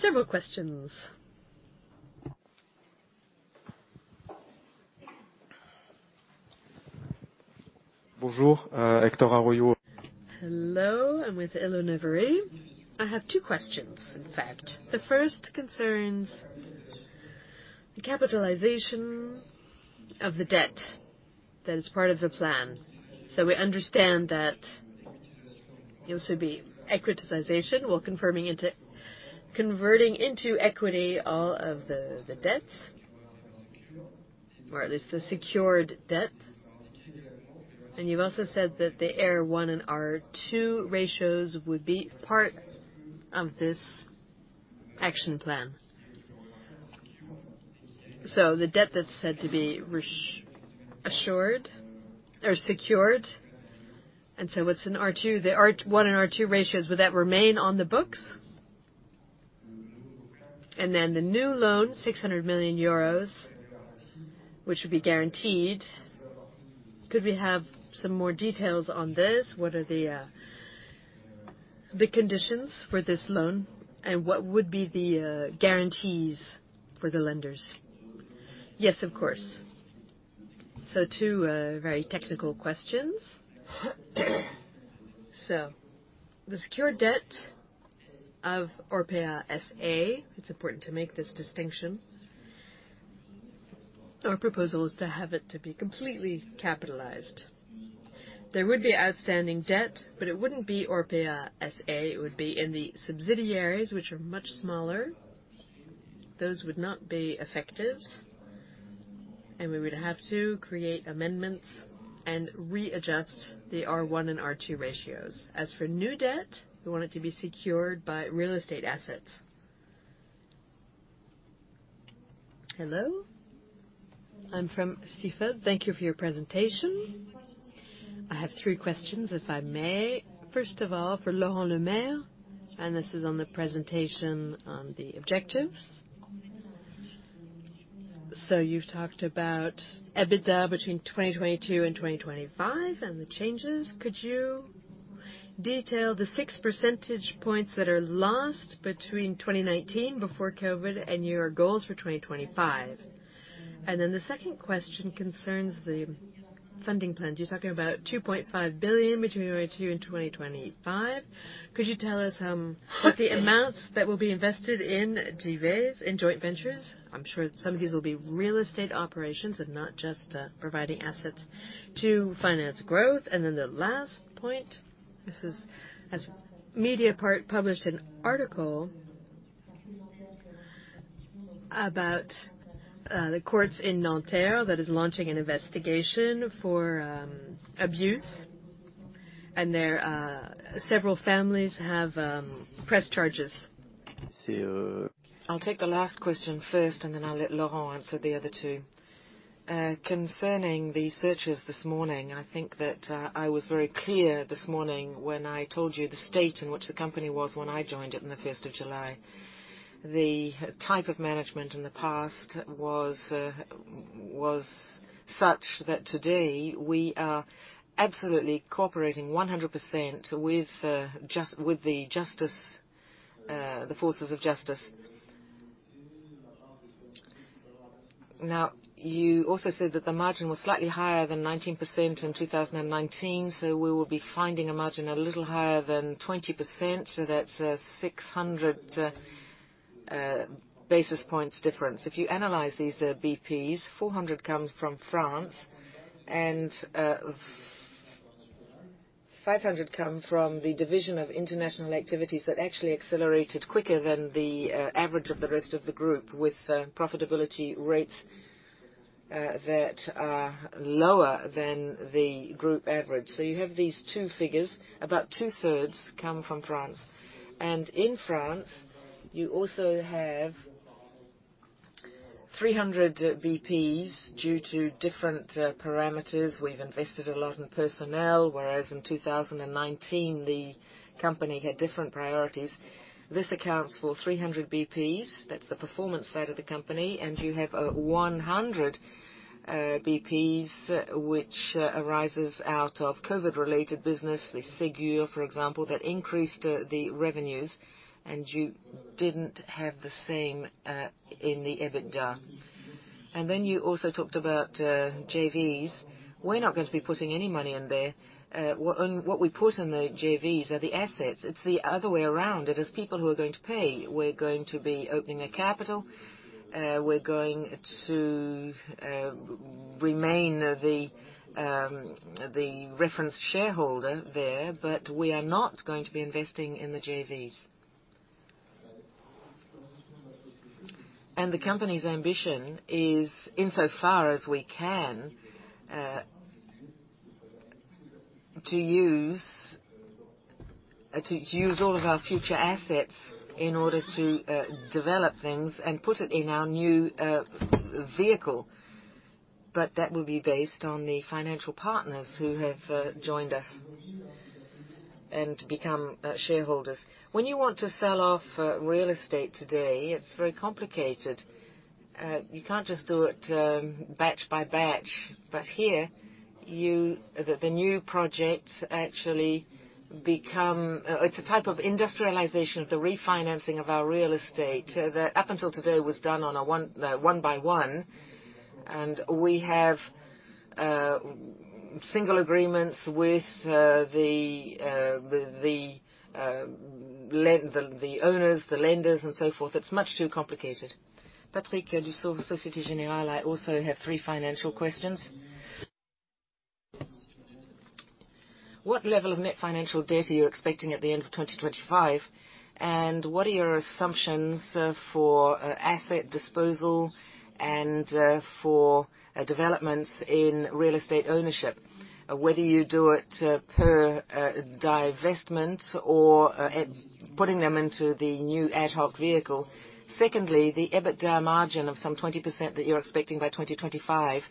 Several questions. Hello, I'm with Ella Nevare. I have two questions, in fact. The first concerns the capitalization of the debt that is part of the plan. We understand that it will also be equitization. Converting into equity all of the debts, or at least the secured debt. You've also said that the R1 and R2 ratios would be part of this action plan. The debt that's said to be reassured or secured, and what's an R2? The R1 and R2 ratios, would that remain on the books? Then the new loan, 600 million euros, which would be guaranteed. Could we have some more details on this? What are the conditions for this loan, and what would be the guarantees for the lenders? Yes, of course. Two very technical questions. The secure debt of ORPEA S.A., it's important to make this distinction. Our proposal is to have it to be completely capitalized. There would be outstanding debt, but it wouldn't be ORPEA S.A. It would be in the subsidiaries, which are much smaller. Those would not be effective, and we would have to create amendments and readjust the R1 and R2 ratios. As for new debt, we want it to be secured by real estate assets. Hello, I'm from CIFR. Thank you for your presentation. I have three questions, if I may. First of all, for Laurent Lemaire, and this is on the presentation on the objectives. So you've talked about EBITDA between 2022 and 2025 and the changes. Could you detail the six percentage points that are lost between 2019 before COVID and your goals for 2025? And then the second question concerns the funding plan. You're talking about 2.5 billion between 2022 and 2025. Could you tell us what the amounts that will be invested in JVs, in joint ventures? I'm sure some of these will be real estate operations and not just providing assets to finance growth. Then the last point, this is as Mediapart published an article about the courts in Nanterre that is launching an investigation for abuse, and several families have pressed charges. I'll take the last question first, and then I'll let Laurent answer the other two. Concerning the searches this morning, I think that I was very clear this morning when I told you the state in which the company was when I joined it on the first of July. The type of management in the past was such that today we are absolutely cooperating 100% with justice, with the forces of justice. Now you also said that the margin was slightly higher than 19% in 2019. We will be finding a margin a little higher than 20%, so that's a 600 basis points difference. If you analyze these basis points, 400 come from France and 500 come from the division of international activities that actually accelerated quicker than the average of the rest of the group with profitability rates that are lower than the group average. You have these two figures. About two-thirds come from France. In France, you also have 300 basis points due to different parameters. We've invested a lot in personnel, whereas in 2019, the company had different priorities. This accounts for 300 basis points. That's the performance side of the company. You have 100 BPs which arises out of Covid-related business, the Ségur, for example, that increased the revenues, and you didn't have the same in the EBITDA. You also talked about JVs. We're not going to be putting any money in there. What we put in the JVs are the assets. It's the other way around. It is people who are going to pay. We're going to be opening a capital. We're going to remain the reference shareholder there, but we are not going to be investing in the JVs. The company's ambition is, insofar as we can, to use all of our future assets in order to develop things and put it in our new vehicle. That will be based on the financial partners who have joined us and become shareholders. When you want to sell off real estate today, it's very complicated. You can't just do it batch by batch. The new projects actually become. It's a type of industrialization of the refinancing of our real estate that up until today was done one by one. We have single agreements with the owners, the lenders, and so forth. It's much too complicated. Patrick Dussaut, Société Générale. I also have three financial questions. What level of net financial debt are you expecting at the end of 2025? What are your assumptions for asset disposal and for developments in real estate ownership, whether you do it per divestment or at putting them into the new ad hoc vehicle? Secondly, the EBITDA margin of some 20% that you're expecting by 2025,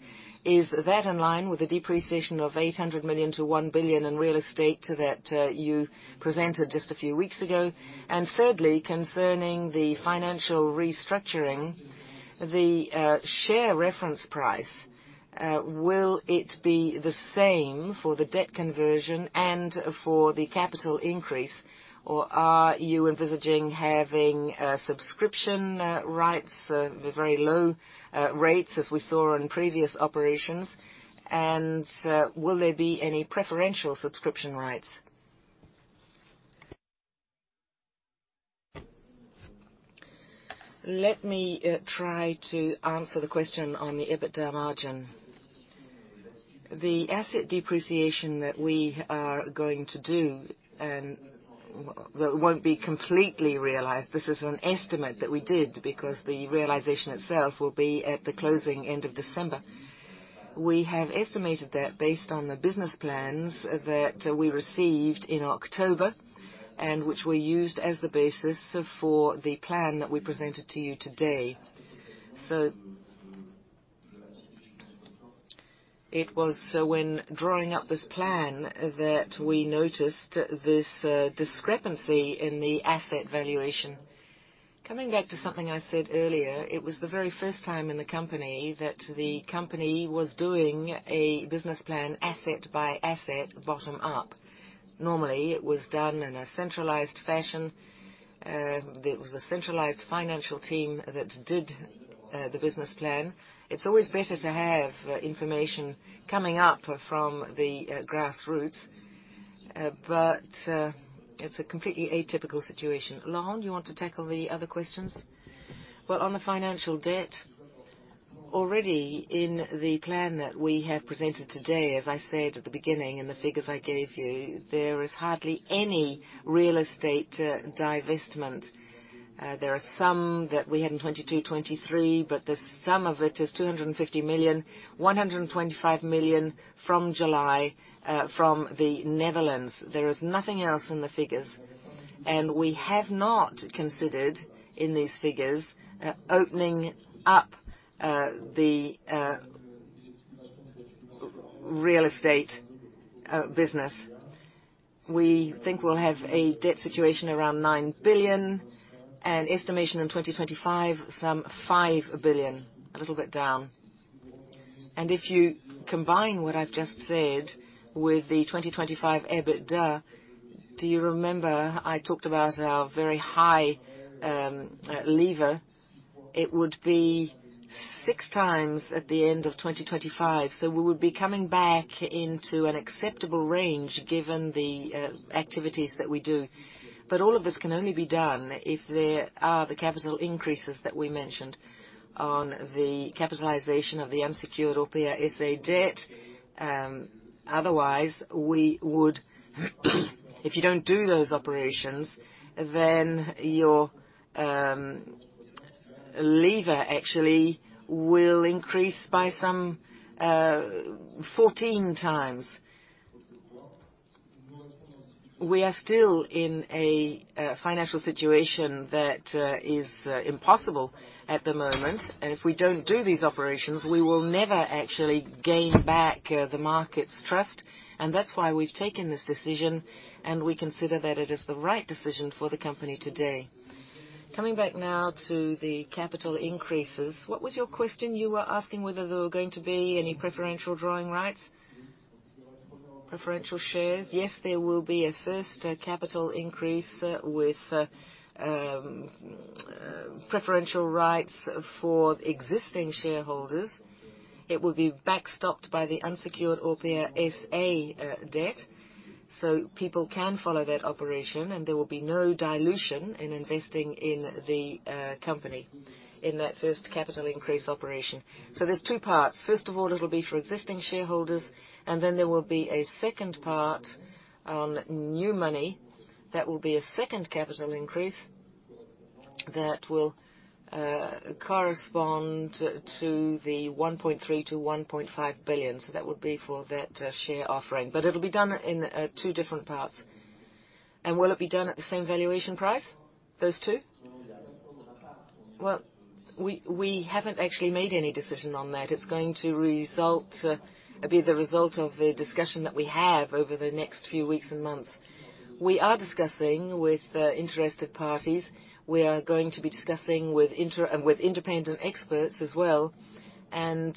is that in line with the depreciation of 800 million-1 billion in real estate that you presented just a few weeks ago? Thirdly, concerning the financial restructuring, the share reference price, will it be the same for the debt conversion and for the capital increase, or are you envisaging having subscription rights with very low rates as we saw on previous operations? Will there be any preferential subscription rights? Let me try to answer the question on the EBITDA margin. The asset depreciation that we are going to do and that won't be completely realized, this is an estimate that we did because the realization itself will be at the closing end of December. We have estimated that based on the business plans that we received in October and which we used as the basis for the plan that we presented to you today. It was when drawing up this plan that we noticed this discrepancy in the asset valuation. Coming back to something I said earlier, it was the very first time in the company that the company was doing a business plan asset by asset bottom up. Normally, it was done in a centralized fashion. It was a centralized financial team that did the business plan. It's always better to have information coming up from the grassroots, but it's a completely atypical situation. Laurent, you want to tackle the other questions? Well, on the financial debt, already in the plan that we have presented today, as I said at the beginning in the figures I gave you, there is hardly any real estate divestment. There are some that we had in 2022, 2023, but the sum of it is 250 million, 125 million from July, from the Netherlands. There is nothing else in the figures, and we have not considered in these figures opening up the real estate business. We think we'll have a debt situation around 9 billion, an estimation in 2025, some 5 billion, a little bit down. If you combine what I've just said with the 2025 EBITDA, do you remember I talked about our very high leverage? It would be 6x at the end of 2025. We would be coming back into an acceptable range given the activities that we do. All of this can only be done if there are the capital increases that we mentioned on the capitalization of the unsecured ORPEA S.A. debt. Otherwise, if you don't do those operations, then your leverage actually will increase by some 14x. We are still in a financial situation that is impossible at the moment. If we don't do these operations, we will never actually gain back the market's trust, and that's why we've taken this decision, and we consider that it is the right decision for the company today. Coming back now to the capital increases, what was your question? You were asking whether there were going to be any preferential drawing rights? Preferential shares? Yes, there will be a first capital increase with preferential rights for existing shareholders. It will be backstopped by the unsecured ORPEA S.A. debt, so people can follow that operation, and there will be no dilution in investing in the company in that first capital increase operation. There's two parts. First of all, it will be for existing shareholders, and then there will be a second part on new money that will be a second capital increase that will correspond to the 1.3 billion-1.5 billion. That would be for that share offering. It'll be done in two different parts. Will it be done at the same valuation price, those two? Well, we haven't actually made any decision on that. It's going to be the result of a discussion that we have over the next few weeks and months. We are discussing with interested parties. We are going to be discussing with independent experts as well and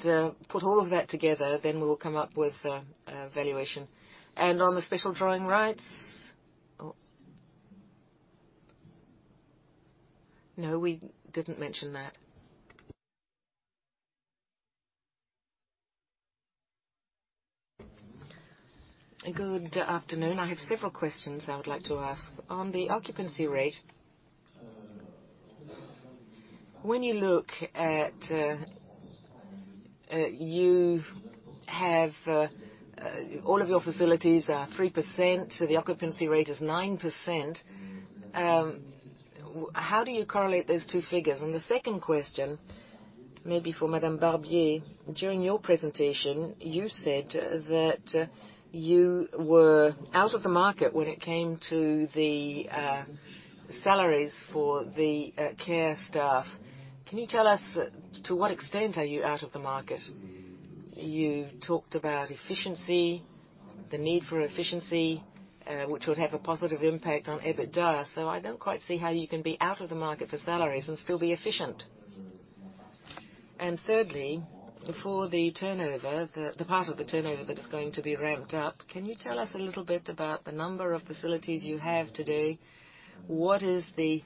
put all of that together, then we will come up with a valuation. On the special drawing rights? Oh. No, we didn't mention that. Good afternoon. I have several questions I would like to ask. On the occupancy rate, when you look at, you have all of your facilities are 3%, so the occupancy rate is 9%. How do you correlate those two figures? The second question, maybe for Madame Barbier, during your presentation, you said that you were out of the market when it came to the salaries for the care staff. Can you tell us to what extent are you out of the market? You talked about efficiency, the need for efficiency, which would have a positive impact on EBITDA, so I don't quite see how you can be out of the market for salaries and still be efficient. Thirdly, for the turnover, the part of the turnover that is going to be ramped up, can you tell us a little bit about the number of facilities you have today? What is the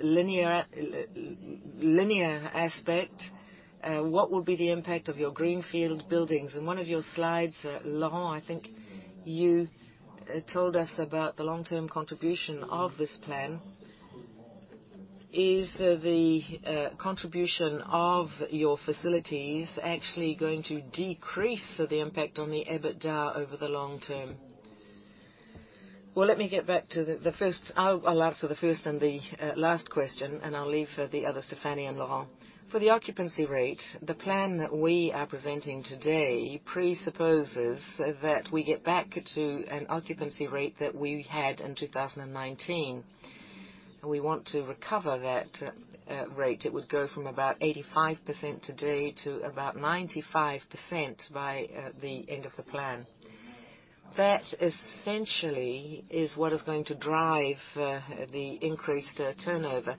linear aspect? What will be the impact of your greenfield buildings? In one of your slides, Laurent, I think you told us about the long-term contribution of this plan. Is the contribution of your facilities actually going to decrease the impact on the EBITDA over the long term? Well, let me get back to the first. I'll answer the first and the last question, and I'll leave the other to Fanny and Laurent. For the occupancy rate, the plan that we are presenting today presupposes that we get back to an occupancy rate that we had in 2019. We want to recover that rate. It would go from about 85% today to about 95% by the end of the plan. That essentially is what is going to drive the increased turnover,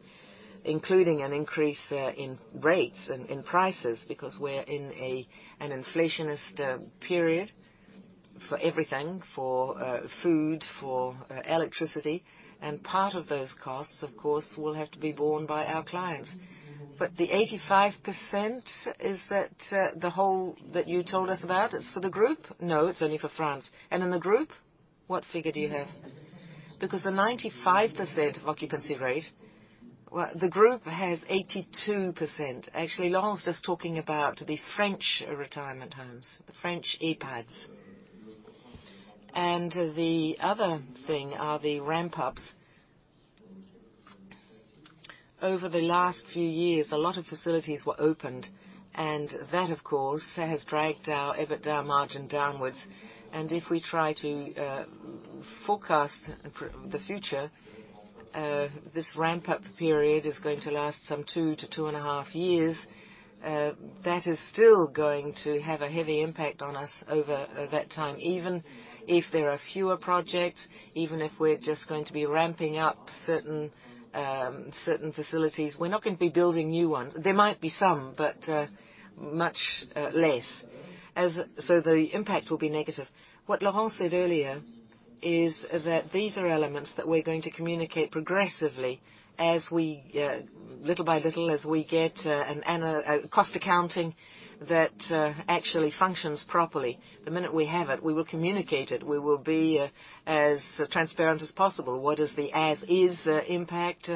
including an increase in rates and in prices, because we're in an inflationary period for everything, for food, for electricity. Part of those costs, of course, will have to be borne by our clients. The 85%, is that the whole that you told us about is for the group? No, it's only for France. In the group, what figure do you have? Because the 95% occupancy rate, well, the group has 82%. Actually, Laurent's just talking about the French retirement homes, the French EHPADs. The other thing are the ramp-ups. Over the last few years, a lot of facilities were opened, and that, of course, has dragged our EBITDA margin downwards. If we try to forecast for the future, this ramp-up period is going to last some 2-2.5 years. That is still going to have a heavy impact on us over that time. Even if there are fewer projects, even if we're just going to be ramping up certain facilities, we're not gonna be building new ones. There might be some, but much less. The impact will be negative. What Laurent said earlier is that these are elements that we're going to communicate progressively as we little by little, as we get a cost accounting that actually functions properly. The minute we have it, we will communicate it. We will be as transparent as possible. What is the as-is impact?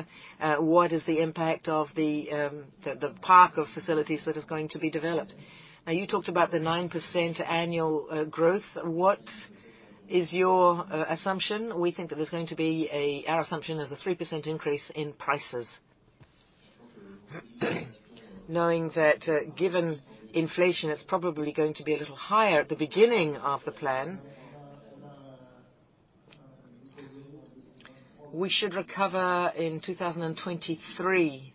What is the impact of the park of facilities that is going to be developed? Now, you talked about the 9% annual growth. What is your assumption? Our assumption is a 3% increase in prices. Knowing that, given inflation, it's probably going to be a little higher at the beginning of the plan. We should recover in 2023.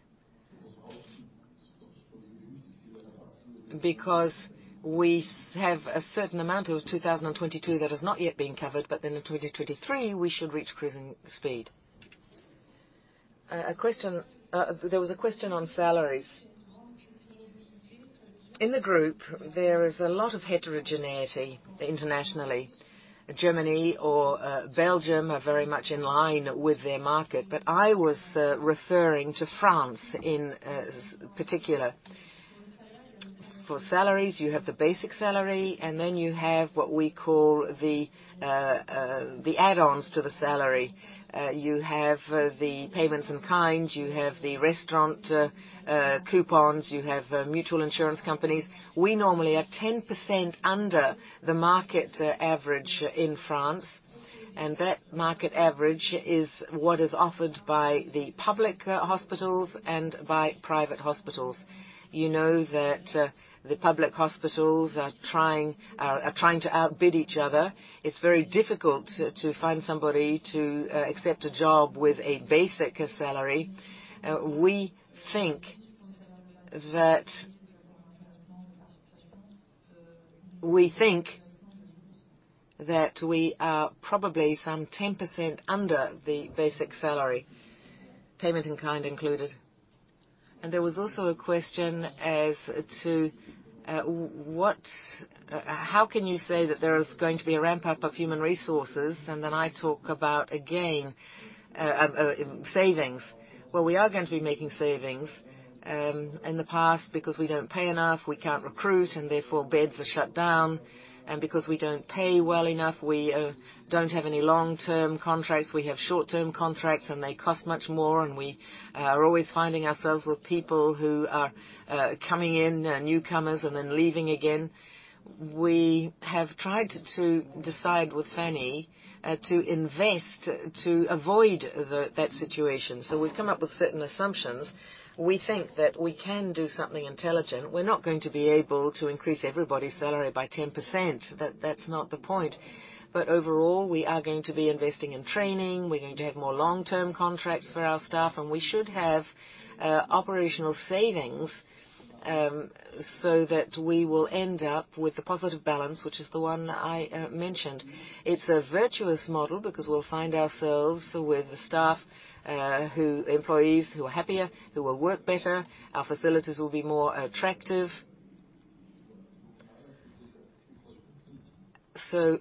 Because we have a certain amount of 2022 that has not yet been covered, but then in 2023, we should reach cruising speed. A question, there was a question on salaries. In the group, there is a lot of heterogeneity internationally. Germany or Belgium are very much in line with their market, but I was referring to France in particular. For salaries, you have the basic salary, and then you have what we call the add-ons to the salary. You have the payments in kind, you have the restaurant coupons, you have mutual insurance companies. We normally are 10% under the market average in France, and that market average is what is offered by the public hospitals and by private hospitals. You know that the public hospitals are trying to outbid each other. It's very difficult to find somebody to accept a job with a basic salary. We think that we are probably some 10% under the basic salary, payment in kind included. There was also a question as to how can you say that there is going to be a ramp-up of human resources, and then I talk about, again, savings. Well, we are going to be making savings in the past because we don't pay enough, we can't recruit, and therefore beds are shut down. Because we don't pay well enough, we don't have any long-term contracts. We have short-term contracts, and they cost much more, and we are always finding ourselves with people who are coming in, newcomers, and then leaving again. We have tried to decide with Fanny to invest to avoid that situation. We've come up with certain assumptions. We think that we can do something intelligent. We're not going to be able to increase everybody's salary by 10%. That, that's not the point. Overall, we are going to be investing in training, we're going to have more long-term contracts for our staff, and we should have operational savings, so that we will end up with a positive balance, which is the one I mentioned. It's a virtuous model because we'll find ourselves with employees who are happier, who will work better, our facilities will be more attractive.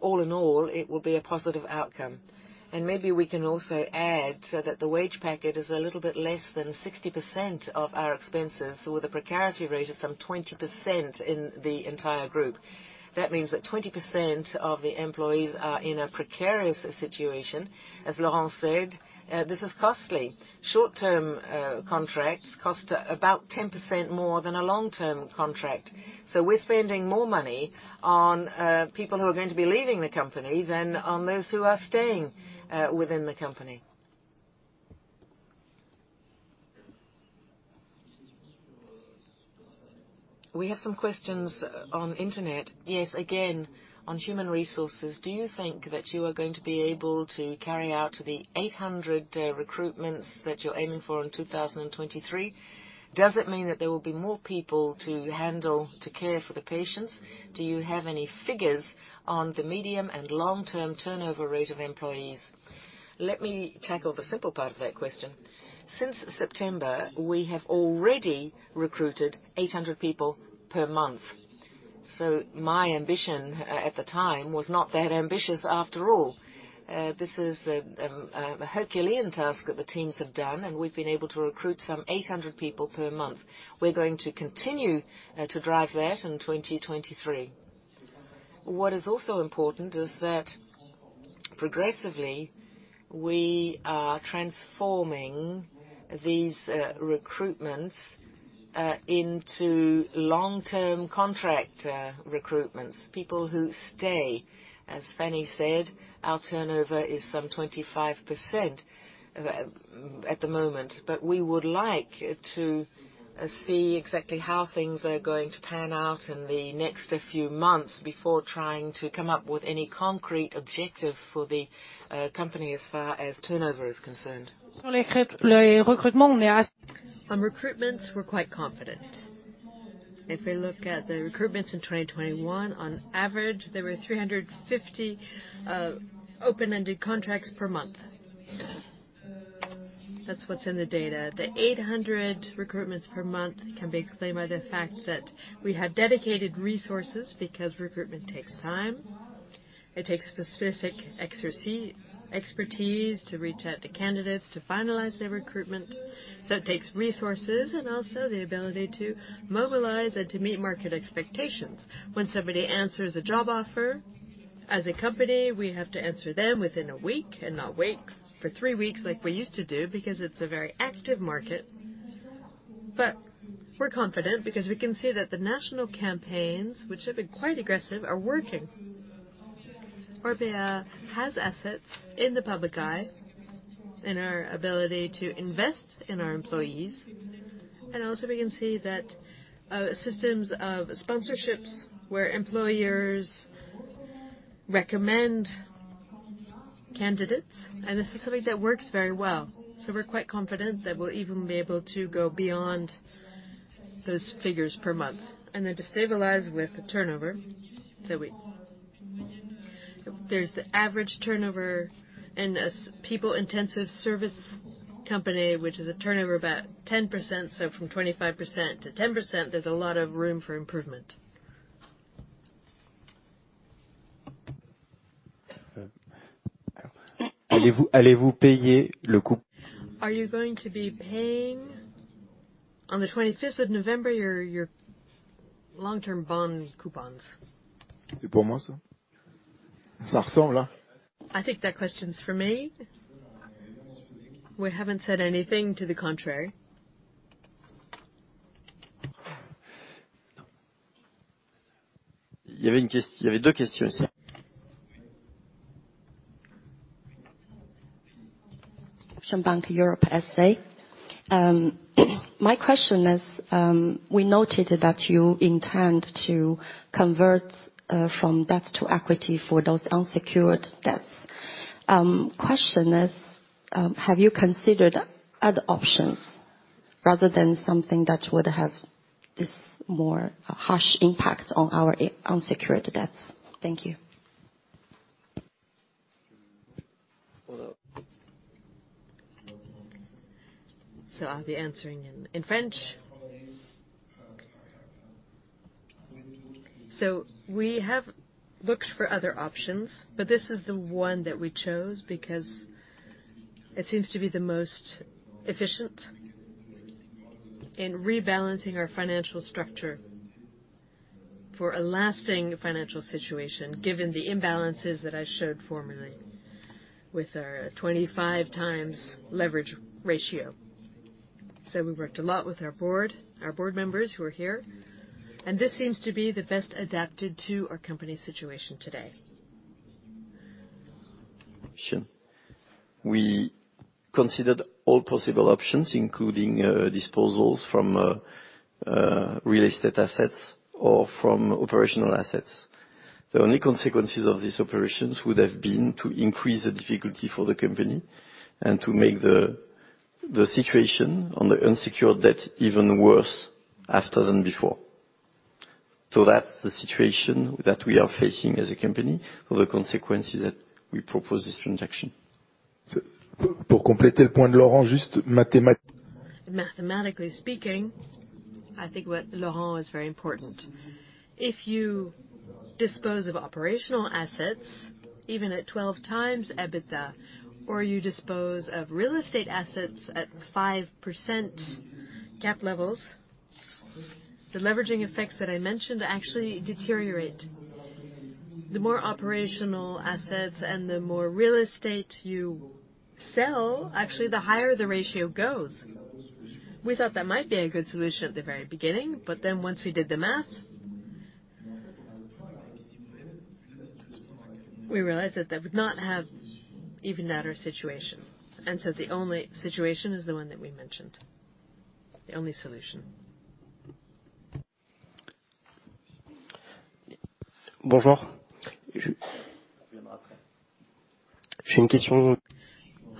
All in all, it will be a positive outcome. Maybe we can also add so that the wage packet is a little bit less than 60% of our expenses, with a precarity rate of some 20% in the entire group. That means that 20% of the employees are in a precarious situation. As Laurent said, this is costly. Short-term contracts cost about 10% more than a long-term contract. We're spending more money on people who are going to be leaving the company than on those who are staying within the company. We have some questions on internet. Yes, again, on human resources, do you think that you are going to be able to carry out the 800 recruitments that you're aiming for in 2023? Does it mean that there will be more people to care for the patients? Do you have any figures on the medium- and long-term turnover rate of employees? Let me tackle the simple part of that question. Since September, we have already recruited 800 people per month. My ambition at the time was not that ambitious after all. This is a Herculean task that the teams have done, and we've been able to recruit some 800 people per month. We're going to continue to drive that in 2023. What is also important is that progressively, we are transforming these recruitments into long-term contract recruitments, people who stay. As Fanny said, our turnover is some 25% at the moment, but we would like to see exactly how things are going to pan out in the next few months before trying to come up with any concrete objective for the company as far as turnover is concerned. On recruitments, we're quite confident. If we look at the recruitments in 2021, on average, there were 350 open-ended contracts per month. That's what's in the data. The 800 recruitments per month can be explained by the fact that we have dedicated resources because recruitment takes time. It takes specific expertise to reach out to candidates to finalize their recruitment. So it takes resources and also the ability to mobilize and to meet market expectations. When somebody answers a job offer, as a company, we have to answer them within a week and not wait for three weeks like we used to do because it's a very active market. We're confident because we can see that the national campaigns, which have been quite aggressive, are working. Orpea has assets in the public eye in our ability to invest in our employees. Also, we can see that systems of sponsorships where employers recommend candidates, and this is something that works very well. We're quite confident that we'll even be able to go beyond those figures per month. Then to stabilize with the turnover. There's the average turnover in a people intensive service company, which is a turnover about 10%. From 25% to 10%, there's a lot of room for improvement. Are you going to be paying on the twenty-fifth of November, your long-term bond coupons? I think that question's for me. We haven't said anything to the contrary. Bank Europe SA. My question is, we noted that you intend to convert from debt to equity for those unsecured debts. Question is, have you considered other options rather than something that would have this more harsh impact on our unsecured debts? Thank you. I'll be answering in French. We have looked for other options, but this is the one that we chose because it seems to be the most efficient in rebalancing our financial structure for a lasting financial situation, given the imbalances that I showed formerly with our 25x leverage ratio. We worked a lot with our board, our board members who are here, and this seems to be the best adapted to our company's situation today. Sure. We considered all possible options, including, disposals from, real estate assets or from operational assets. The only consequences of these operations would have been to increase the difficulty for the company and to make the situation on the unsecured debt even worse after than before. That's the situation that we are facing as a company for the consequences that we propose this transaction. Mathematically speaking, I think what Laurent is very important. If you dispose of operational assets, even at 12x EBITDA, or you dispose of real estate assets at 5% cap rate levels, the leveraging effects that I mentioned actually deteriorate. The more operational assets and the more real estate you sell, actually, the higher the ratio goes. We thought that might be a good solution at the very beginning, but then once we did the math, we realized that that would not have evened out our situation. The only situation is the one that we mentioned, the only solution. I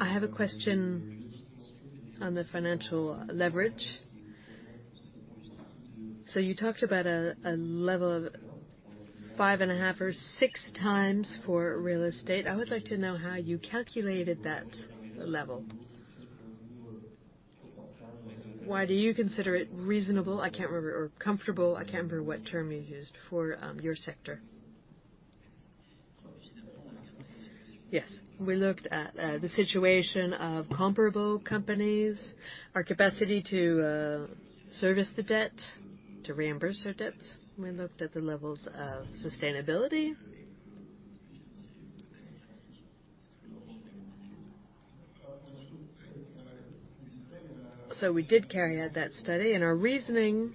have a question on the financial leverage. You talked about a level of 5.5x or 6x for real estate. I would like to know how you calculated that level. Why do you consider it reasonable? I can't remember. Comfortable, I can't remember what term you used for, your sector. Yes. We looked at the situation of comparable companies, our capacity to service the debt, to reimburse our debts. We looked at the levels of sustainability. We did carry out that study, and our reasoning,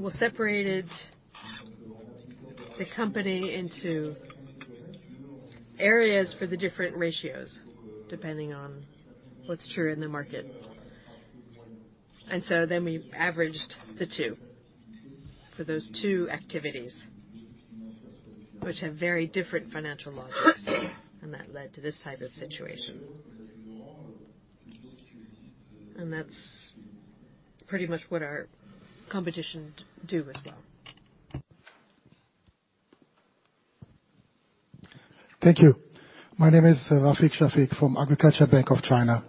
we separated the company into areas for the different ratios, depending on what's true in the market. We averaged the two for those two activities, which have very different financial logics. That led to this type of situation. That's pretty much what our competition do as well. Thank you. My name is Rafik Shafik from Agricultural Bank of China.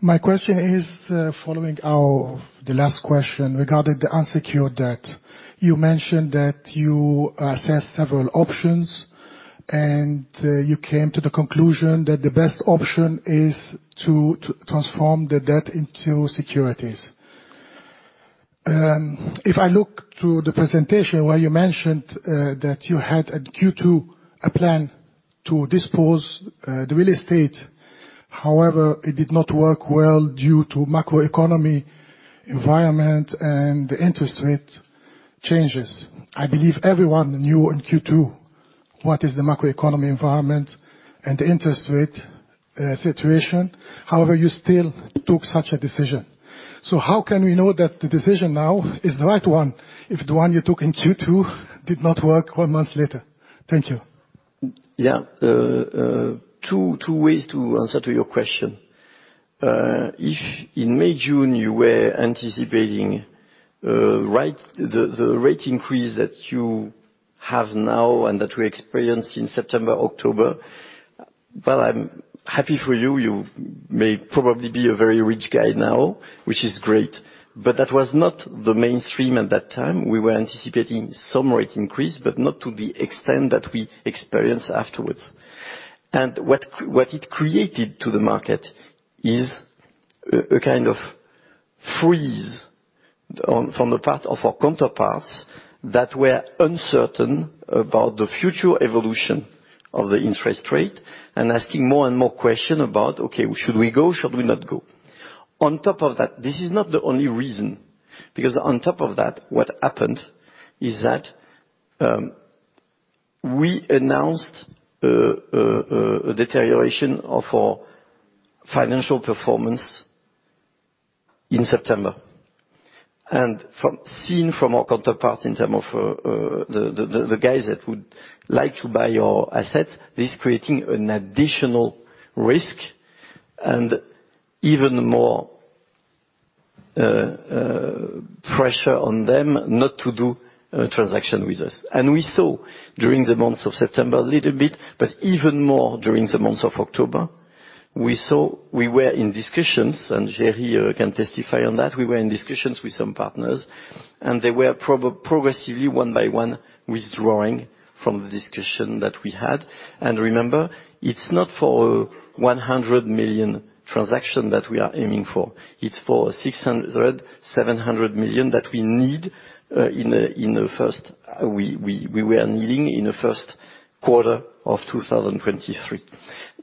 My question is, following the last question regarding the unsecured debt. You mentioned that you assessed several options, and you came to the conclusion that the best option is to transform the debt into securities. If I look to the presentation where you mentioned that you had a Q2 plan to dispose the real estate, however, it did not work well due to macroeconomy environment and interest rate changes. I believe everyone knew in Q2 what is the macroeconomy environment and the interest rate situation. However, you still took such a decision. How can we know that the decision now is the right one if the one you took in Q2 did not work one month later? Thank you. Yeah. Two ways to answer to your question. If in May, June, you were anticipating, right, the rate increase that you have now and that we experienced in September, October, well, I'm happy for you. You may probably be a very rich guy now, which is great, but that was not the mainstream at that time. We were anticipating some rate increase, but not to the extent that we experienced afterwards. What it created to the market is a kind of freeze on, from the part of our counterparts that were uncertain about the future evolution of the interest rate and asking more and more questions about, "Okay, should we go? Should we not go?" On top of that, this is not the only reason, because on top of that, what happened is that, we announced a deterioration of our financial performance in September. Seen from our counterparts in terms of the guys that would like to buy our assets, this is creating an additional risk and even more pressure on them not to do a transaction with us. We saw during the months of September a little bit, but even more during the months of October, we were in discussions, and Gérý can testify on that. We were in discussions with some partners, and they were progressively, one by one, withdrawing from the discussion that we had. Remember, it's not for 100 million transaction that we are aiming for. It's for 600-700 million that we need in the first quarter of 2023. We were needing in the first quarter of 2023.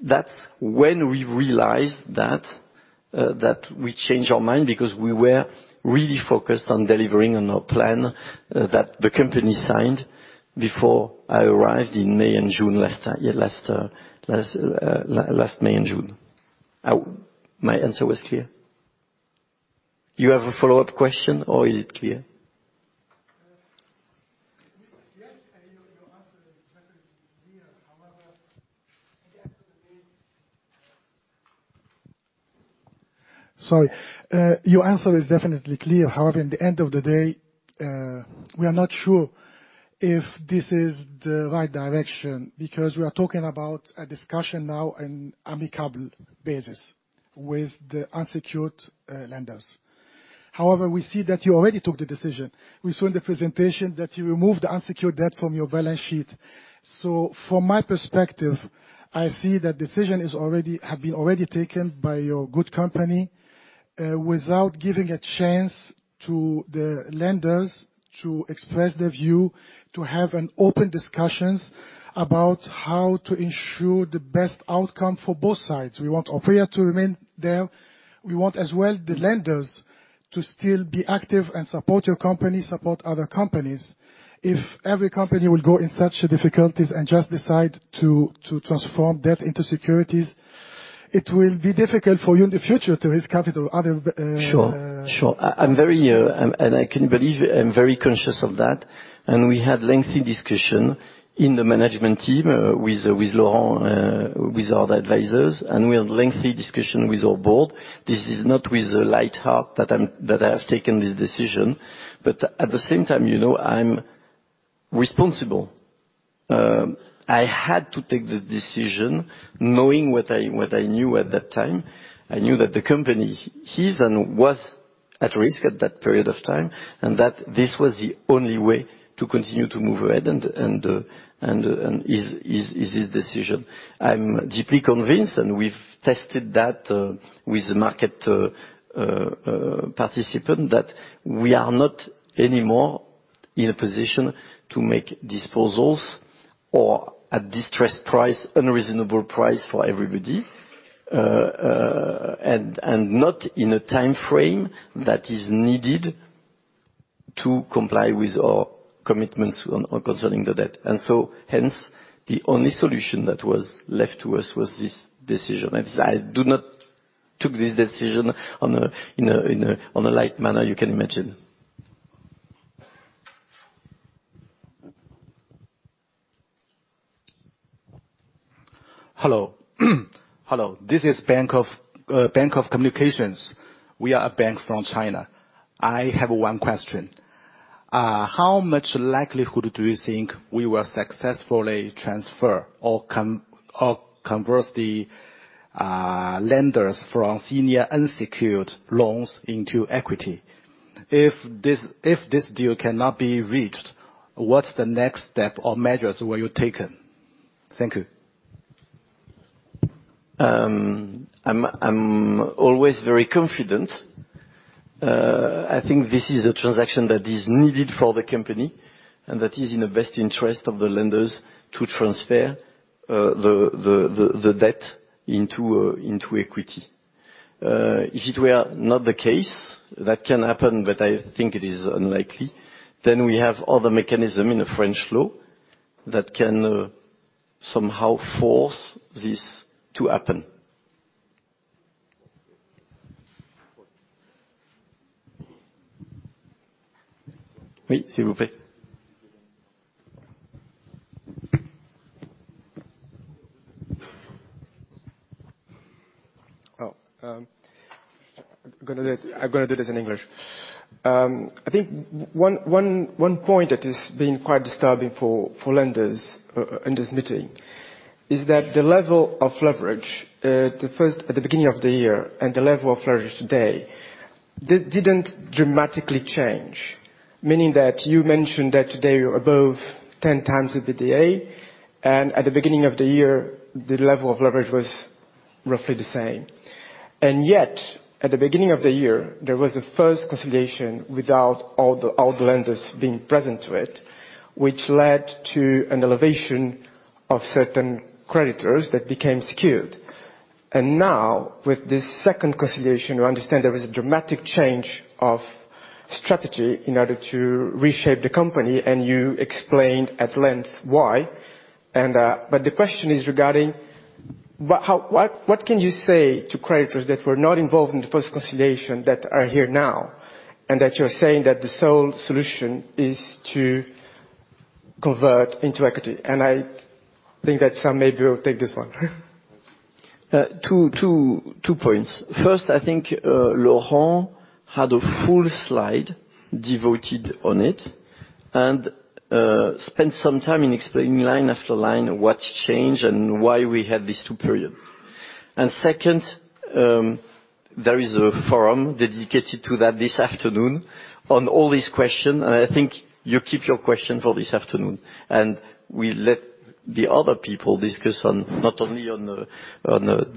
That's when we realized that we changed our mind because we were really focused on delivering on our plan that the company signed before I arrived in May and June last time, last May and June. My answer was clear. You have a follow-up question, or is it clear? Yes. Your answer is definitely clear. However, at the end of the day, we are not sure if this is the right direction, because we are talking about a discussion now on an amicable basis with the unsecured lenders. However, we see that you already took the decision. We saw in the presentation that you removed the unsecured debt from your balance sheet. From my perspective, I see that decision has already been taken by your good company, without giving a chance to the lenders to express their view, to have open discussions about how to ensure the best outcome for both sides. We want Orpea to remain there. We want as well the lenders to still be active and support your company, support other companies. If every company will go in such difficulties and just decide to transform debt into securities, it will be difficult for you in the future to raise capital. Sure. I'm very conscious of that, and we had lengthy discussion in the management team with Laurent, with our advisors, and we had lengthy discussion with our board. This is not with a light heart that I have taken this decision. At the same time, you know, I'm responsible. I had to take the decision knowing what I knew at that time. I knew that the company is and was at risk at that period of time, and that this was the only way to continue to move ahead and is his decision. I'm deeply convinced, and we've tested that with the market participant, that we are not anymore in a position to make disposals or at distressed price, unreasonable price for everybody, and not in a timeframe that is needed to comply with our commitments concerning the debt. Hence, the only solution that was left to us was this decision. I do not took this decision in a light manner, you can imagine. Hello. Hello, this is Bank of Communications. We are a bank from China. I have one question. How much likelihood do you think we will successfully transfer or convert the lenders from senior unsecured loans into equity? If this deal cannot be reached, what's the next step or measures will you take? Thank you. I'm always very confident. I think this is a transaction that is needed for the company, and that is in the best interest of the lenders to transfer the debt into equity. If it were not the case, that can happen, but I think it is unlikely, then we have other mechanism in the French law that can somehow force this to happen. Oui, s'il vous plaît. I'm gonna do this in English. I think one point that has been quite disturbing for lenders in this meeting is that the level of leverage at the beginning of the year and the level of leverage today didn't dramatically change. Meaning that you mentioned that today you're above 10 times the EBITDA, and at the beginning of the year, the level of leverage was roughly the same. And yet, at the beginning of the year, there was a first conciliation without all the lenders being present to it, which led to an elevation of certain creditors that became secured. And now, with this second conciliation, we understand there is a dramatic change of strategy in order to reshape the company, and you explained at length why. The question is regarding what can you say to creditors that were not involved in the first conciliation that are here now, and that you're saying that the sole solution is to convert into equity? I think that Sam maybe will take this one. Two points. First, I think Laurent had a full slide devoted on it and spent some time in explaining line after line what's changed and why we had these two periods. Second, there is a forum dedicated to that this afternoon on all these questions. I think you keep your question for this afternoon, and we let the other people discuss not only on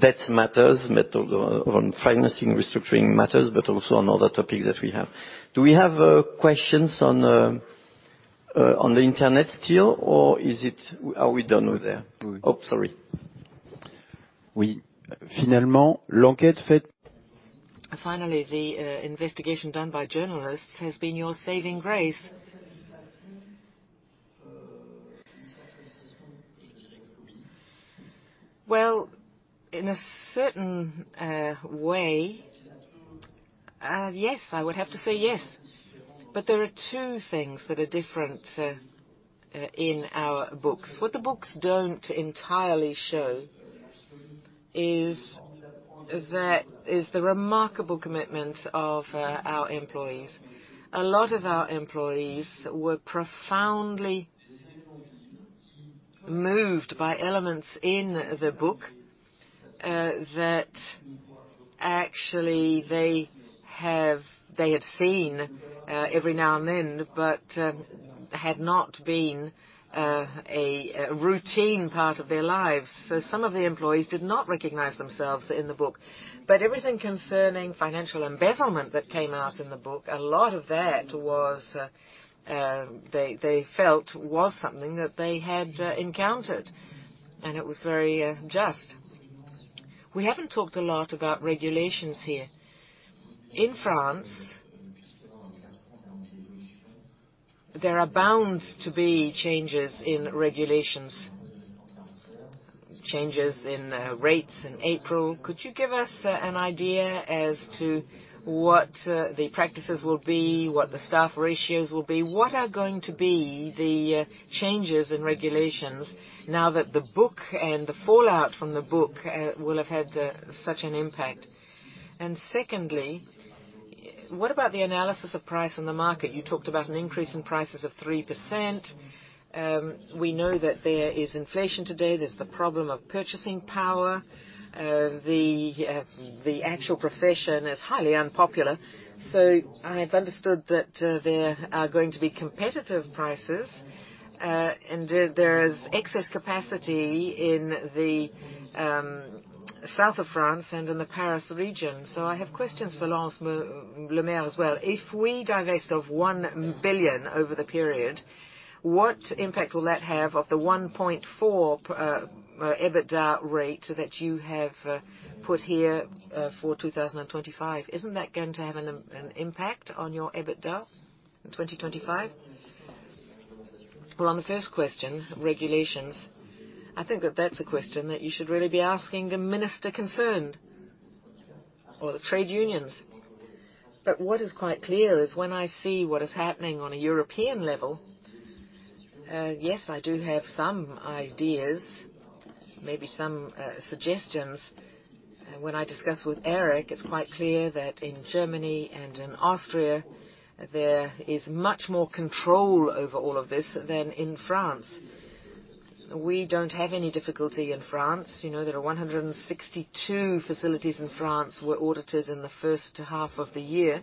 debt matters, but on financing restructuring matters, but also on other topics that we have. Do we have questions on the internet still or is it, are we done with there? Oui. Oh, sorry. Oui. Finalement, l'enquête faite. Finally, the investigation done by journalists has been your saving grace. Well, in a certain way, yes, I would have to say yes. There are two things that are different in our books. What the books don't entirely show is. That is the remarkable commitment of our employees. A lot of our employees were profoundly moved by elements in the book that actually they had seen every now and then, but had not been a routine part of their lives. Some of the employees did not recognize themselves in the book. Everything concerning financial embezzlement that came out in the book, a lot of that was they felt was something that they had encountered, and it was very just. We haven't talked a lot about regulations here. In France, there are bound to be changes in regulations, changes in rates in April. Could you give us an idea as to what the practices will be, what the staff ratios will be? What are going to be the changes in regulations now that the book and the fallout from the book will have had such an impact? Secondly, what about the analysis of price in the market? You talked about an increase in prices of 3%. We know that there is inflation today. There's the problem of purchasing power. The actual profession is highly unpopular. I've understood that there are going to be competitive prices, and there is excess capacity in the south of France and in the Paris region. I have questions for Laurent Lemaire as well. If we divest of 1 billion over the period, what impact will that have on the 1.4% EBITDA rate that you have put here for 2025? Isn't that going to have an impact on your EBITDA in 2025? Well, on the first question, regulations, I think that that's a question that you should really be asking the minister concerned or the trade unions. What is quite clear is when I see what is happening on a European level, yes, I do have some ideas, maybe some suggestions. When I discuss with Eric, it's quite clear that in Germany and in Austria, there is much more control over all of this than in France. We don't have any difficulty in France. You know, there are 162 facilities in France were audited in the first half of the year,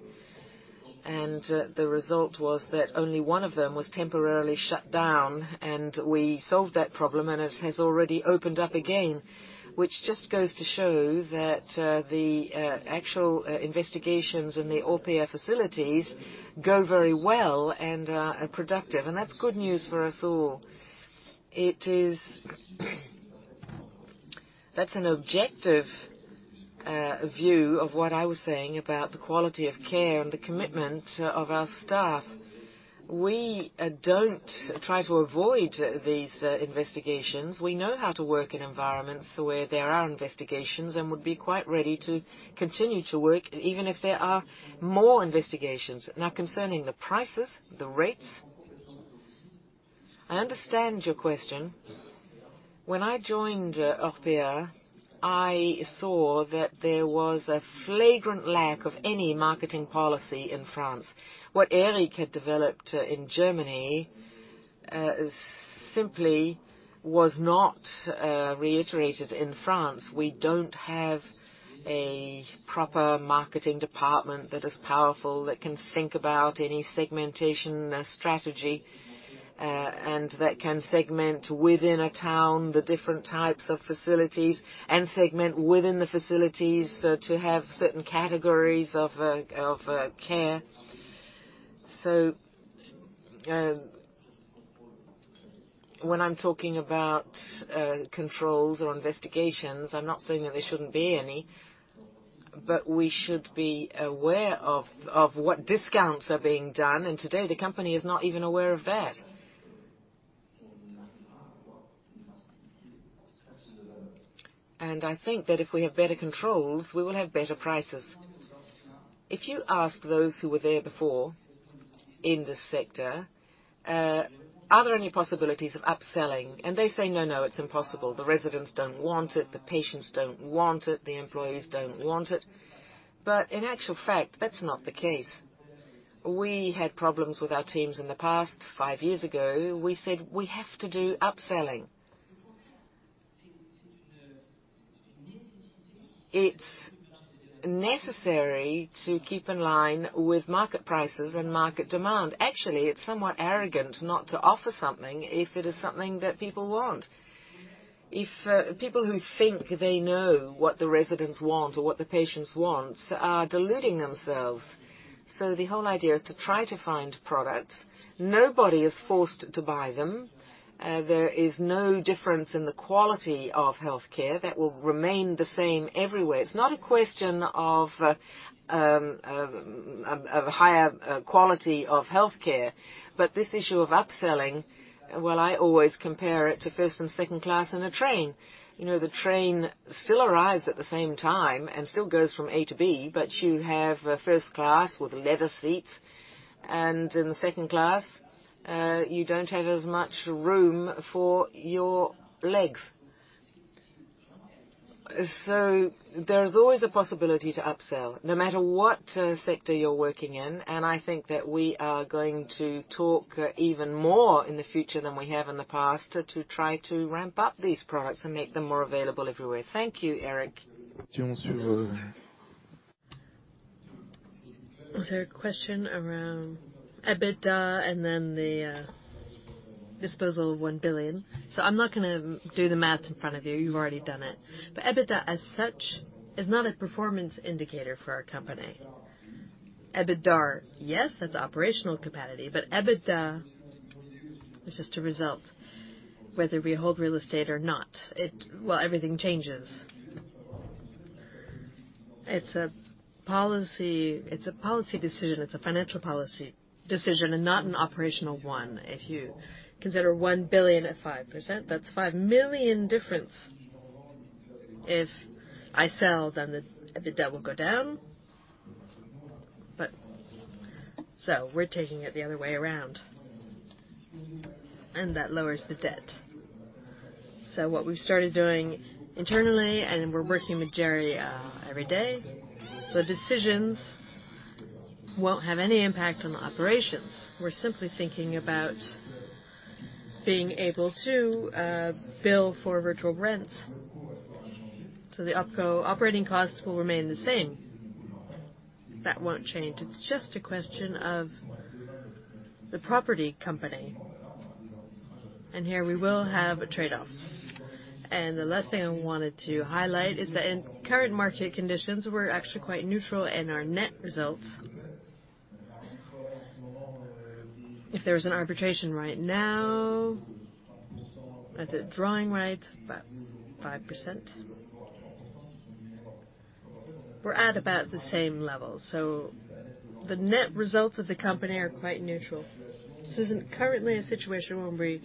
and the result was that only 1 of them was temporarily shut down, and we solved that problem, and it has already opened up again, which just goes to show that the actual investigations in the Orpea facilities go very well and are productive. That's good news for us all. That's an objective view of what I was saying about the quality of care and the commitment of our staff. We don't try to avoid these investigations. We know how to work in environments where there are investigations and would be quite ready to continue to work even if there are more investigations. Now, concerning the prices, the rates, I understand your question. When I joined Orpea, I saw that there was a flagrant lack of any marketing policy in France. What Eric had developed in Germany is simply not reiterated in France. We don't have a proper marketing department that is powerful, that can think about any segmentation strategy, and that can segment within a town the different types of facilities and segment within the facilities to have certain categories of care. When I'm talking about controls or investigations, I'm not saying that there shouldn't be any, but we should be aware of what discounts are being done, and today the company is not even aware of that. I think that if we have better controls, we will have better prices. If you ask those who were there before in this sector, are there any possibilities of upselling? They say, "No, no, it's impossible. The residents don't want it, the patients don't want it, the employees don't want it." In actual fact, that's not the case. We had problems with our teams in the past. Five years ago, we said we have to do upselling. It's necessary to keep in line with market prices and market demand. Actually, it's somewhat arrogant not to offer something if it is something that people want. If people who think they know what the residents want or what the patients want are deluding themselves. The whole idea is to try to find products. Nobody is forced to buy them. There is no difference in the quality of healthcare. That will remain the same everywhere. It's not a question of higher quality of healthcare. This issue of upselling, well, I always compare it to first and second class on a train. You know, the train still arrives at the same time and still goes from A to B, but you have a first class with leather seats, and in the second class. You don't have as much room for your legs. There is always a possibility to upsell no matter what sector you're working in. I think that we are going to talk even more in the future than we have in the past to try to ramp up these products and make them more available everywhere. Thank you, Erik. Was there a question around EBITDA and then the disposal of 1 billion? I'm not gonna do the math in front of you. You've already done it. EBITDA as such is not a performance indicator for our company. EBITDAR, yes, that's operational capacity, but EBITDA is just a result. Whether we hold real estate or not, everything changes. It's a policy decision. It's a financial policy decision and not an operational one. If you consider 1 billion at 5%, that's 5 million difference. If I sell, then the EBITDA will go down. We're taking it the other way around, and that lowers the debt. What we've started doing internally, and we're working with Géry every day, the decisions won't have any impact on the operations. We're simply thinking about being able to bill for virtual rents. The OpCo operating costs will remain the same. That won't change. It's just a question of the PropCo. Here we will have trade-offs. The last thing I wanted to highlight is that in current market conditions, we're actually quite neutral in our net results. If there's an arbitrage right now at the borrowing rate, about 5%. We're at about the same level. The net results of the company are quite neutral. This isn't currently a situation where we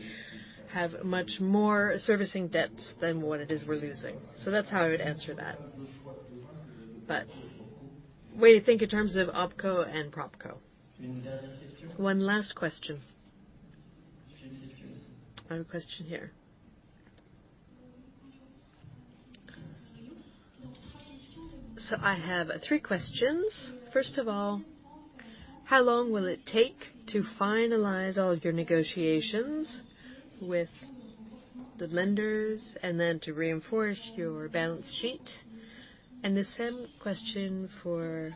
have much more servicing debts than what it is we're losing. That's how I would answer that. We think in terms of OpCo and PropCo. One last question. I have a question here. I have three questions. First of all, how long will it take to finalize all of your negotiations with the lenders and then to reinforce your balance sheet? The same question for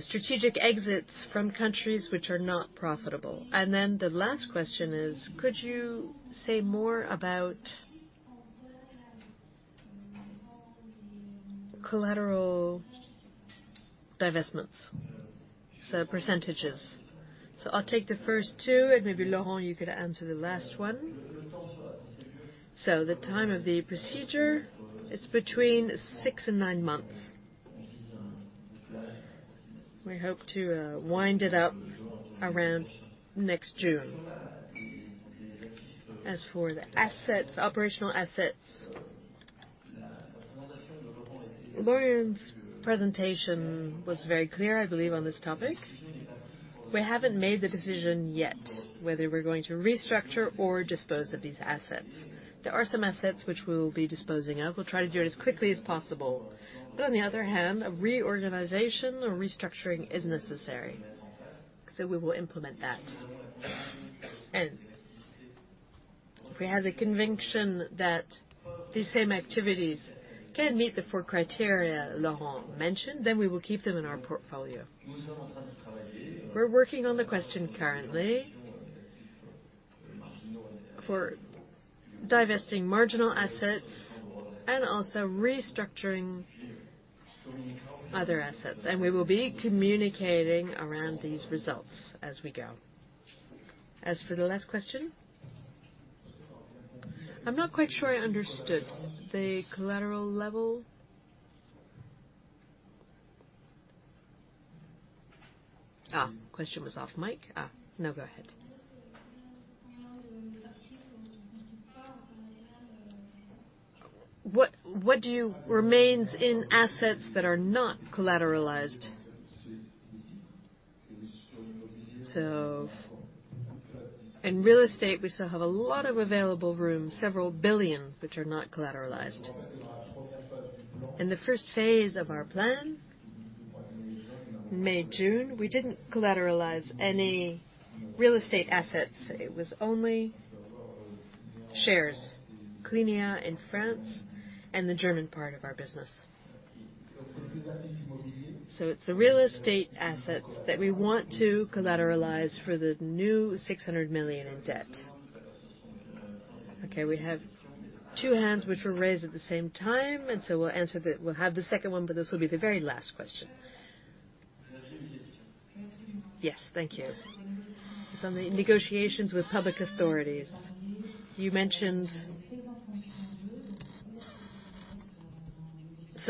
strategic exits from countries which are not profitable. Then the last question is, could you say more about collateral divestments, so percentages? I'll take the first two, and maybe, Laurent, you could answer the last one. The time of the procedure, it's between six and nine months. We hope to wind it up around next June. As for the assets, operational assets, Laurent's presentation was very clear, I believe, on this topic. We haven't made the decision yet, whether we're going to restructure or dispose of these assets. There are some assets which we will be disposing of. We'll try to do it as quickly as possible. On the other hand, a reorganization or restructuring is necessary. We will implement that. If we have the conviction that the same activities can meet the four criteria Laurent mentioned, then we will keep them in our portfolio. We're working on the question currently for divesting marginal assets and also restructuring other assets, and we will be communicating around these results as we go. As for the last question, I'm not quite sure I understood. The collateral level? No, go ahead. What do you Remains in assets that are not collateralized. In real estate, we still have a lot of available room, several billion, which are not collateralized. In the first phase of our plan, May, June, we didn't collateralize any real estate assets. It was only shares. Clinea in France and the German part of our business. It's the real estate assets that we want to collateralize for the new 600 million in debt. Okay. We have two hands which were raised at the same time, and we'll have the second one, but this will be the very last question. Yes. Thank you. Negotiations with public authorities, you mentioned.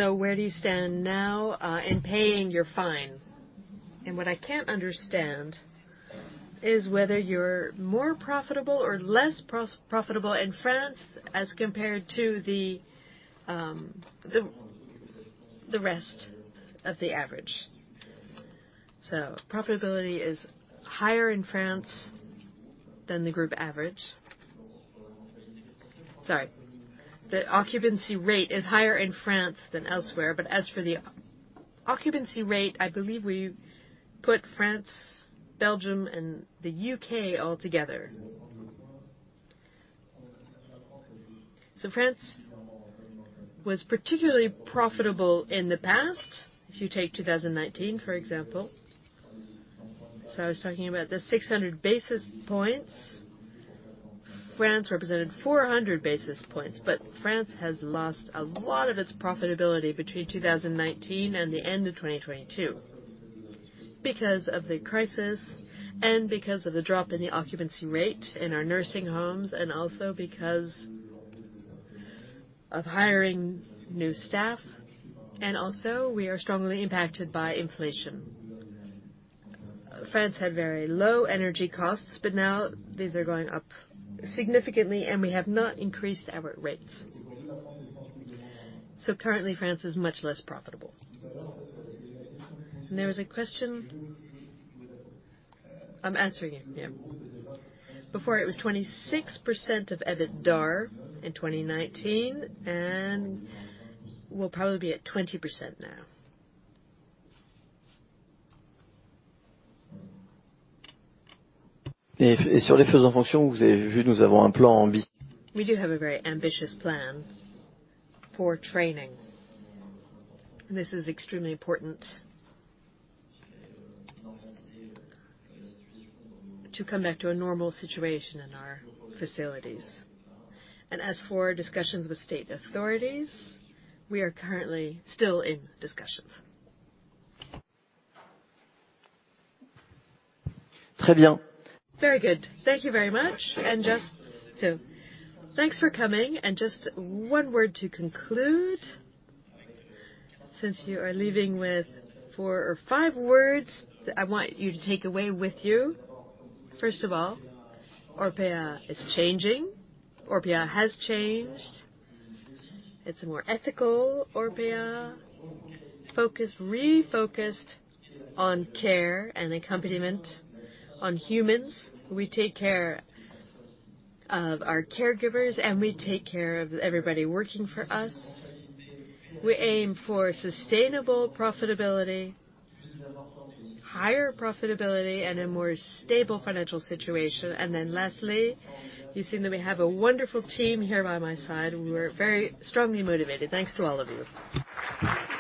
Where do you stand now, in paying your fine? And what I can't understand is whether you're more profitable or less profitable in France as compared to the rest of the average. Profitability is higher in France than the group average. Sorry, the occupancy rate is higher in France than elsewhere, but as for the occupancy rate, I believe we put France, Belgium, and the UK all together. France was particularly profitable in the past, if you take 2019, for example. I was talking about the 600 basis points. France represented 400 basis points. France has lost a lot of its profitability between 2019 and the end of 2022 because of the crisis and because of the drop in the occupancy rate in our nursing homes, and also because of hiring new staff. We are strongly impacted by inflation. France had very low energy costs, but now these are going up significantly, and we have not increased our rates. Currently, France is much less profitable. There was a question. I'm answering it, yeah. Before it was 26% of EBITDA in 2019, and we'll probably be at 20% now. We do have a very ambitious plan for training. This is extremely important to come back to a normal situation in our facilities. As for discussions with state authorities, we are currently still in discussions. Very good. Thank you very much. Thanks for coming. Just one word to conclude, since you are leaving with 4 or 5 words, I want you to take away with you. First of all, Orpea is changing. Orpea has changed. It's a more ethical Orpea, refocused on care and accompaniment on humans. We take care of our caregivers, and we take care of everybody working for us. We aim for sustainable profitability, higher profitability, and a more stable financial situation. Lastly, you've seen that we have a wonderful team here by my side, and we're very strongly motivated. Thanks to all of you.